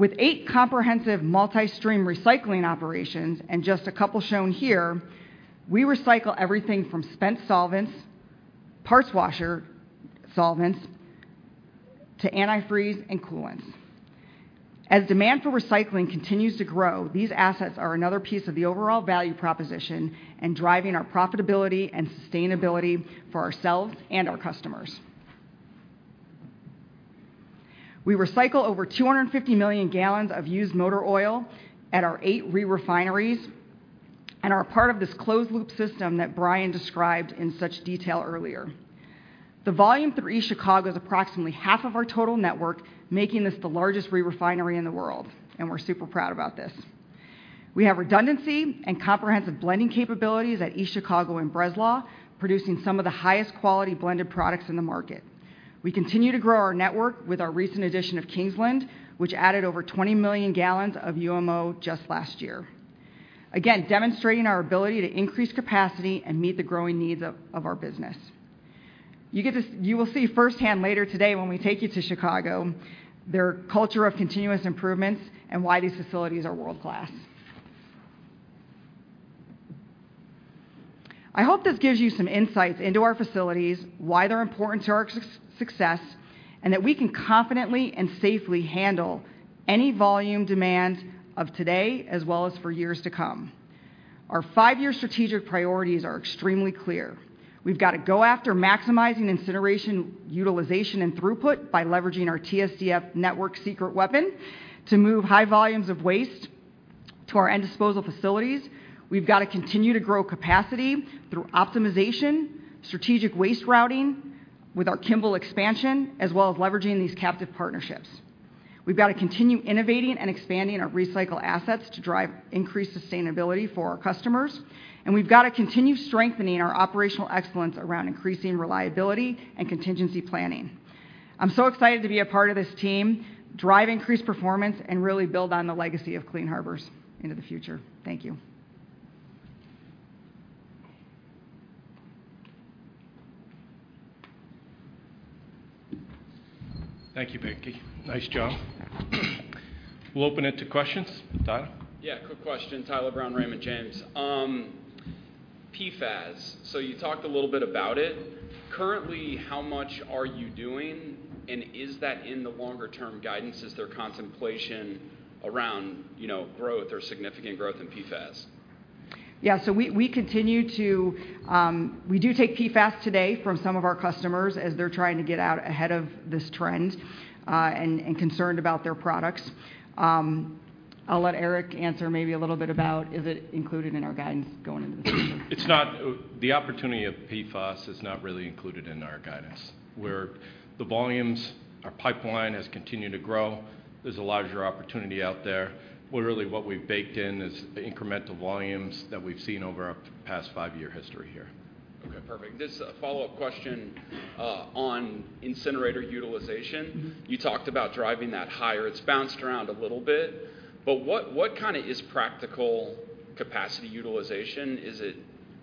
With eight comprehensive multi-stream recycling operations and just a couple shown here, we recycle everything from spent solvents, parts washer solvents, to antifreeze and coolants. Demand for recycling continues to grow, these assets are another piece of the overall value proposition and driving our profitability and sustainability for ourselves and our customers. We recycle over 250 million gallons of used motor oil at our eight re-refineries and are part of this closed loop system that Brian described in such detail earlier. The volume through East Chicago is approximately half of our total network, making this the largest re-refinery in the world, we're super proud about this. We have redundancy and comprehensive blending capabilities at East Chicago and Breslau, producing some of the highest quality blended products in the market. We continue to grow our network with our recent addition of Kingsland, which added over 20 million gallons of UMO just last year, again, demonstrating our ability to increase capacity and meet the growing needs of our business. You will see firsthand later today when we take you to Chicago, their culture of continuous improvements and why these facilities are world-class. I hope this gives you some insight into our facilities, why they're important to our success, and that we can confidently and safely handle any volume demands of today as well as for years to come. Our five-year strategic priorities are extremely clear. We've got to go after maximizing incineration utilization and throughput by leveraging our TSDF network secret weapon to move high volumes of waste to our end disposal facilities. We've got to continue to grow capacity through optimization, strategic waste routing with our Kimball expansion, as well as leveraging these captive partnerships. We've got to continue innovating and expanding our recycle assets to drive increased sustainability for our customers. We've got to continue strengthening our operational excellence around increasing reliability and contingency planning. I'm so excited to be a part of this team, drive increased performance, and really build on the legacy of Clean Harbors into the future. Thank you. Thank you, Becky. Nice job. We'll open it to questions. Tyler. Quick question. Tyler Brown, Raymond James. PFAS. You talked a little bit about it. Currently, how much are you doing, and is that in the longer term guidance? Is there contemplation around, you know, growth or significant growth in PFAS? We do take PFAS today from some of our customers as they're trying to get out ahead of this trend and concerned about their products. I'll let Eric answer maybe a little bit about is it included in our guidance going into the future. It's not. The opportunity of PFAS is not really included in our guidance, where the volumes, our pipeline has continued to grow. There's a larger opportunity out there. Literally, what we've baked in is the incremental volumes that we've seen over our past five-year history here. Okay, perfect. Just a follow-up question, on incinerator utilization. Mm-hmm. You talked about driving that higher. It's bounced around a little bit, but what kind of is practical capacity utilization? Is it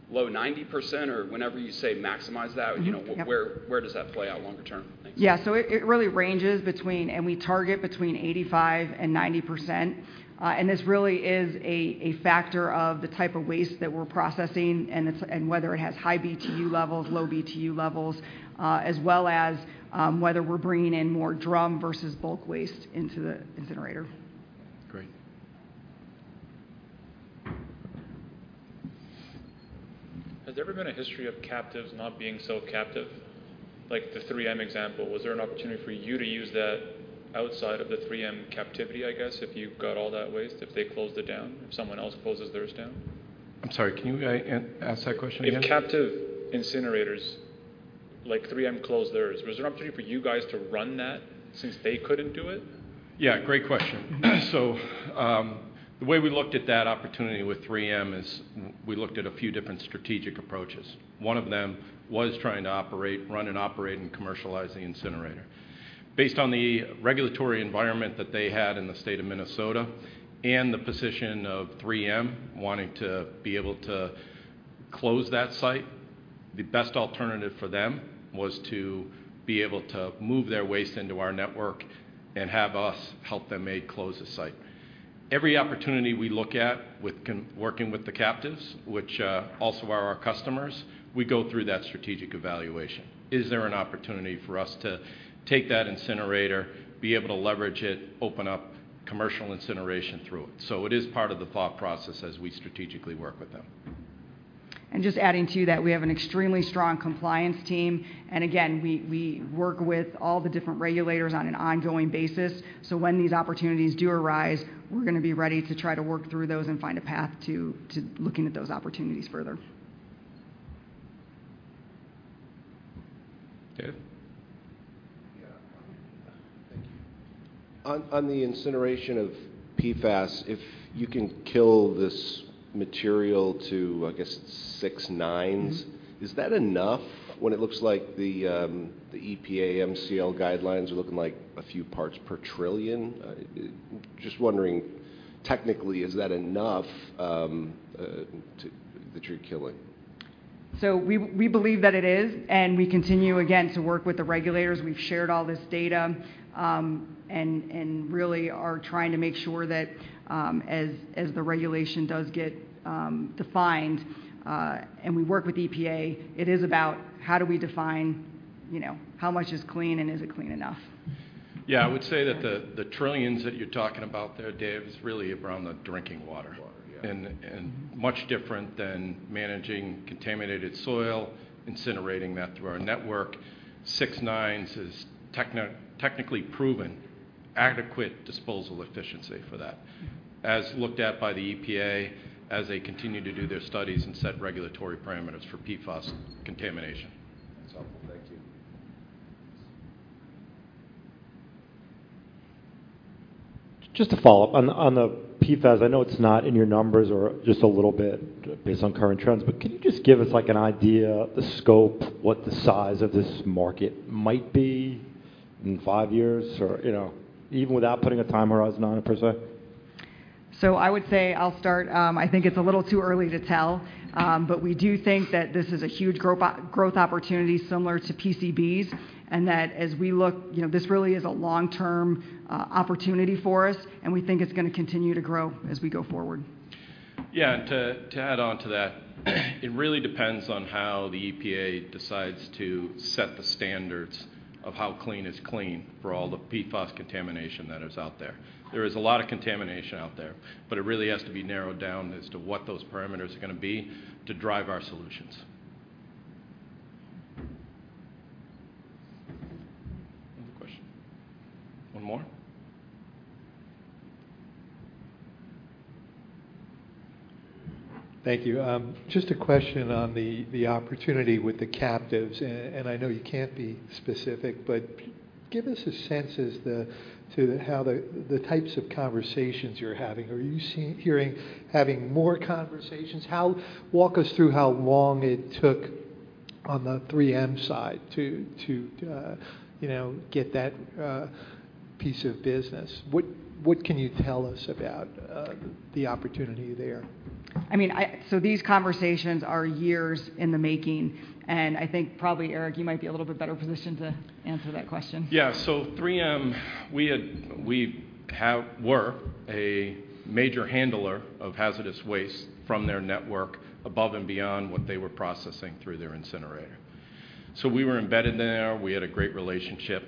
low 90% or whenever you say maximize that? Mm-hmm. Yep.... you know, where does that play out longer term? Thanks. It really ranges between, and we target between 85 and 90%. This really is a factor of the type of waste that we're processing and whether it has high BTU levels, low BTU levels, as well as, whether we're bringing in more drum versus bulk waste into the incinerator. Great. Has there ever been a history of captives not being so captive? Like the 3M example, was there an opportunity for you to use that outside of the 3M captivity, I guess, if you got all that waste, if they closed it down, if someone else closes theirs down? I'm sorry, can you ask that question again? If captive incinerators like 3M closed theirs, was there opportunity for you guys to run that since they couldn't do it? Yeah, great question. The way we looked at that opportunity with 3M is we looked at a few different strategic approaches. One of them was trying to run and operate and commercialize the incinerator. Based on the regulatory environment that they had in the state of Minnesota and the position of 3M wanting to be able to close that site, the best alternative for them was to be able to move their waste into our network and have us help them may close the site. Every opportunity we look at with working with the captives, which also are our customers, we go through that strategic evaluation. Is there an opportunity for us to take that incinerator, be able to leverage it, open up commercial incineration through it? It is part of the thought process as we strategically work with them. Just adding to that, we have an extremely strong compliance team. Again, we work with all the different regulators on an ongoing basis. When these opportunities do arise, we're gonna be ready to try to work through those and find a path to looking at those opportunities further. Dave? Yeah. Thank you. On the incineration of PFAS, if you can kill this material to, I guess, six, nines- Mm-hmm is that enough when it looks like the EPA MCL guidelines are looking like a few parts per trillion? Just wondering, technically, is that enough, that you're killing? We believe that it is, and we continue, again, to work with the regulators. We've shared all this data, and really are trying to make sure that as the regulation does get defined, and we work with EPA, it is about how do we define, you know, how much is clean and is it clean enough? Yeah. I would say that the trillions that you're talking about there, Dave, is really around the drinking water. Water, yeah. Much different than managing contaminated soil, incinerating that through our network. Six nines is technically proven adequate disposal efficiency for that, as looked at by the EPA as they continue to do their studies and set regulatory parameters for PFAS contamination. That's helpful. Thank you. Just to follow up, on the PFAS, I know it's not in your numbers or just a little bit based on current trends, but can you just give us, like, an idea of the scope, what the size of this market might be in five years? Or, you know, even without putting a time horizon on it per se. I would say, I'll start, I think it's a little too early to tell. We do think that this is a huge growth opportunity similar to PCBs, that as we look... You know, this really is a long-term opportunity for us, and we think it's gonna continue to grow as we go forward. Yeah. To add on to that, it really depends on how the EPA decides to set the standards of how clean is clean for all the PFAS contamination that is out there. There is a lot of contamination out there, it really has to be narrowed down as to what those parameters are gonna be to drive our solutions. Another question. One more. Thank you. Just a question on the opportunity with the captives, and I know you can't be specific, but give us a sense as to how the types of conversations you're having. Are you hearing having more conversations? Walk us through how long it took on the 3M side to, you know, get that piece of business. What can you tell us about the opportunity there? I mean, these conversations are years in the making, and I think probably, Eric, you might be a little bit better positioned to answer that question. Yeah. 3M, we were a major handler of hazardous waste from their network above and beyond what they were processing through their incinerator. We were embedded there, we had a great relationship,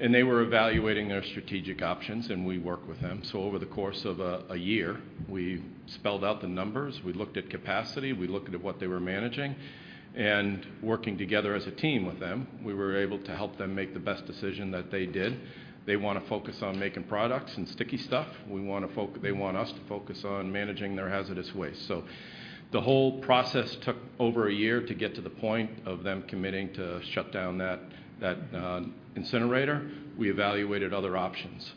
and they were evaluating their strategic options, and we worked with them. Over the course of a year, we spelled out the numbers. We looked at capacity, we looked at what they were managing. Working together as a team with them, we were able to help them make the best decision that they did. They wanna focus on making products and sticky stuff. They want us to focus on managing their hazardous waste. The whole process took over a year to get to the point of them committing to shut down that incinerator. We evaluated other options.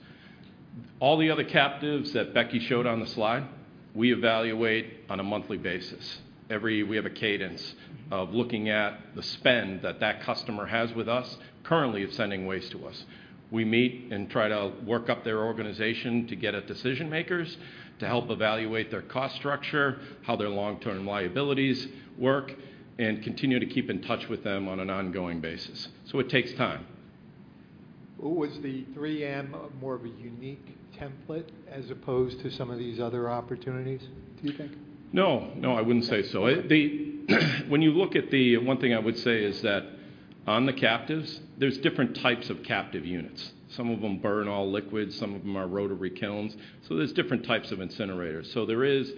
All the other captives that Becky showed on the slide, we evaluate on a monthly basis. We have a cadence of looking at the spend that that customer has with us currently sending waste to us. We meet and try to work up their organization to get at decision-makers, to help evaluate their cost structure, how their long-term liabilities work, and continue to keep in touch with them on an ongoing basis. It takes time. Was the 3M more of a unique template as opposed to some of these other opportunities, do you think? No. No, I wouldn't say so. Okay. One thing I would say is that on the captives, there's different types of captive units. Some of them burn all liquids, some of them are rotary kilns, so there's different types of incinerators. There is,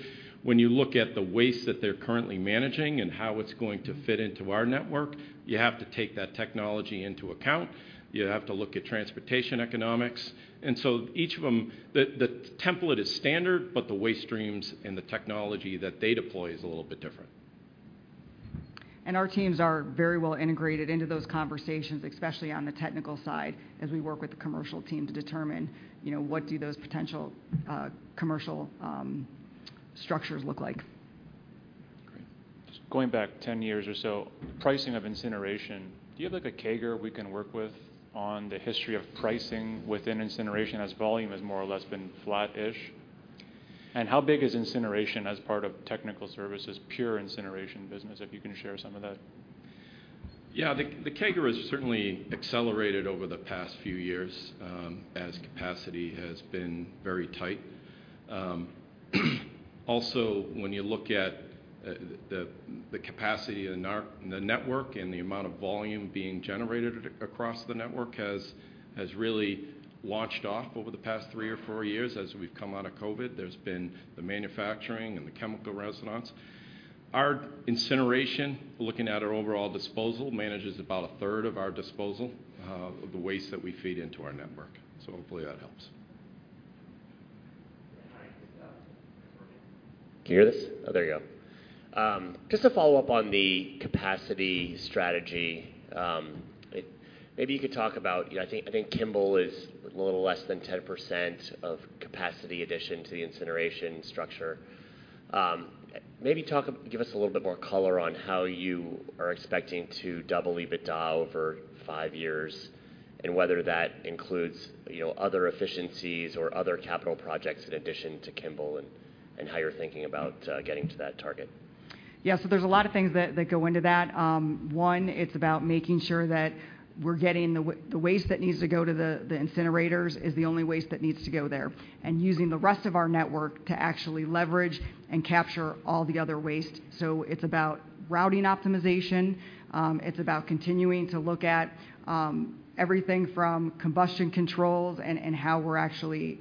when you look at the waste that they're currently managing and how it's going to fit into our network, you have to take that technology into account. You have to look at transportation economics. Each of them, the template is standard, but the waste streams and the technology that they deploy is a little bit different. Our teams are very well integrated into those conversations, especially on the technical side, as we work with the commercial team to determine, you know, what do those potential, commercial, structures look like. Great. Just going back 10 years or so, pricing of incineration, do you have, like, a CAGR we can work with on the history of pricing within incineration as volume has more or less been flat-ish? How big is incineration as part of Technical Services, pure incineration business, if you can share some of that? Yeah. The CAGR has certainly accelerated over the past few years, as capacity has been very tight. Also, when you look at the capacity in our network and the amount of volume being generated across the network has really launched off over the past three or four years as we've come out of COVID. There's been the manufacturing and the chemical renaissance. Our incineration, looking at our overall disposal, manages about 1/3 of our disposal of the waste that we feed into our network. Hopefully that helps. Can you hear this? Oh, there you go. Just to follow up on the capacity strategy, maybe you could talk about, you know, I think Kimball is a little less than 10% of capacity addition to the incineration structure. Maybe give us a little bit more color on how you are expecting to double EBITDA over five years, and whether that includes, you know, other efficiencies or other capital projects in addition to Kimball and how you're thinking about getting to that target. There's a lot of things that go into that. One, it's about making sure that we're getting the waste that needs to go to the incinerators is the only waste that needs to go there, and using the rest of our network to actually leverage and capture all the other waste. It's about routing optimization. It's about continuing to look at everything from combustion controls and how we're actually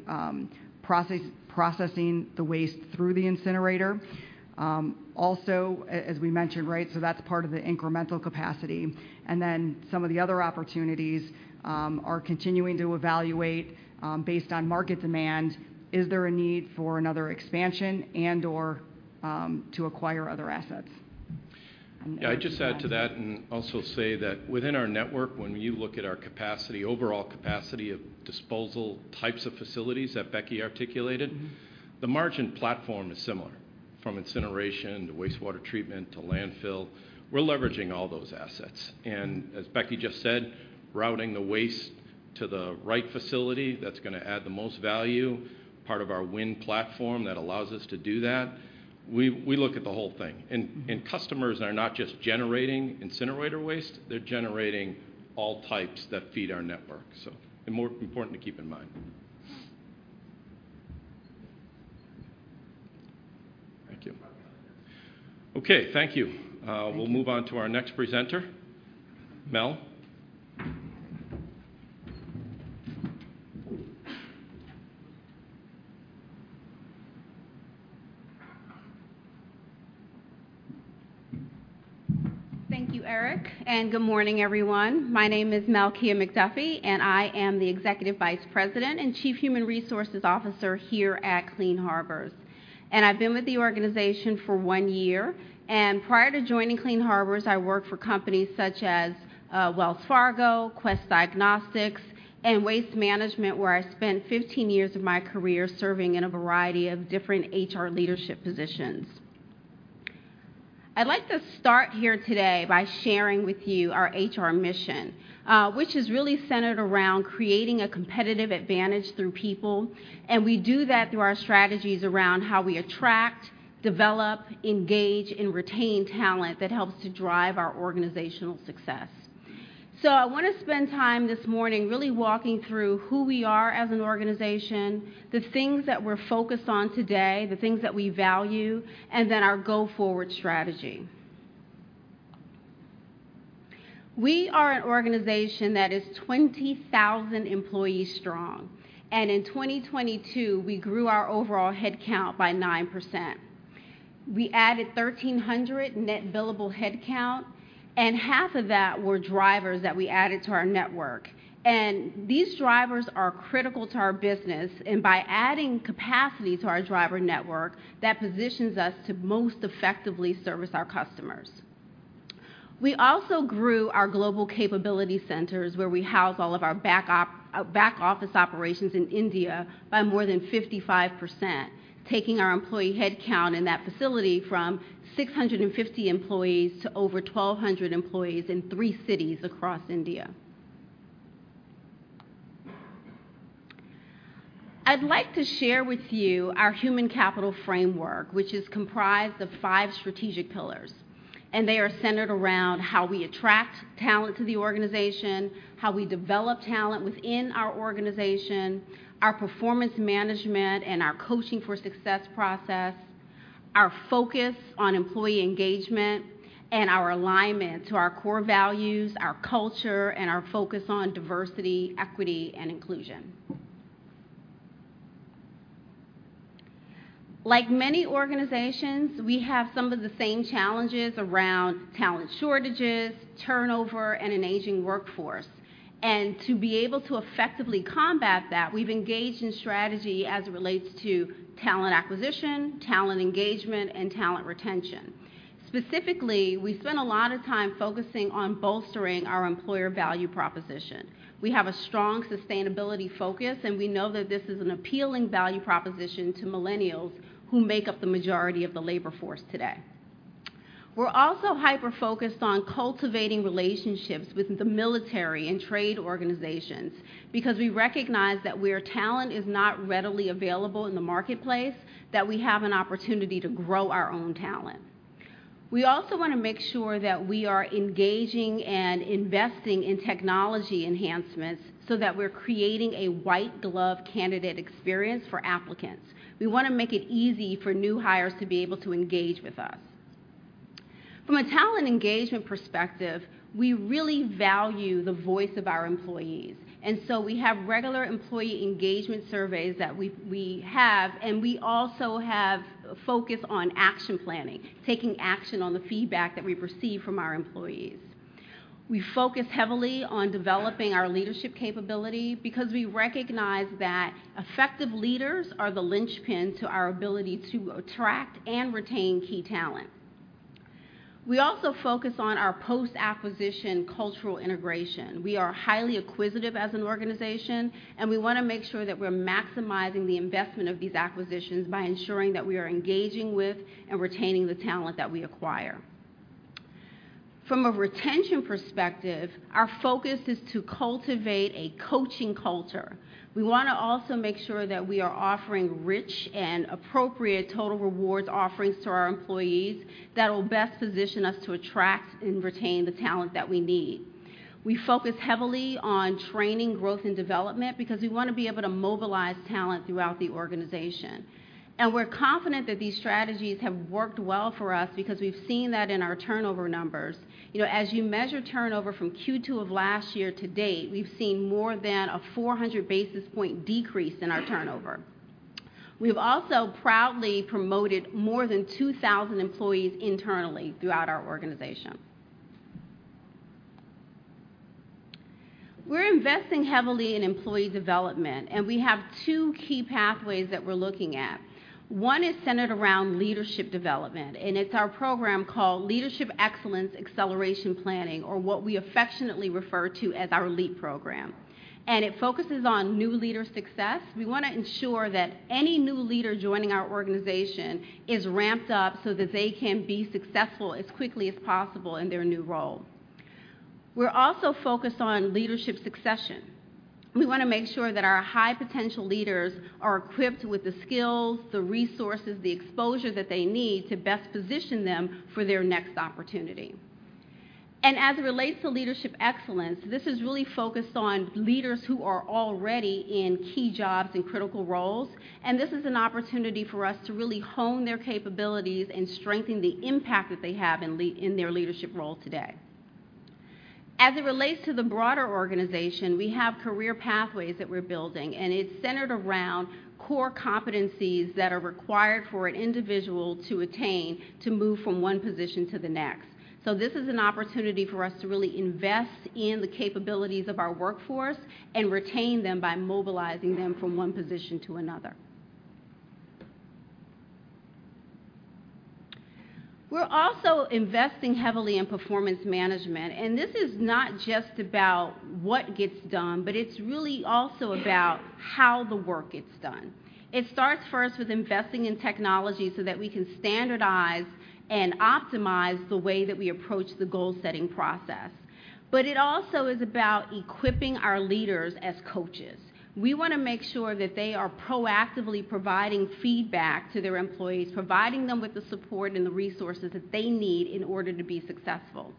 processing the waste through the incinerator. Also, as we mentioned, right? That's part of the incremental capacity. Some of the other opportunities are continuing to evaluate, based on market demand, is there a need for another expansion and/or to acquire other assets. Yeah, I'd just add to that and also say that within our network, when you look at our capacity, overall capacity of disposal types of facilities that Becky articulated, the margin platform is similar. From incineration to wastewater treatment to landfill, we're leveraging all those assets. As Becky just said, routing the waste to the right facility that's gonna add the most value, part of our WIN platform that allows us to do that, we look at the whole thing. Customers are not just generating incinerator waste, they're generating all types that feed our network. Important to keep in mind. Thank you. Okay, thank you. We'll move on to our next presenter. Mel. Thank you, Eric, good morning, everyone. My name is Melkeya McDuffie, I am the Executive Vice President and Chief Human Resources Officer here at Clean Harbors. I've been with the organization for one year. Prior to joining Clean Harbors, I worked for companies such as Wells Fargo, Quest Diagnostics, and Waste Management, where I spent 15 years of my career serving in a variety of different HR leadership positions. I'd like to start here today by sharing with you our HR mission, which is really centered around creating a competitive advantage through people, and we do that through our strategies around how we attract, develop, engage, and retain talent that helps to drive our organizational success. I wanna spend time this morning really walking through who we are as an organization, the things that we're focused on today, the things that we value, and then our go-forward strategy. We are an organization that is 20,000 employees strong, and in 2022, we grew our overall headcount by 9%. We added 1,300 net billable headcount, and half of that were drivers that we added to our network. These drivers are critical to our business, and by adding capacity to our driver network, that positions us to most effectively service our customers. We also grew our global capability centers, where we house all of our back office operations in India, by more than 55%, taking our employee headcount in that facility from 650 employees to over 1,200 employees in three cities across India. I'd like to share with you our human capital framework, which is comprised of five strategic pillars. They are centered around how we attract talent to the organization, how we develop talent within our organization, our performance management and our coaching for success process, our focus on employee engagement, and our alignment to our core values, our culture, and our focus on diversity, equity, and inclusion. Like many organizations, we have some of the same challenges around talent shortages, turnover, and an aging workforce. To be able to effectively combat that, we've engaged in strategy as it relates to talent acquisition, talent engagement, and talent retention. Specifically, we spend a lot of time focusing on bolstering our employer value proposition. We have a strong sustainability focus. We know that this is an appealing value proposition to millennials who make up the majority of the labor force today. We're also hyper-focused on cultivating relationships with the military and trade organizations because we recognize that where talent is not readily available in the marketplace, that we have an opportunity to grow our own talent. We also wanna make sure that we are engaging and investing in technology enhancements so that we're creating a white-glove candidate experience for applicants. We wanna make it easy for new hires to be able to engage with us. From a talent engagement perspective, we really value the voice of our employees, and so we have regular employee engagement surveys that we have, and we also have a focus on action planning, taking action on the feedback that we receive from our employees. We focus heavily on developing our leadership capability because we recognize that effective leaders are the linchpin to our ability to attract and retain key talent. We also focus on our post-acquisition cultural integration. We are highly acquisitive as an organization. We wanna make sure that we're maximizing the investment of these acquisitions by ensuring that we are engaging with and retaining the talent that we acquire. From a retention perspective, our focus is to cultivate a coaching culture. We wanna also make sure that we are offering rich and appropriate total rewards offerings to our employees that'll best position us to attract and retain the talent that we need. We focus heavily on training, growth, and development because we wanna be able to mobilize talent throughout the organization. We're confident that these strategies have worked well for us because we've seen that in our turnover numbers. You know, as you measure turnover from Q2 of last year to date, we've seen more than a 400 basis point decrease in our turnover. We've also proudly promoted more than 2,000 employees internally throughout our organization. We're investing heavily in employee development. We have two key pathways that we're looking at. One is centered around leadership development. It's our program called Leadership Excellence Acceleration Planning, or what we affectionately refer to as our LEAP program. It focuses on new leader success. We wanna ensure that any new leader joining our organization is ramped up so that they can be successful as quickly as possible in their new role. We're also focused on leadership succession. We wanna make sure that our high-potential leaders are equipped with the skills, the resources, the exposure that they need to best position them for their next opportunity. As it relates to leadership excellence, this is really focused on leaders who are already in key jobs and critical roles, and this is an opportunity for us to really hone their capabilities and strengthen the impact that they have in their leadership role today. As it relates to the broader organization, we have career pathways that we're building, and it's centered around core competencies that are required for an individual to attain to move from one position to the next. This is an opportunity for us to really invest in the capabilities of our workforce and retain them by mobilizing them from one position to another. We're also investing heavily in performance management, and this is not just about what gets done, but it's really also about how the work gets done. It starts first with investing in technology so that we can standardize and optimize the way that we approach the goal-setting process. It also is about equipping our leaders as coaches. We wanna make sure that they are proactively providing feedback to their employees, providing them with the support and the resources that they need in order to be successful.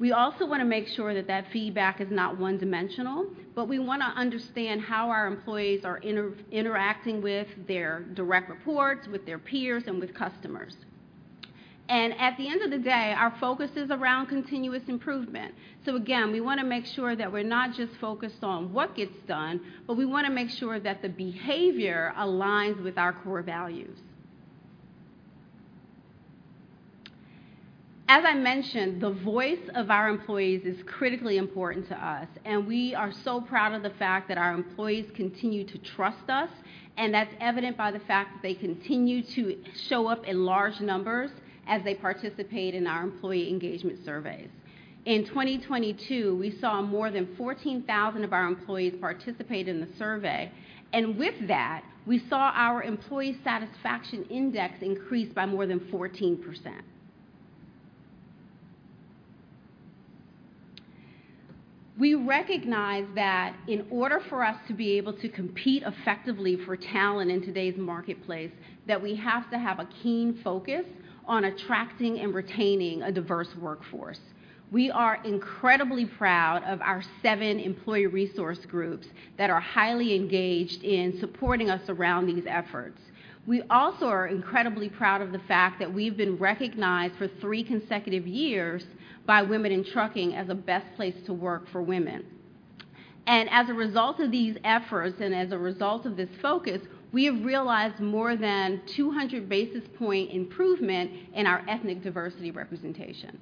We also wanna make sure that that feedback is not one-dimensional, but we wanna understand how our employees are interacting with their direct reports, with their peers, and with customers. At the end of the day, our focus is around continuous improvement. Again, we wanna make sure that we're not just focused on what gets done, but we wanna make sure that the behavior aligns with our core values. As I mentioned, the voice of our employees is critically important to us. We are so proud of the fact that our employees continue to trust us. That's evident by the fact that they continue to show up in large numbers as they participate in our employee engagement surveys. In 2022, we saw more than 14,000 of our employees participate in the survey. With that, we saw our employee satisfaction index increase by more than 14%. We recognize that in order for us to be able to compete effectively for talent in today's marketplace, that we have to have a keen focus on attracting and retaining a diverse workforce. We are incredibly proud of our seven employee resource groups that are highly engaged in supporting us around these efforts. We also are incredibly proud of the fact that we've been recognized for three consecutive years by Women In Trucking as a best place to work for women. As a result of these efforts and as a result of this focus, we have realized more than 200 basis point improvement in our ethnic diversity representation.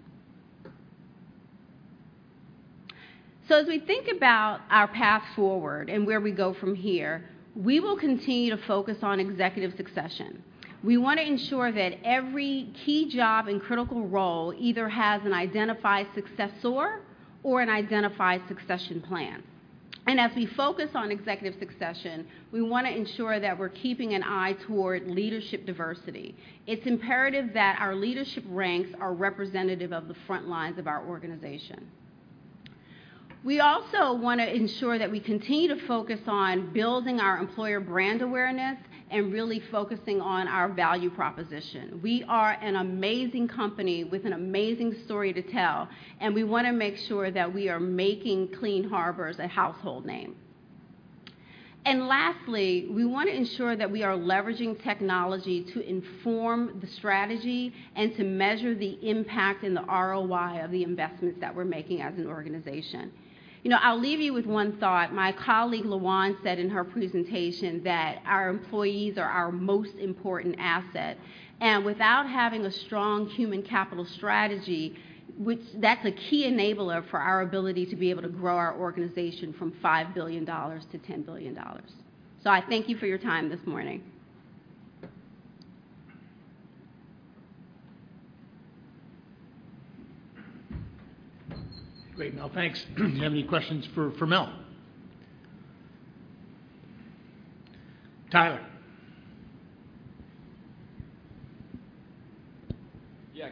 As we think about our path forward and where we go from here, we will continue to focus on executive succession. We wanna ensure that every key job and critical role either has an identified successor or an identified succession plan. As we focus on executive succession, we wanna ensure that we're keeping an eye toward leadership diversity. It's imperative that our leadership ranks are representative of the front lines of our organization. We also want to ensure that we continue to focus on building our employer brand awareness and really focusing on our value proposition. We are an amazing company with an amazing story to tell, and we want to make sure that we are making Clean Harbors a household name. Lastly, we want to ensure that we are leveraging technology to inform the strategy and to measure the impact and the ROI of the investments that we're making as an organization. You know, I'll leave you with one thought. My colleague, Loan, said in her presentation that our employees are our most important asset. Without having a strong human capital strategy, which that's a key enabler for our ability to be able to grow our organization from $5 billion-$10 billion. I thank you for your time this morning. Great, Mel. Thanks. Do we have any questions for Mel? Tyler. Yeah.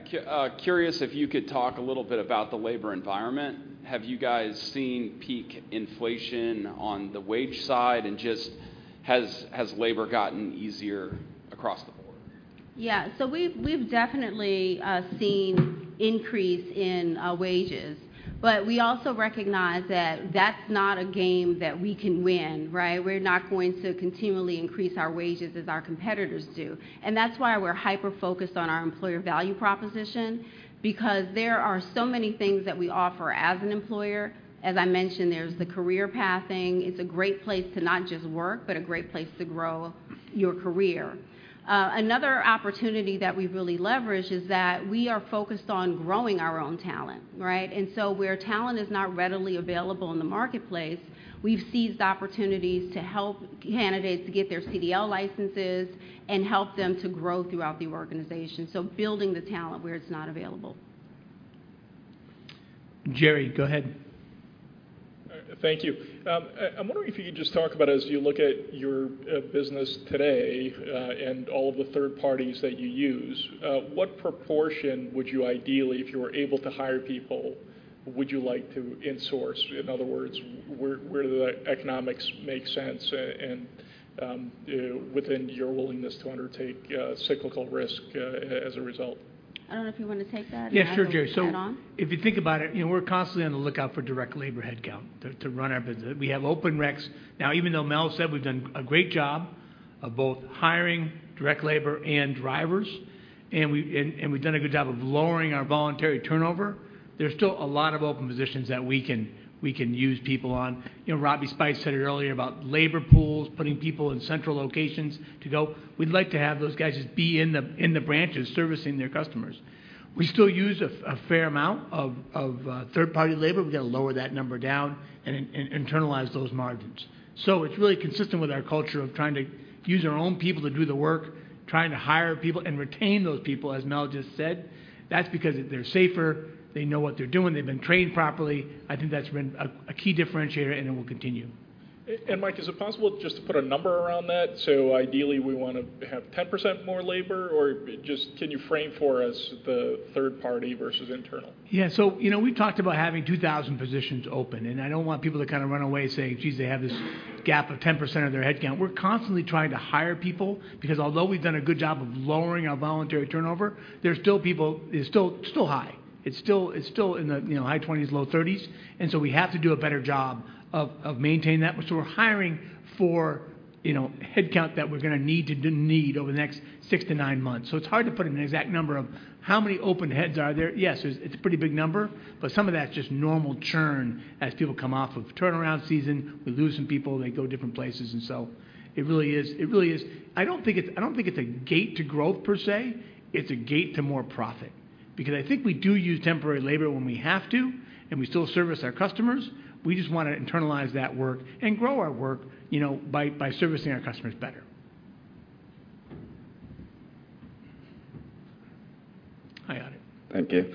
Curious if you could talk a little bit about the labor environment? Have you guys seen peak inflation on the wage side? Just, has labor gotten easier across the board? Yeah. We've definitely seen increase in wages, but we also recognize that that's not a game that we can win, right? We're not going to continually increase our wages as our competitors do. That's why we're hyper-focused on our employer value proposition because there are so many things that we offer as an employer. As I mentioned, there's the career pathing. It's a great place to not just work, but a great place to grow your career. Another opportunity that we've really leveraged is that we are focused on growing our own talent, right? Where talent is not readily available in the marketplace, we've seized opportunities to help candidates to get their CDL licenses and help them to grow throughout the organization. Building the talent where it's not available. Jerry, go ahead. Thank you. I'm wondering if you could just talk about as you look at your business today, and all of the third parties that you use, what proportion would you ideally, if you were able to hire people, would you like to insource? In other words, where the economics make sense and within your willingness to undertake cyclical risk as a result. I don't know if you want to take that. Yeah, sure, Jerry. I will add on. If you think about it, you know, we're constantly on the lookout for direct labor headcount to run our business. We have open recs. Now, even though Mel said we've done a great job of both hiring direct labor and drivers, and we've done a good job of lowering our voluntary turnover, there's still a lot of open positions that we can use people on. You know, Robby Speights said it earlier about labor pools, putting people in central locations to go. We'd like to have those guys just be in the branches servicing their customers. We still use a fair amount of third-party labor. We got to lower that number down and internalize those margins. It's really consistent with our culture of trying to use our own people to do the work, trying to hire people and retain those people, as Mel just said. That's because they're safer. They know what they're doing. They've been trained properly. I think that's been a key differentiator, and it will continue. Mike, is it possible just to put a number around that? Ideally, we want to have 10% more labor, or just can you frame for us the third party versus internal? Yeah. You know, we talked about having 2,000 positions open, and I don't want people to kind of run away saying, "Geez, they have this gap of 10% of their headcount." We're constantly trying to hire people because although we've done a good job of lowering our voluntary turnover, there's still people, it's still high. It's still in the, you know, high 20s, low 30s, we have to do a better job of maintaining that. We're hiring for, you know, headcount that we're going to need over the next six to nine months. It's hard to put an exact number of how many open heads are there. Yes, it's a pretty big number, but some of that's just normal churn as people come off of turnaround season. We lose some people, and they go different places. It really is... I don't think it's, I don't think it's a gate to growth per se. It's a gate to more profit. I think we do use temporary labor when we have to, and we still service our customers. We just want to internalize that work and grow our work, you know, by servicing our customers better. Hi, Noah. Thank you.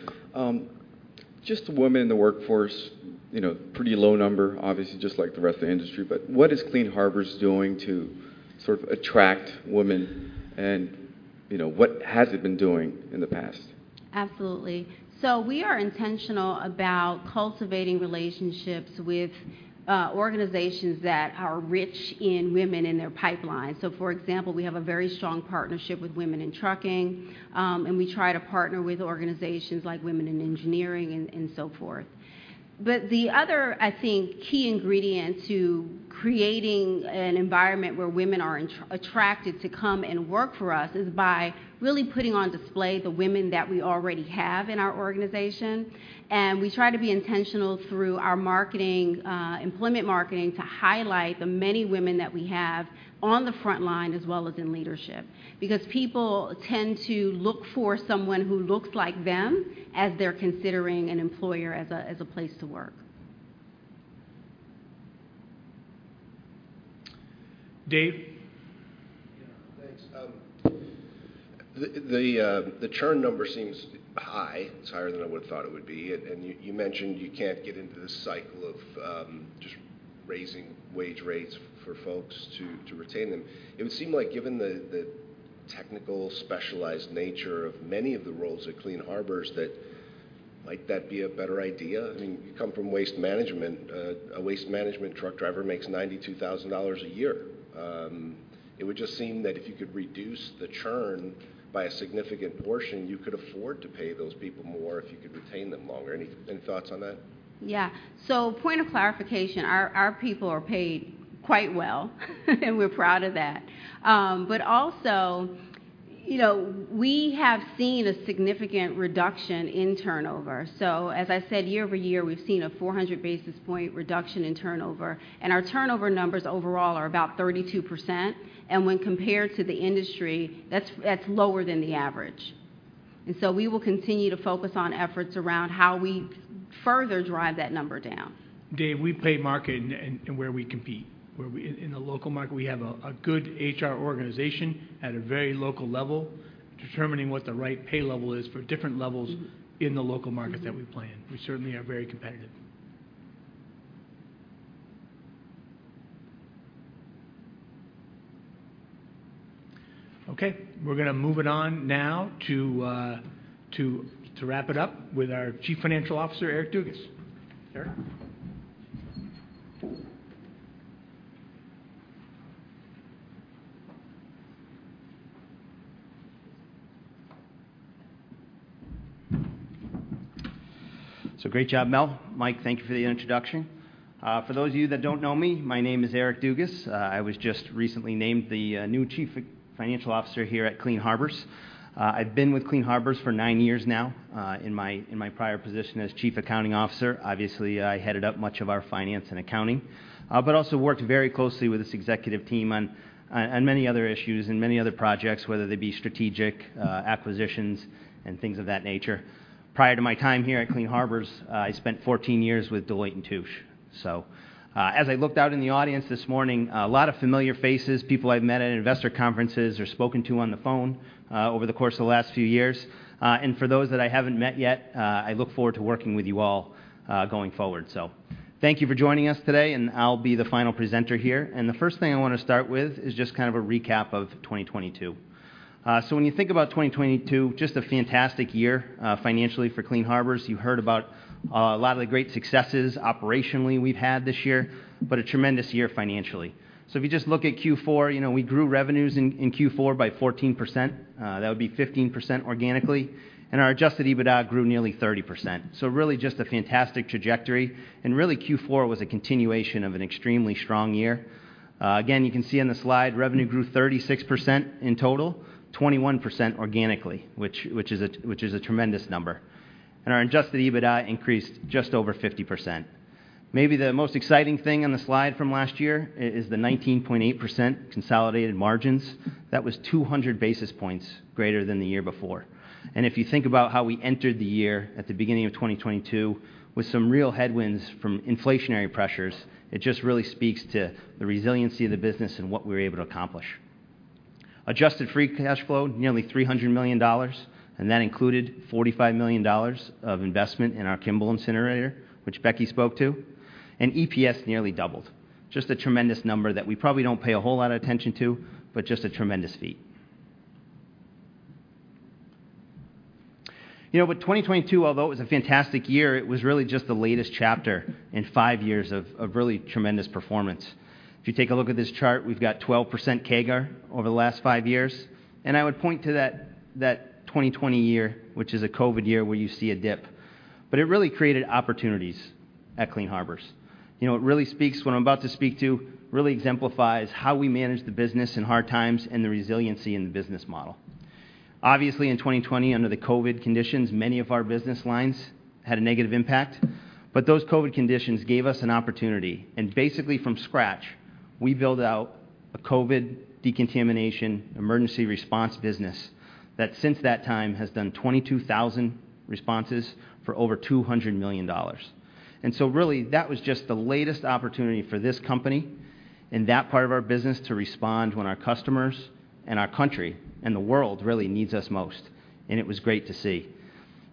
Just women in the workforce, you know, pretty low number, obviously, just like the rest of the industry. What is Clean Harbors doing to sort of attract women and, you know, what has it been doing in the past? Absolutely. We are intentional about cultivating relationships with organizations that are rich in women in their pipeline. For example, we have a very strong partnership with Women In Trucking, and we try to partner with organizations like Women in Engineering and so forth. The other, I think, key ingredient to creating an environment where women are attracted to come and work for us is by really putting on display the women that we already have in our organization. We try to be intentional through our marketing, employment marketing to highlight the many women that we have on the front line as well as in leadership. Because people tend to look for someone who looks like them as they're considering an employer as a place to work. Dave? Thanks. The churn number seems high. It's higher than I would have thought it would be. You mentioned you can't get into the cycle of just raising wage rates for folks to retain them. It would seem like given the technical specialized nature of many of the roles at Clean Harbors that might be a better idea. I mean, you come from waste management. A waste management truck driver makes $92,000 a year. It would just seem that if you could reduce the churn by a significant portion, you could afford to pay those people more if you could retain them longer. Any thoughts on that? Yeah. Point of clarification, our people are paid quite well, and we're proud of that. Also, you know, we have seen a significant reduction in turnover. As I said, year-over-year, we've seen a 400 basis point reduction in turnover, and our turnover numbers overall are about 32%. When compared to the industry, that's lower than the average. We will continue to focus on efforts around how we further drive that number down. Dave, we pay market and where we compete. In the local market, we have a good HR organization at a very local level, determining what the right pay level is for different levels in the local market that we play in. We certainly are very competitive. Okay, we're going to move it on now to wrap it up with our Chief Financial Officer, Eric Dugas. Eric? Great job, Mel. Mike, thank you for the introduction. For those of you that don't know me, my name is Eric Dugas. I was just recently named the new Chief Financial Officer here at Clean Harbors. I've been with Clean Harbors for nine years now, in my prior position as Chief Accounting Officer. Obviously, I headed up much of our finance and accounting, but also worked very closely with this executive team on many other issues and many other projects, whether they be strategic, acquisitions and things of that nature. Prior to my time here at Clean Harbors, I spent 14 years with Deloitte & Touche. As I looked out in the audience this morning, a lot of familiar faces, people I've met at investor conferences or spoken to on the phone over the course of the last few years. For those that I haven't met yet, I look forward to working with you all going forward. Thank you for joining us today, and I'll be the final presenter here. The first thing I want to start with is just kind of a recap of 2022. When you think about 2022, just a fantastic year financially for Clean Harbors. You heard about a lot of the great successes operationally we've had this year, but a tremendous year financially. If you just look at Q4, you know, we grew revenues in Q4 by 14%, that would be 15% organically, and our adjusted EBITDA grew nearly 30%. Really just a fantastic trajectory. Really, Q4 was a continuation of an extremely strong year. Again, you can see on the slide, revenue grew 36% in total, 21% organically, which is a tremendous number. Our adjusted EBITDA increased just over 50%. Maybe the most exciting thing on the slide from last year is the 19.8% consolidated margins. That was 200 basis points greater than the year before. If you think about how we entered the year at the beginning of 2022 with some real headwinds from inflationary pressures, it just really speaks to the resiliency of the business and what we were able to accomplish. Adjusted free cash flow, nearly $300 million, and that included $45 million of investment in our Kimball incinerator, which Becky spoke to. EPS nearly doubled. Just a tremendous number that we probably don't pay a whole lot of attention to, but just a tremendous feat. You know, 2022, although it was a fantastic year, it was really just the latest chapter in five years of really tremendous performance. If you take a look at this chart, we've got 12% CAGR over the last five years, and I would point to that 2020 year, which is a COVID year, where you see a dip. It really created opportunities at Clean Harbors. You know, what I'm about to speak to really exemplifies how we manage the business in hard times and the resiliency in the business model. Obviously, in 2020, under the COVID conditions, many of our business lines had a negative impact. Those COVID conditions gave us an opportunity, and basically from scratch, we built out a COVID decontamination emergency response business that since that time has done 22,000 responses for over $200 million. Really, that was just the latest opportunity for this company and that part of our business to respond when our customers and our country and the world really needs us most. It was great to see. You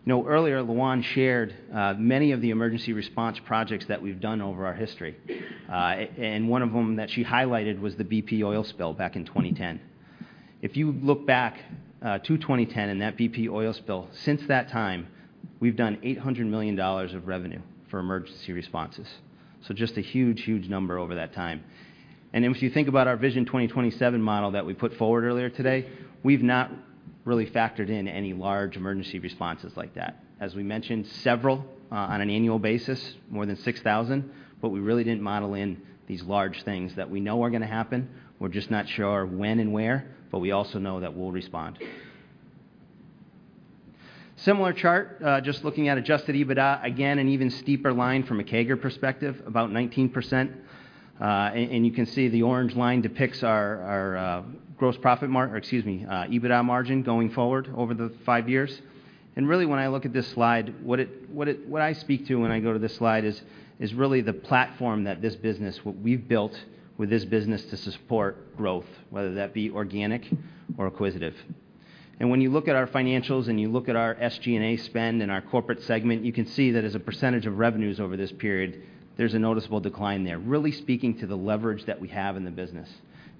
know, earlier, Loan shared many of the emergency response projects that we've done over our history. And one of them that she highlighted was the BP oil spill back in 2010. If you look back to 2010 and that BP oil spill, since that time, we've done $800 million of revenue for emergency responses. Just a huge, huge number over that time. If you think about our Vision 2027 model that we put forward earlier today, we've not really factored in any large emergency responses like that. As we mentioned, several on an annual basis, more than 6,000, we really didn't model in these large things that we know are gonna happen. We're just not sure when and where, we also know that we'll respond. Similar chart, just looking at adjusted EBITDA. Again, an even steeper line from a CAGR perspective, about 19%. You can see the orange line depicts our, gross profit or excuse me, EBITDA margin going forward over the five years. Really, when I look at this slide, what I speak to when I go to this slide is really the platform that this business, what we've built with this business to support growth, whether that be organic or acquisitive. When you look at our financials and you look at our SG&A spend and our corporate segment, you can see that as a percentage of revenues over this period, there's a noticeable decline there, really speaking to the leverage that we have in the business.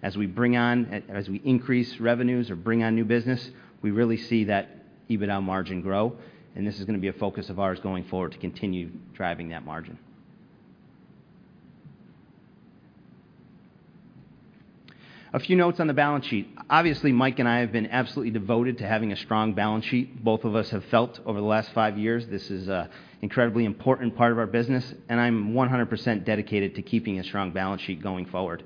As we bring on, as we increase revenues or bring on new business, we really see that EBITDA margin grow, and this is gonna be a focus of ours going forward to continue driving that margin. A few notes on the balance sheet. Obviously, Mike and I have been absolutely devoted to having a strong balance sheet. Both of us have felt over the last five years this is a incredibly important part of our business, and I'm 100% dedicated to keeping a strong balance sheet going forward.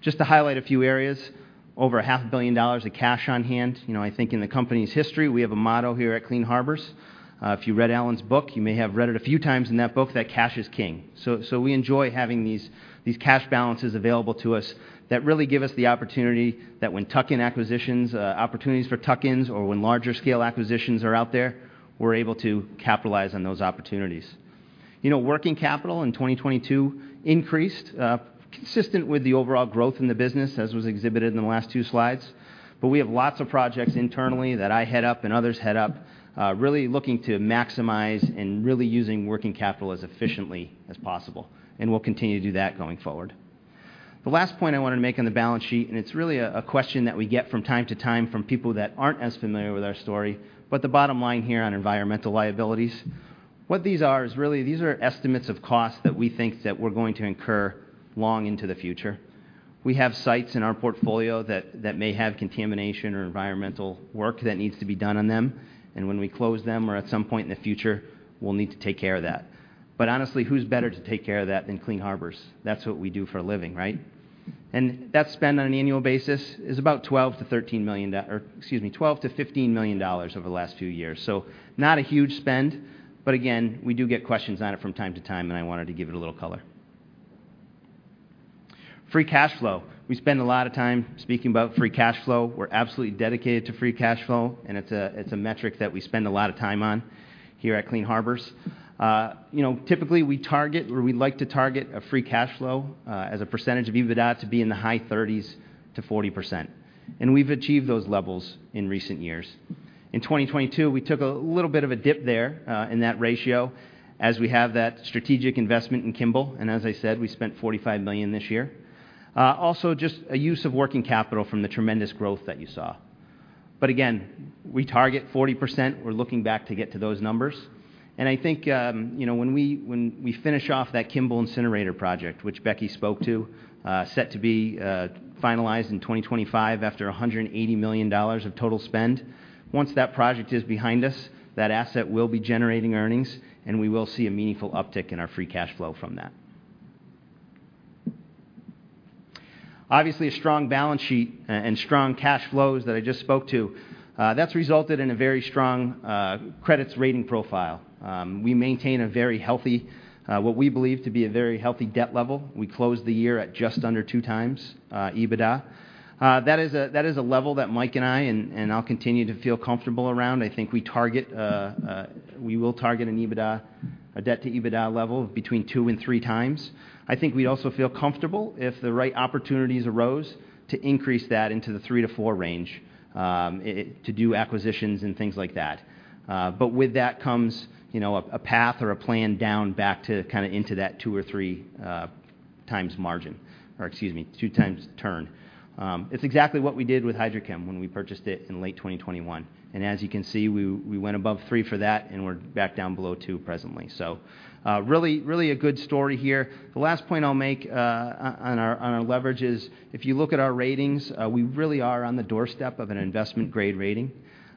Just to highlight a few areas, over a $500 million of cash on hand. You know, I think in the company's history, we have a motto here at Clean Harbors. If you read Alan's book, you may have read it a few times in that book, that cash is king. We enjoy having these cash balances available to us that really give us the opportunity that when tuck-in acquisitions, opportunities for tuck-ins or when larger scale acquisitions are out there, we're able to capitalize on those opportunities. You know, working capital in 2022 increased, consistent with the overall growth in the business as was exhibited in the last two slides. We have lots of projects internally that I head up and others head up, really looking to maximize and really using working capital as efficiently as possible, and we'll continue to do that going forward. The last point I wanted to make on the balance sheet, and it's really a question that we get from time to time from people that aren't as familiar with our story, but the bottom line here on environmental liabilities. What these are is really, these are estimates of costs that we think that we're going to incur long into the future. We have sites in our portfolio that may have contamination or environmental work that needs to be done on them, and when we close them or at some point in the future, we'll need to take care of that. Honestly, who's better to take care of that than Clean Harbors? That's what we do for a living, right? That spend on an annual basis is about $12 million-$15 million over the last few years. Not a huge spend, but again, we do get questions on it from time to time, and I wanted to give it a little color. Free cash flow. We spend a lot of time speaking about free cash flow. We're absolutely dedicated to free cash flow, and it's a metric that we spend a lot of time on here at Clean Harbors. You know, typically, we target or we'd like to target a free cash flow as a percentage of EBITDA to be in the high 30%-40%, and we've achieved those levels in recent years. In 2022, we took a little bit of a dip there in that ratio as we have that strategic investment in Kimball, and as I said, we spent $45 million this year. Also just a use of working capital from the tremendous growth that you saw. Again, we target 40%. We're looking back to get to those numbers. I think, you know, when we, when we finish off that Kimball incinerator project, which Becky spoke to, set to be finalized in 2025 after $180 million of total spend. Once that project is behind us, that asset will be generating earnings, and we will see a meaningful uptick in our free cash flow from that. Obviously, a strong balance sheet and strong cash flows that I just spoke to, that's resulted in a very strong credit rating profile. We maintain a very healthy, what we believe to be a very healthy debt level. We closed the year at just under 2x EBITDA. That is a level that Mike and I, and I'll continue to feel comfortable around. I think we target, we will target an EBITDA, a debt to EBITDA level between 2x and 3x. I think we'd also feel comfortable if the right opportunities arose to increase that into the 3x-4x range, to do acquisitions and things like that. With that comes, you know, a path or a plan down back to kind of into that 2x or 3x margin, or excuse me, 2x turn. It's exactly what we did with HydroChem when we purchased it in late 2021. As you can see, we went above three for that, and we're back down below 2x presently. Really a good story here. The last point I'll make on our leverage is if you look at our ratings, we really are on the doorstep of an investment-grade rating.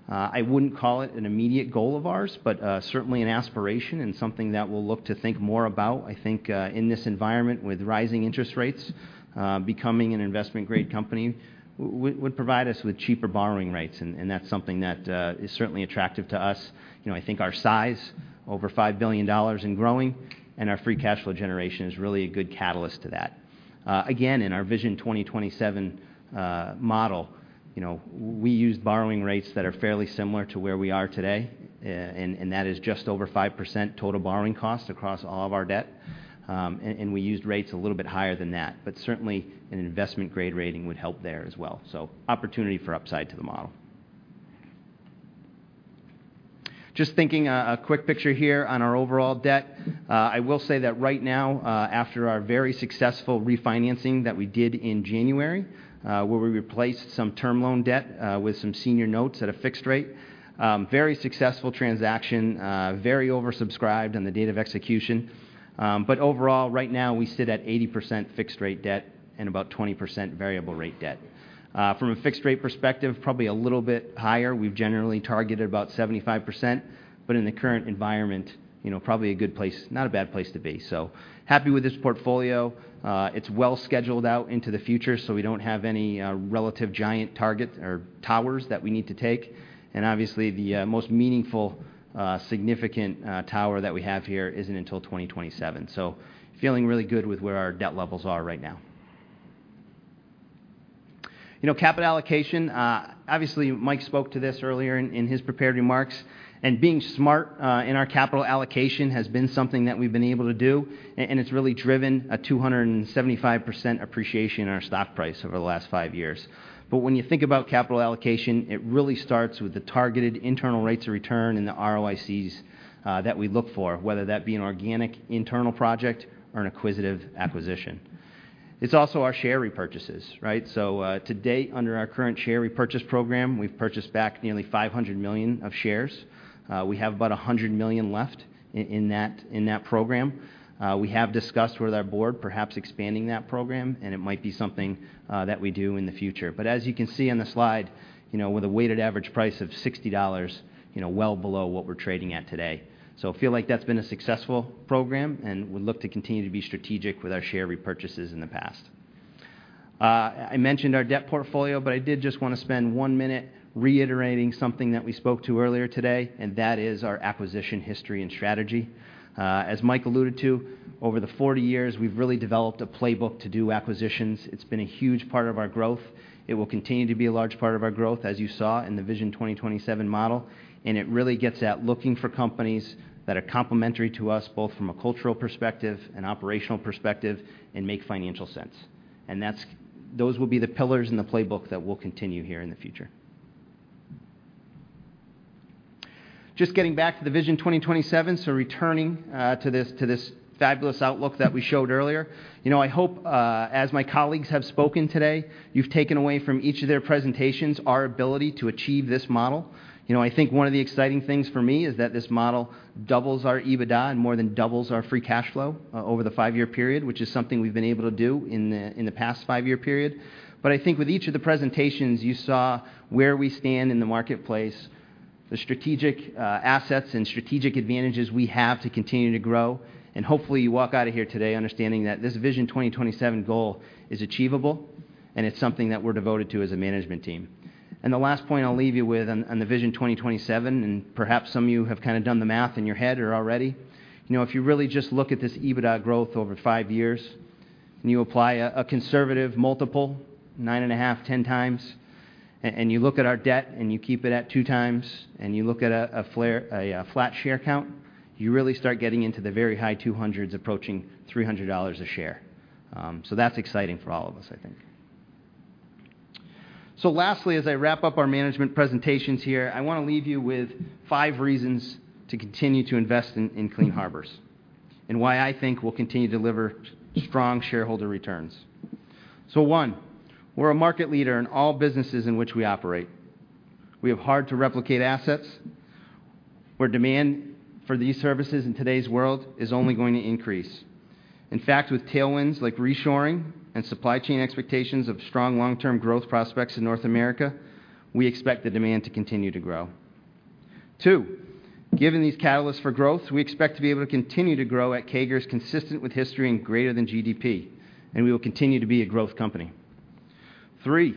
I wouldn't call it an immediate goal of ours, certainly an aspiration and something that we'll look to think more about. I think, in this environment with rising interest rates, becoming an investment-grade company would provide us with cheaper borrowing rates, and that's something that is certainly attractive to us. You know, I think our size, over $5 billion and growing, and our free cash flow generation is really a good catalyst to that. Again, in our Vision 2027 model, you know, we used borrowing rates that are fairly similar to where we are today, and that is just over 5% total borrowing cost across all of our debt. And we used rates a little bit higher than that, but certainly an investment-grade rating would help there as well. Opportunity for upside to the model. Just thinking a quick picture here on our overall debt. I will say that right now, after our very successful refinancing that we did in January, where we replaced some term loan debt, with some senior notes at a fixed rate, very successful transaction, very oversubscribed on the date of execution. Overall, right now we sit at 80% fixed-rate debt and about 20% variable-rate debt. From a fixed-rate perspective, probably a little bit higher. We've generally targeted about 75%, but in the current environment, you know, probably a good place, not a bad place to be. Happy with this portfolio. It's well scheduled out into the future, so we don't have any relative giant targets or towers that we need to take. Obviously, the most meaningful, significant, tower that we have here isn't until 2027. Feeling really good with where our debt levels are right now. You know, capital allocation, obviously, Mike spoke to this earlier in his prepared remarks, and being smart in our capital allocation has been something that we've been able to do, and it's really driven a 275% appreciation in our stock price over the last five years. When you think about capital allocation, it really starts with the targeted internal rates of return and the ROICs that we look for, whether that be an organic internal project or an acquisitive acquisition. It's also our share repurchases, right? To date, under our current share repurchase program, we've purchased back nearly $500 million of shares. We have about $100 million left in that program. We have discussed with our board perhaps expanding that program, and it might be something that we do in the future. As you can see on the slide, you know, with a weighted average price of $60, you know, well below what we're trading at today. Feel like that's been a successful program, and we look to continue to be strategic with our share repurchases in the past. I mentioned our debt portfolio, but I did just wanna spend one minute reiterating something that we spoke to earlier today, and that is our acquisition history and strategy. As Mike alluded to, over the 40 years, we've really developed a playbook to do acquisitions. It's been a huge part of our growth. It will continue to be a large part of our growth, as you saw in the Vision 2027 model. It really gets at looking for companies that are complementary to us, both from a cultural perspective and operational perspective, and make financial sense. Those will be the pillars in the playbook that we'll continue here in the future. Just getting back to the Vision 2027, returning to this fabulous outlook that we showed earlier. You know, I hope, as my colleagues have spoken today, you've taken away from each of their presentations our ability to achieve this model. You know, I think one of the exciting things for me is that this model doubles our EBITDA and more than doubles our free cash flow over the past five-year period. I think with each of the presentations, you saw where we stand in the marketplace, the strategic assets and strategic advantages we have to continue to grow. Hopefully, you walk out of here today understanding that this Vision 2027 goal is achievable, and it's something that we're devoted to as a management team. The last point I'll leave you with on the Vision 2027, and perhaps some of you have kinda done the math in your head already. You know, if you really just look at this EBITDA growth over five years and you apply a conservative multiple, 9.5x-10x, and you look at our debt and you keep it at 2x, and you look at a flat share count, you really start getting into the very high $200s approaching $300 a share. That's exciting for all of us, I think. Lastly, as I wrap up our management presentations here, I wanna leave you with five reasons to continue to invest in Clean Harbors and why I think we'll continue to deliver strong shareholder returns. One, we're a market leader in all businesses in which we operate. We have hard-to-replicate assets, where demand for these services in today's world is only going to increase. In fact, with tailwinds like reshoring and supply chain expectations of strong long-term growth prospects in North America, we expect the demand to continue to grow. Two, given these catalysts for growth, we expect to be able to continue to grow at CAGRs consistent with history and greater than GDP, and we will continue to be a growth company. Three,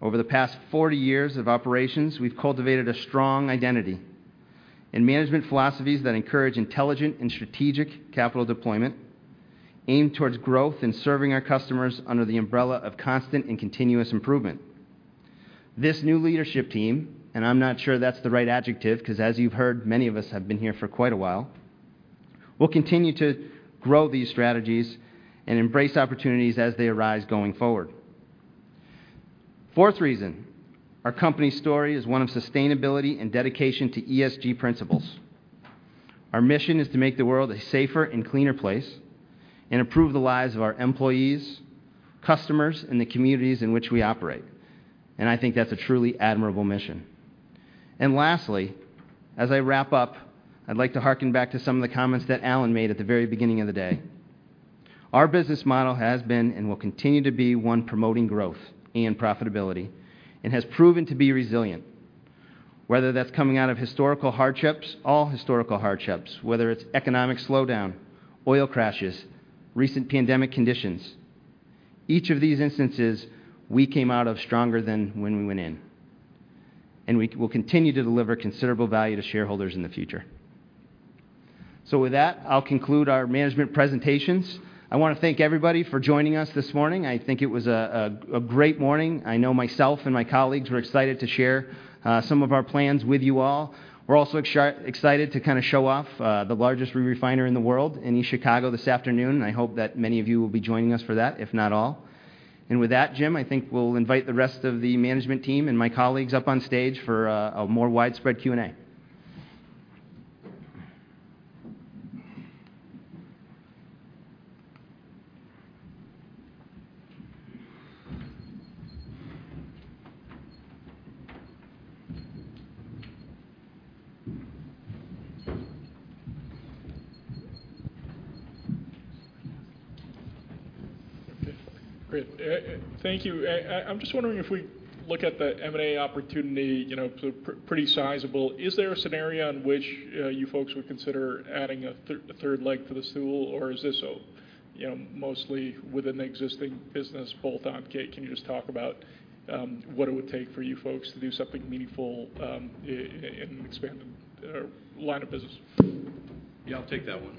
over the past 40 years of operations, we've cultivated a strong identity and management philosophies that encourage intelligent and strategic capital deployment aimed towards growth and serving our customers under the umbrella of constant and continuous improvement. This new leadership team, and I'm not sure that's the right adjective, 'cause as you've heard, many of us have been here for quite a while. We'll continue to grow these strategies and embrace opportunities as they arise going forward. Fourth reason, our company story is one of sustainability and dedication to ESG principles. Our mission is to make the world a safer and cleaner place and improve the lives of our employees, customers, and the communities in which we operate. I think that's a truly admirable mission. Lastly, as I wrap up, I'd like to harken back to some of the comments that Alan made at the very beginning of the day. Our business model has been and will continue to be one promoting growth and profitability, and has proven to be resilient. Whether that's coming out of historical hardships, all historical hardships, whether it's economic slowdown, oil crashes, recent pandemic conditions, each of these instances, we came out of stronger than when we went in, and we will continue to deliver considerable value to shareholders in the future. With that, I'll conclude our management presentations. I wanna thank everybody for joining us this morning. I think it was a great morning. I know myself and my colleagues were excited to share some of our plans with you all. We're also excited to kinda show off the largest refiner in the world in East Chicago this afternoon. I hope that many of you will be joining us for that, if not all. With that, Jim, I think we'll invite the rest of the management team and my colleagues up on stage for a more widespread Q&A. Okay, great. Thank you. I'm just wondering if we look at the M&A opportunity, you know, pretty sizable, is there a scenario in which you folks would consider adding a third leg to the stool, or is this, you know, mostly within the existing business bolt-on? Can you just talk about what it would take for you folks to do something meaningful and expand the line of business? Yeah, I'll take that one.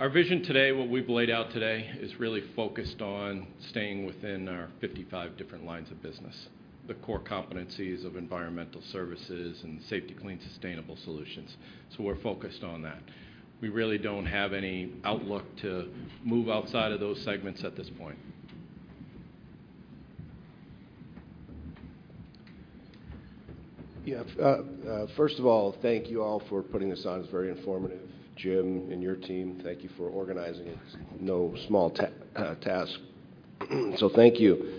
Our vision today, what we've laid out today, is really focused on staying within our 55 different lines of business. The core competencies of Environmental Services and Safety-Kleen Sustainable Solutions. We're focused on that. We really don't have any outlook to move outside of those segments at this point. Yeah. First of all, thank you all for putting this on. It's very informative. Jim and your team, thank you for organizing it. It's no small task, so thank you.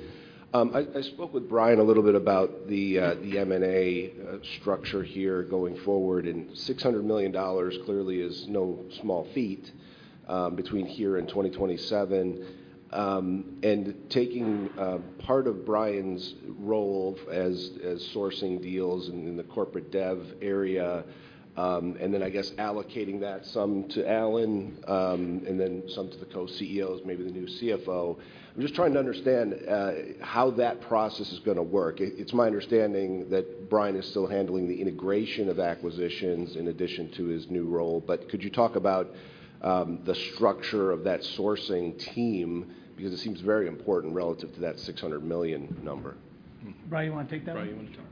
I spoke with Brian a little bit about the M&A structure here going forward, and $600 million clearly is no small feat between here and 2027, taking part of Brian's role as sourcing deals in the corporate dev area, and then I guess allocating that some to Alan, and then some to the Co-CEOs, maybe the new CFO. I'm just trying to understand how that process is gonna work. It's my understanding that Brian is still handling the integration of acquisitions in addition to his new role. Could you talk about the structure of that sourcing team? Because it seems very important relative to that $600 million number. Brian, you wanna take that? Brian, you wanna take that?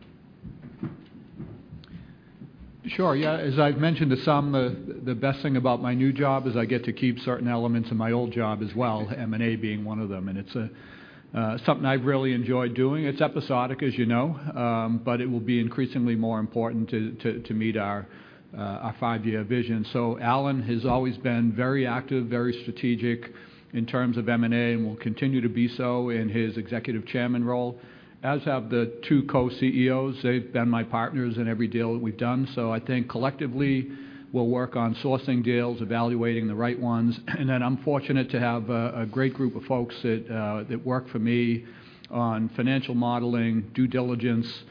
Sure. Yeah. As I've mentioned to some, the best thing about my new job is I get to keep certain elements of my old job as well, M&A being one of them, and it's something I've really enjoyed doing. It's episodic, as you know, but it will be increasingly more important to meet our 5-year vision. Alan has always been very active, very strategic in terms of M&A and will continue to be so in his executive chairman role, as have the two Co-CEOs. They've been my partners in every deal that we've done. I think collectively we'll work on sourcing deals, evaluating the right ones. Then I'm fortunate to have a great group of folks that work for me on financial modeling, due diligence,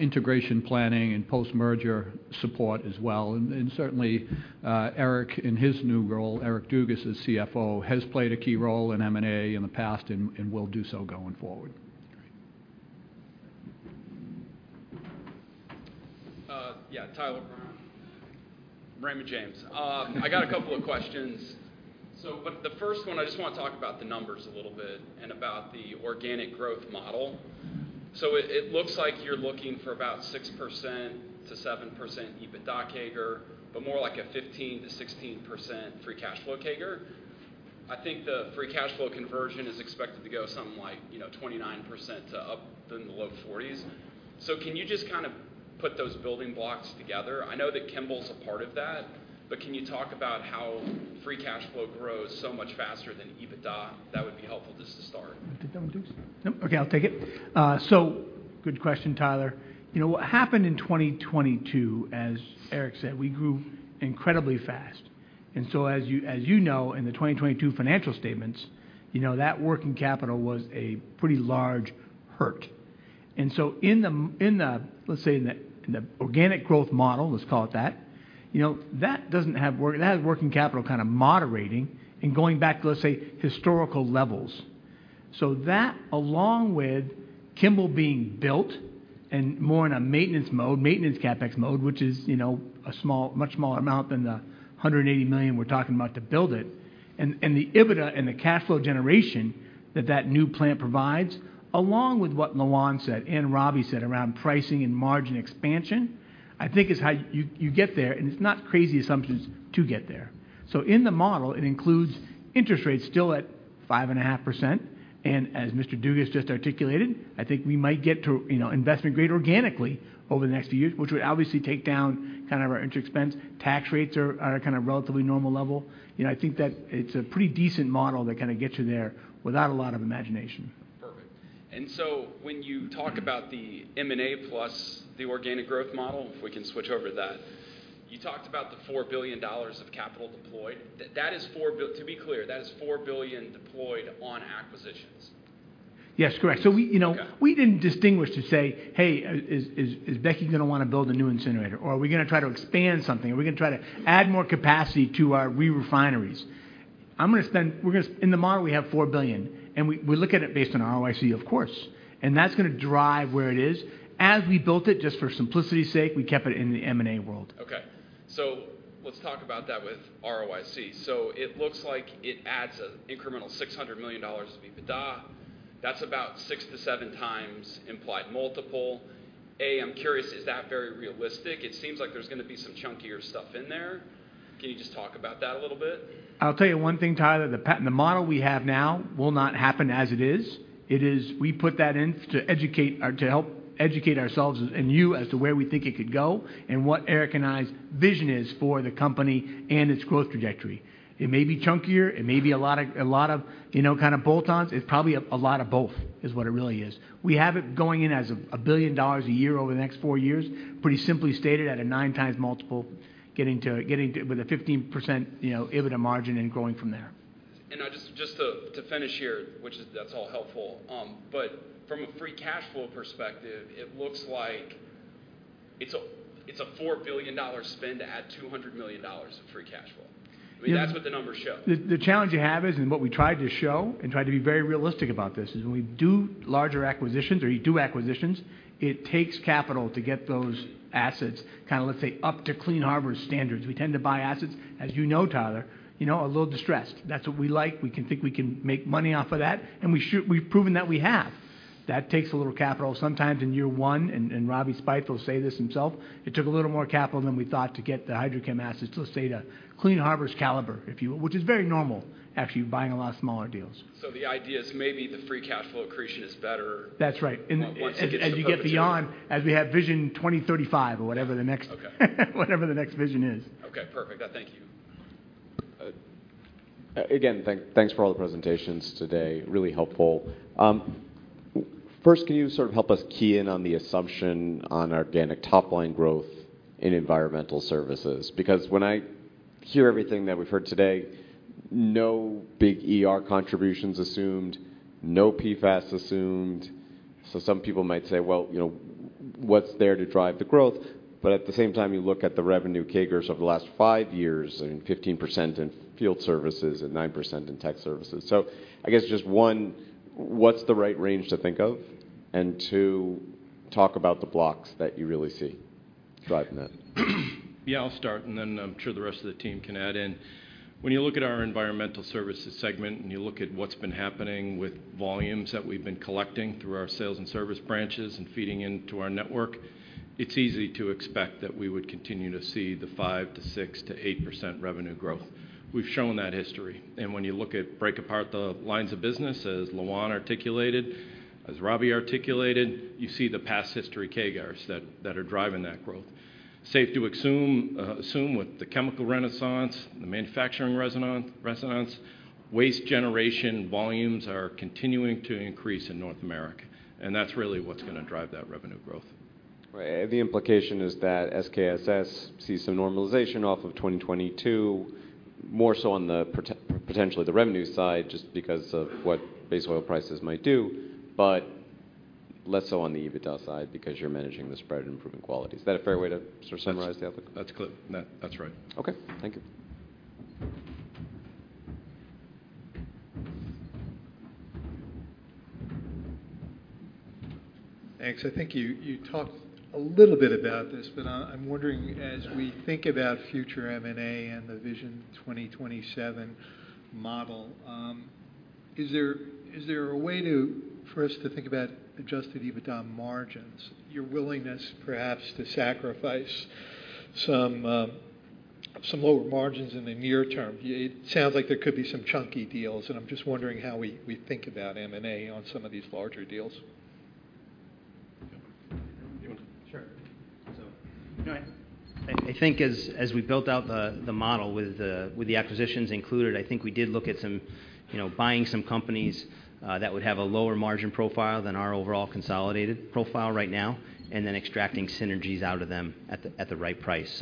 integration planning, and post-merger support as well. Certainly, Eric in his new role, Eric Dugas as CFO, has played a key role in M&A in the past and will do so going forward. Great. Yeah. Tyler Brown, Raymond James. I got a couple of questions. The first one, I just wanna talk about the numbers a little bit and about the organic growth model. It looks like you're looking for about 6%-7% EBITDA CAGR, but more like a 15%-16% free cash flow CAGR. I think the free cash flow conversion is expected to go something like, you know, 29% to up in the low 40s. Can you just kind of put those building blocks together? I know that Kimball's a part of that, but can you talk about how free cash flow grows so much faster than EBITDA? That would be helpful just to start. Want to take that one, Dugs? Nope. Okay, I'll take it. Good question, Tyler. You know, what happened in 2022, as Eric said, we grew incredibly fast. As you know, in the 2022 financial statements, you know, that working capital was a pretty large hurt. In the, let's say, in the organic growth model, let's call it that, you know, that has working capital kind of moderating and going back to, let's say, historical levels. That, along with Kimball being built and more in a maintenance mode, maintenance CapEx mode, which is, you know, a much smaller amount than the $180 million we're talking about to build it, and the EBITDA and the cash flow generation that that new plant provides, along with what Loan said and Robby said around pricing and margin expansion, I think is how you get there, and it's not crazy assumptions to get there. In the model, it includes interest rates still at 5.5%, and as Mr. Dugas just articulated, I think we might get to, you know, investment grade organically over the next few years, which would obviously take down kind of our interest expense. Tax rates are kind of relatively normal level. You know, I think that it's a pretty decent model that kind of gets you there without a lot of imagination. Perfect. When you talk about the M&A plus the organic growth model, if we can switch over to that, you talked about the $4 billion of capital deployed. To be clear, that is $4 billion deployed on acquisitions. Yes, correct. We, you know. Okay... we didn't distinguish to say, "Hey, is Becky gonna wanna build a new incinerator?" Or, "Are we gonna try to expand something?" Or, "Are we gonna try to add more capacity to our re-refineries?" We're gonna In the model, we have $4 billion, and we look at it based on ROIC, of course, and that's gonna drive where it is. As we built it, just for simplicity's sake, we kept it in the M&A world. Okay. let's talk about that with ROIC. it looks like it adds an incremental $600 million of EBITDA. That's about 6x-7x implied multiple. I'm curious, is that very realistic? It seems like there's gonna be some chunkier stuff in there. Can you just talk about that a little bit? I'll tell you one thing, Tyler. The model we have now will not happen as it is. We put that in to help educate ourselves and you as to where we think it could go and what Eric recognise vision is for the company and its growth trajectory. It may be chunkier, it may be a lot of, you know, kind of bolt-ons. It's probably a lot of both, is what it really is. We have it going in as a $1 billion a year over the next four years, pretty simply stated at a 9x multiple, getting to with a 15%, you know, EBITDA margin and growing from there. Now just to finish here, which is, that's all helpful. From a free cash flow perspective, it looks like it's a $4 billion spend to add $200 million of free cash flow. I mean, that's what the numbers show. The challenge you have is, what we tried to show and tried to be very realistic about this, is when we do larger acquisitions or you do acquisitions, it takes capital to get those assets kind of, let's say, up to Clean Harbors standards. We tend to buy assets, as you know, Tyler, you know, a little distressed. That's what we like. We can think we can make money off of that, we've proven that we have. That takes a little capital. Sometimes in year one, Robby Speights will say this himself, it took a little more capital than we thought to get the HydroChem assets to, let's say, to Clean Harbors' caliber, if you will, which is very normal after you're buying a lot of smaller deals. The idea is maybe the free cash flow accretion is. That's right.... once it gets focused in. As you get beyond, as we have Vision 2035 or whatever the next... Okay. Whatever the next vision is. Okay, perfect. Thank you. Again, thanks for all the presentations today. Really helpful. First, can you sort of help us key in on the assumption on organic top-line growth in Environmental Services? When I hear everything that we've heard today, no big ER contributions assumed, no PFAS assumed, some people might say, "Well, you know, what's there to drive the growth?" At the same time, you look at the revenue CAGRs over the last five years and 15% in Field Services and 9% in Tech Services. I guess just, one, what's the right range to think of? Two, talk about the blocks that you really see. driving that? I'll start, then I'm sure the rest of the team can add in. When you look at our Environmental Services segment, and you look at what's been happening with volumes that we've been collecting through our Sales and Service branches and feeding into our network, it's easy to expect that we would continue to see the 5% to 6% to 8% revenue growth. We've shown that history. When you look at break apart the lines of business, as Loan articulated, as Robby articulated, you see the past history CAGRs that are driving that growth. Safe to assume with the chemical renaissance, the manufacturing renaissance, waste generation volumes are continuing to increase in North America, that's really what's gonna drive that revenue growth. Right. The implication is that SKSS sees some normalization off of 2022, more so on the potentially the revenue side, just because of what base oil prices might do, but less so on the EBITDA side because you're managing the spread and improving quality. Is that a fair way to sort of summarize the outlook? That's right. Okay, thank you. Thanks. I think you talked a little bit about this, but I'm wondering as we think about future M&A and the Vision 2027 model, is there a way for us to think about adjusted EBITDA margins, your willingness perhaps to sacrifice some lower margins in the near term? It sounds like there could be some chunky deals, and I'm just wondering how we think about M&A on some of these larger deals? You want to? All right. I think as we built out the model with the acquisitions included, I think we did look at some, you know, buying some companies that would have a lower margin profile than our overall consolidated profile right now, and then extracting synergies out of them at the right price.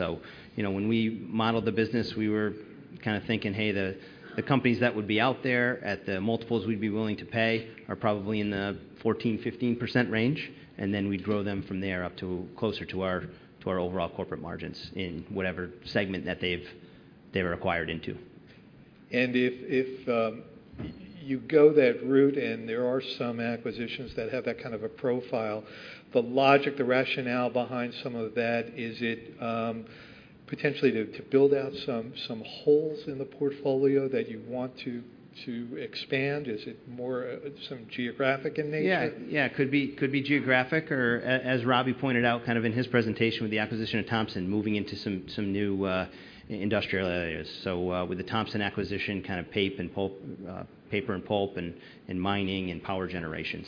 You know, when we modeled the business, we were kinda thinking, "Hey, the companies that would be out there at the multiples we'd be willing to pay are probably in the 14%, 15% range." We'd grow them from there up to closer to our overall corporate margins in whatever segment that they're acquired into. If you go that route, and there are some acquisitions that have that kind of a profile, the logic, the rationale behind some of that, is it, potentially to build out some holes in the portfolio that you want to expand? Is it more, some geographic in nature? Yeah. Yeah. Could be, could be geographic or as Robby pointed out kind of in his presentation with the acquisition of Thompson, moving into some new industrial areas. With the Thompson acquisition, kind of paper and pulp, and mining and power generation.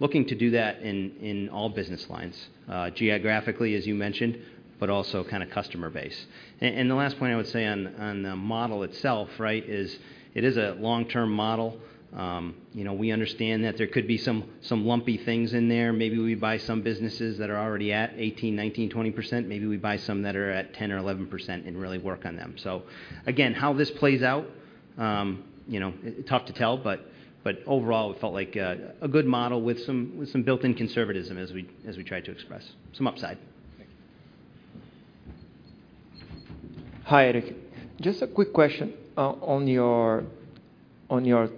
Looking to do that in all business lines, geographically, as you mentioned, but also kind of customer base. The last point I would say on the model itself, right, is it is a long-term model. You know, we understand that there could be some lumpy things in there. Maybe we buy some businesses that are already at 18%, 19%, 20%. Maybe we buy some that are at 10% or 11% and really work on them. Again, how this plays out, you know, tough to tell, but overall it felt like a good model with some built-in conservatism as we tried to express some upside. Thank you. Hi, Eric. Just a quick question on your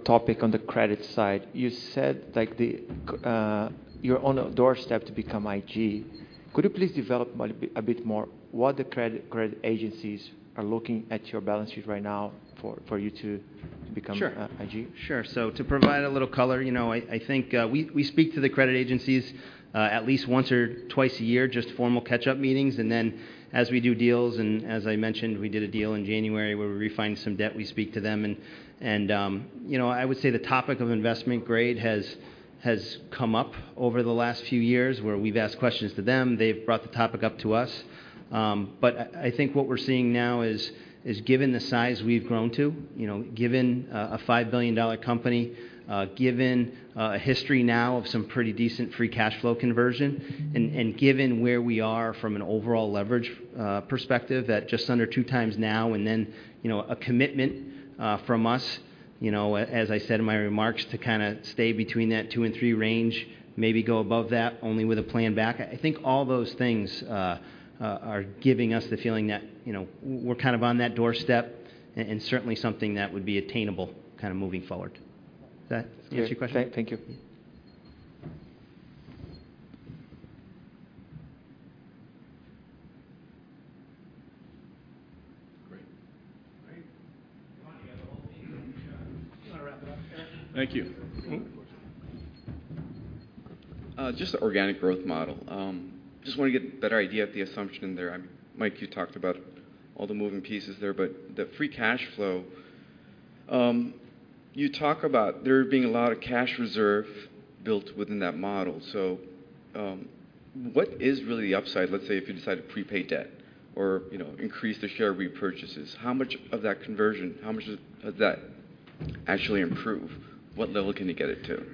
topic on the credit side. You said, like, you're on a doorstep to become IG. Could you please develop a bit more what the credit agencies are looking at your balance sheet right now for you to become? Sure. -IG? Sure. To provide a little color, I think we speak to the credit agencies at least once or twice a year, just formal catch-up meetings. Then as we do deals, as I mentioned, we did a deal in January where we wefinanced some debt, we speak to them and I would say the topic of investment grade has come up over the last few years where we've asked questions to them. They've brought the topic up to us. I think what we're seeing now is given the size we've grown to, you know, given a $5 billion company, given a history now of some pretty decent free cash flow conversion, and given where we are from an overall leverage perspective at just under 2x now, and then, you know, a commitment from us, you know, as I said in my remarks, to kinda stay between that two and three range, maybe go above that only with a plan back. I think all those things are giving us the feeling that, you know, we're kind of on that doorstep and certainly something that would be attainable kind of moving forward. Does that answer your question? Thank you. Great. All right. Come on, you have the whole team. You wanna wrap it up, Eric? Thank you. Of course. Just the organic growth model. Just wanna get a better idea of the assumption there. I mean, Mike, you talked about all the moving pieces there, but the free cash flow, you talk about there being a lot of cash reserve built within that model. What is really the upside, let's say, if you decide to prepay debt or, you know, increase the share repurchases? How much of that conversion, how much does that actually improve? What level can you get it to?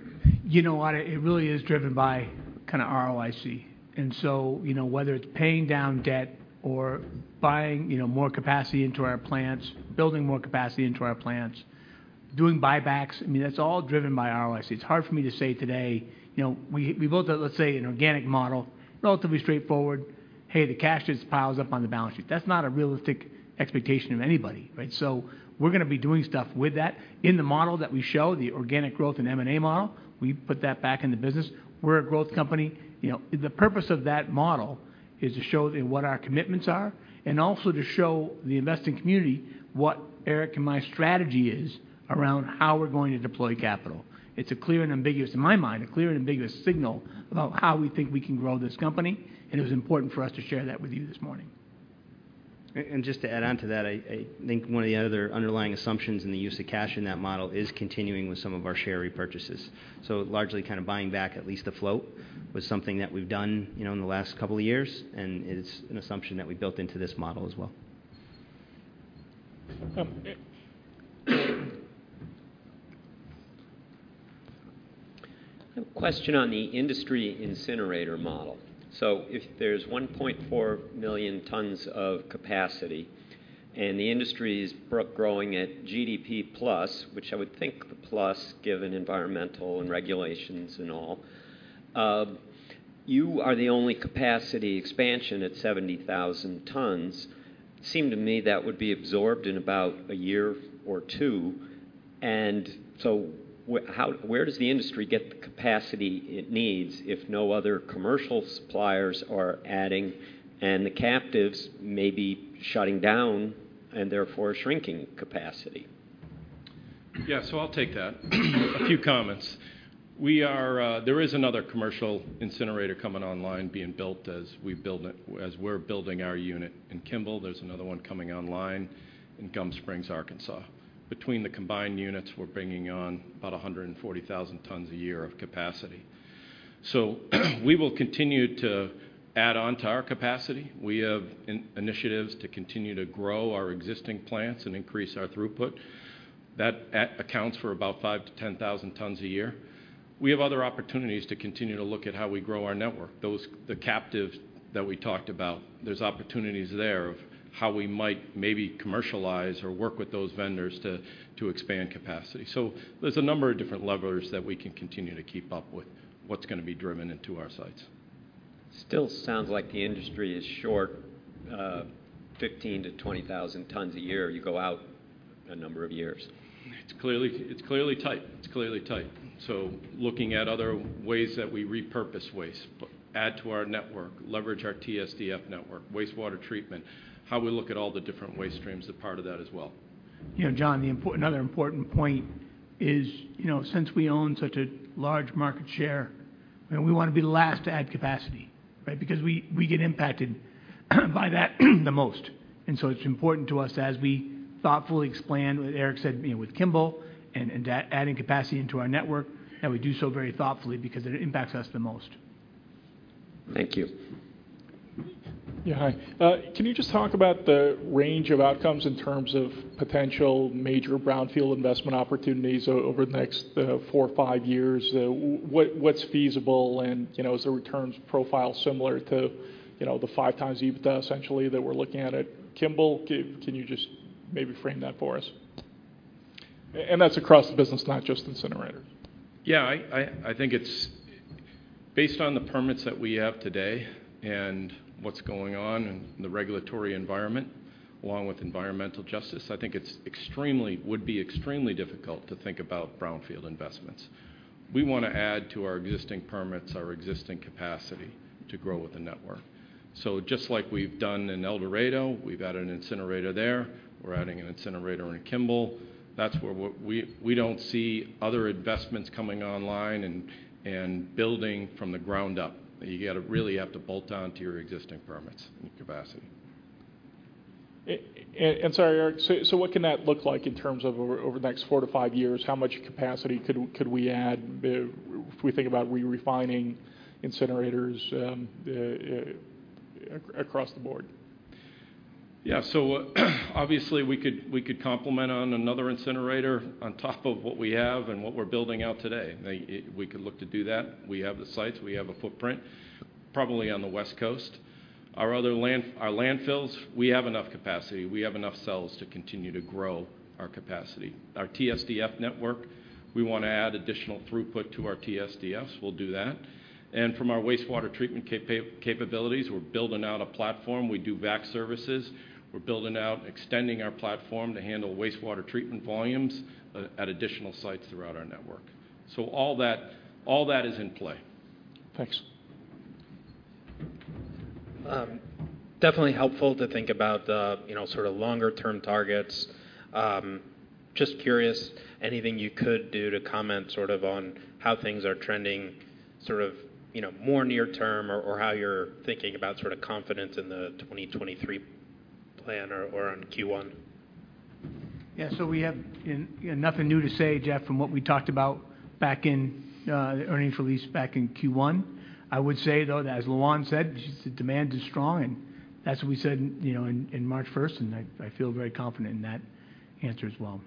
You know, Noah, it really is driven by kinda ROIC. You know, whether it's paying down debt or buying, you know, more capacity into our plants, building more capacity into our plants, doing buybacks, I mean, that's all driven by ROIC. It's hard for me to say today, you know, we built a, let's say, an organic model, relatively straightforward. Hey, the cash just piles up on the balance sheet. That's not a realistic expectation of anybody, right? We're gonna be doing stuff with that. In the model that we show, the organic growth and M&A model, we put that back in the business. We're a growth company. You know, the purpose of that model is to show them what our commitments are, and also to show the investing community what Eric and my strategy is around how we're going to deploy capital. It's a clear and ambiguous, in my mind, a clear and unambiguous signal about how we think we can grow this company. It was important for us to share that with you this morning. Just to add on to that, I think one of the other underlying assumptions in the use of cash in that model is continuing with some of our share repurchases. Largely kind of buying back at least a float was something that we've done, you know, in the last couple of years, and it's an assumption that we built into this model as well. A question on the industry incinerator model. If there's 1.4 million tons of capacity, and the industry's growing at GDP plus, which I would think the plus given environmental and regulations and all, you are the only capacity expansion at 70,000 tons. Seem to me that would be absorbed in about a year or two. Where does the industry get the capacity it needs if no other commercial suppliers are adding, and the captives may be shutting down and therefore shrinking capacity? Yeah. I'll take that. A few comments. We are, there is another commercial incinerator coming online being built as we build it, as we're building our unit in Kimball. There's another one coming online in Gum Springs, Arkansas. Between the combined units, we're bringing on about 140,000 tons a year of capacity. We will continue to add on to our capacity. We have initiatives to continue to grow our existing plants and increase our throughput. That accounts for about 5,000-10,000 tons a year. We have other opportunities to continue to look at how we grow our network. The captives that we talked about, there's opportunities there of how we might maybe commercialize or work with those vendors to expand capacity. There's a number of different levers that we can continue to keep up with what's gonna be driven into our sites. Still sounds like the industry is short, 15,000-20,000 tons a year. You go out a number of years. It's clearly tight. Looking at other ways that we repurpose waste, add to our network, leverage our TSDF network, wastewater treatment, how we look at all the different waste streams are part of that as well. You know, John, another important point is, you know, since we own such a large market share, you know, we wanna be the last to add capacity, right? Because we get impacted by that the most. It's important to us as we thoughtfully expand, as Eric said, you know, with Kimball and adding capacity into our network, that we do so very thoughtfully because it impacts us the most. Thank you. Hi. Can you just talk about the range of outcomes in terms of potential major brownfield investment opportunities over the next four or five years? What's feasible? You know, is the returns profile similar to, you know, the 5x EBITDA essentially that we're looking at at Kimball? Can you just maybe frame that for us? And that's across the business, not just incinerators. Yeah. I think it's. Based on the permits that we have today and what's going on in the regulatory environment, along with environmental justice, I think it's extremely difficult to think about brownfield investments. We wanna add to our existing permits, our existing capacity to grow with the network. Just like we've done in El Dorado, we've added an incinerator there. We're adding an incinerator in Kimball. That's where we don't see other investments coming online and building from the ground up. You gotta really have to bolt on to your existing permits and capacity. Sorry, Eric. What can that look like in terms of over the next four to five years? How much capacity could we add if we think about re-refining incinerators across the board? Yeah. Obviously, we could complement on another incinerator on top of what we have and what we're building out today. We could look to do that. We have the sites. We have a footprint, probably on the West Coast. Our landfills, we have enough capacity. We have enough cells to continue to grow our capacity. Our TSDF network, we wanna add additional throughput to our TSDFs. We'll do that. From our wastewater treatment capabilities, we're building out a platform. We do vac services. We're building out, extending our platform to handle wastewater treatment volumes at additional sites throughout our network. All that is in play. Thanks. Definitely helpful to think about the, you know, sort of longer term targets. Just curious, anything you could do to comment sort of on how things are trending sort of, you know, more near term or how you're thinking about sort of confidence in the 2023 plan or on Q1? Yeah. We have in, you know, nothing new to say, Jeff, from what we talked about back in the earnings release back in Q1. I would say, though, that as Loan said, she said demand is strong, and that's what we said, you know, in March first, and I feel very confident in that answer as well.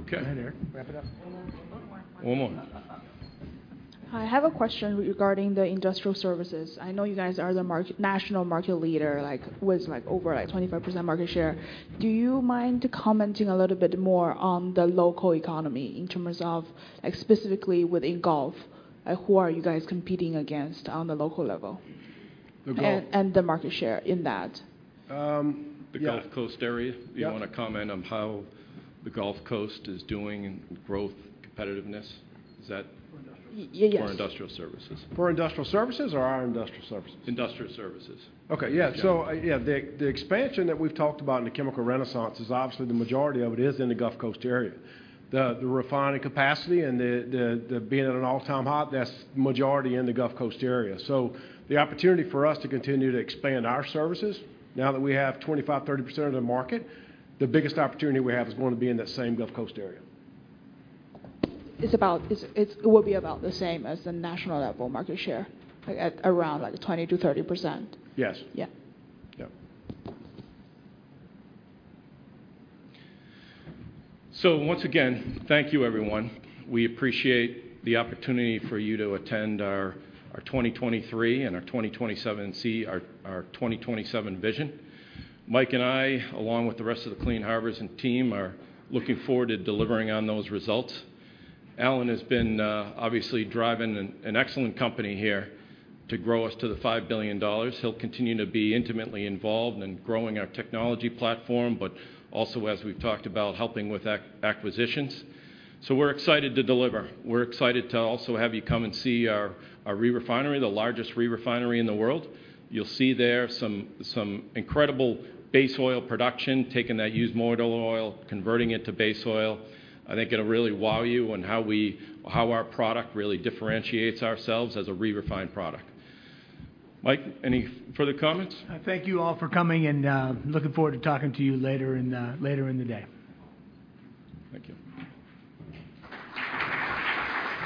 Okay. Go ahead, Eric. Wrap it up. One more. Hi. I have a question regarding the Industrial Services. I know you guys are the national market leader, like, with, like, over a 25% market share. Do you mind commenting a little bit more on the local economy in terms of, like, specifically within Gulf, who are you guys competing against on the local level? The market share in that. Yeah. The Gulf Coast area? Yeah. Do you wanna comment on how the Gulf Coast is doing in growth competitiveness? Is that- For industrial. Y-yes. For Industrial Services. For Industrial Services or our Industrial Services? Industrial Services. Okay. Yeah, the expansion that we've talked about in the chemical renaissance is obviously the majority of it is in the Gulf Coast area. The refining capacity and being at an all-time high, that's majority in the Gulf Coast area. The opportunity for us to continue to expand our services now that we have 25%, 30% of the market, the biggest opportunity we have is gonna be in that same Gulf Coast area. It will be about the same as the national level market share, like at around like 20%-30%. Yes. Yeah. Yeah. Once again, thank you everyone. We appreciate the opportunity for you to attend our 2023 and our Vision 2027. Mike and I, along with the rest of the Clean Harbors and team, are looking forward to delivering on those results. Alan has been obviously driving an excellent company here to grow us to the $5 billion. He'll continue to be intimately involved in growing our technology platform, but also, as we've talked about, helping with acquisitions. We're excited to deliver. We're excited to also have you come and see our re-refinery, the largest re-refinery in the world. You'll see there some incredible base oil production, taking that used motor oil, converting it to base oil. I think it'll really wow you on how our product really differentiates ourselves as a re-refined product. Mike, any further comments? I thank you all for coming and, looking forward to talking to you later in, later in the day. Thank you.